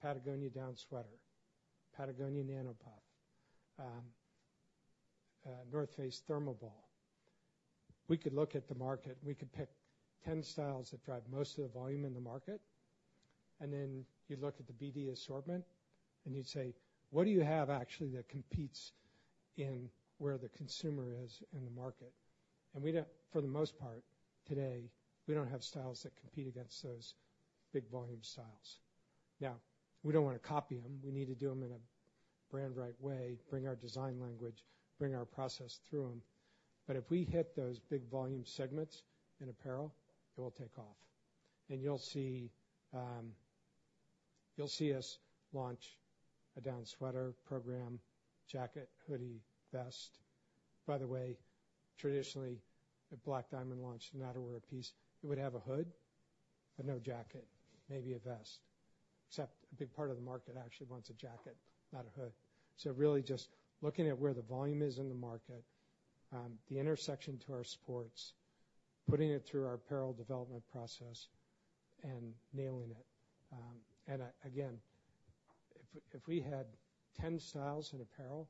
E: Patagonia Down Sweater, Patagonia Nano Puff, North Face Thermoball. We could look at the market, and we could pick 10 styles that drive most of the volume in the market, and then you'd look at the BD assortment, and you'd say: "What do you have actually, that competes in where the consumer is in the market?" We don't, for the most part, today, we don't have styles that compete against those big volume styles. Now, we don't want to copy them. We need to do them in a brand right way, bring our design language, bring our process through them. But if we hit those big volume segments in apparel, it will take off, and you'll see, you'll see us launch a down sweater program, jacket, hoodie, vest. By the way, traditionally, a Black Diamond launch, an outerwear piece, it would have a hood, but no jacket, maybe a vest. Except a big part of the market actually wants a jacket, not a hood. So really just looking at where the volume is in the market, the intersection to our sports, putting it through our apparel development process and nailing it. And again, if, if we had 10 styles in apparel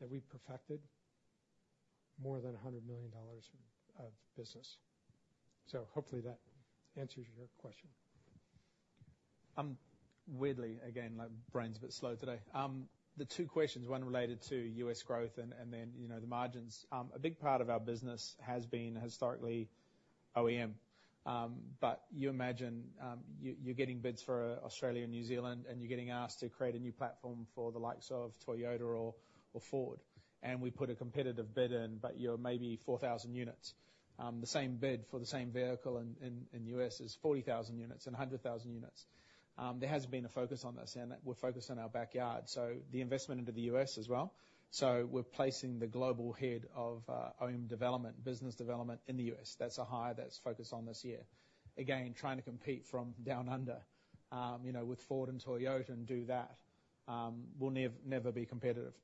E: that we perfected, more than $100 million of business. So hopefully that answers your question.
D: I'm weirdly, again, my brain's a bit slow today. The two questions, one related to U.S. growth and then, you know, the margins. A big part of our business has been historically OEM. But you imagine, you're getting bids for Australia and New Zealand, and you're getting asked to create a new platform for the likes of Toyota or Ford. And we put a competitive bid in, but you're maybe 4,000 units. The same bid for the same vehicle in the U.S. is 40,000 units and 100,000 units. There hasn't been a focus on this, and we're focused on our backyard. So the investment into the U.S. as well. So we're placing the global head of OEM development, business development in the U.S. That's a hire that's focused on this year. Again, trying to compete from down under, you know, with Ford and Toyota and do that, we'll never be competitive.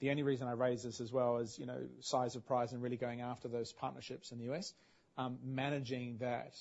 D: The only reason I raise this as well is, you know, size and price and really going after those partnerships in the US. Managing that,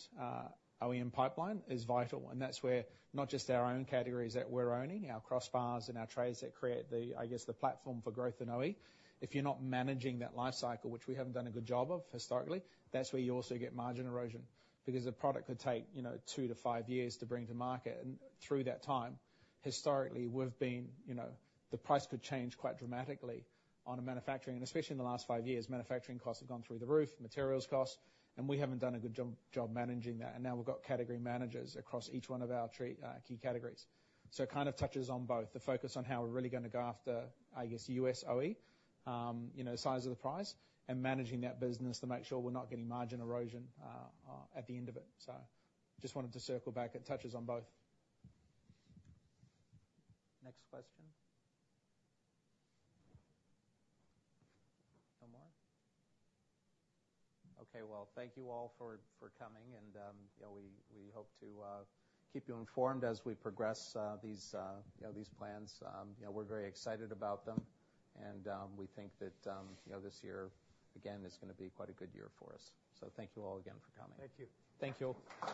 D: OEM pipeline is vital, and that's where not just our own categories that we're owning, our crossbars and our trays that create the, I guess, the platform for growth in OE. If you're not managing that life cycle, which we haven't done a good job of historically, that's where you also get margin erosion. Because a product could take, you know, two to five years to bring to market, and through that time, historically, we've been... You know, the price could change quite dramatically on a manufacturing, and especially in the last five years, manufacturing costs have gone through the roof, materials costs, and we haven't done a good job managing that. And now we've got category managers across each one of our three key categories. So it kind of touches on both. The focus on how we're really going to go after, I guess, U.S. OEM, you know, size of the price, and managing that business to make sure we're not getting margin erosion at the end of it. So just wanted to circle back. It touches on both.
C: Next question? No more. Okay, well, thank you all for coming, and, you know, we hope to keep you informed as we progress these, you know, these plans. You know, we're very excited about them, and, we think that, you know, this year, again, is gonna be quite a good year for us. So thank you all again for coming.
D: Thank you.
E: Thank you all.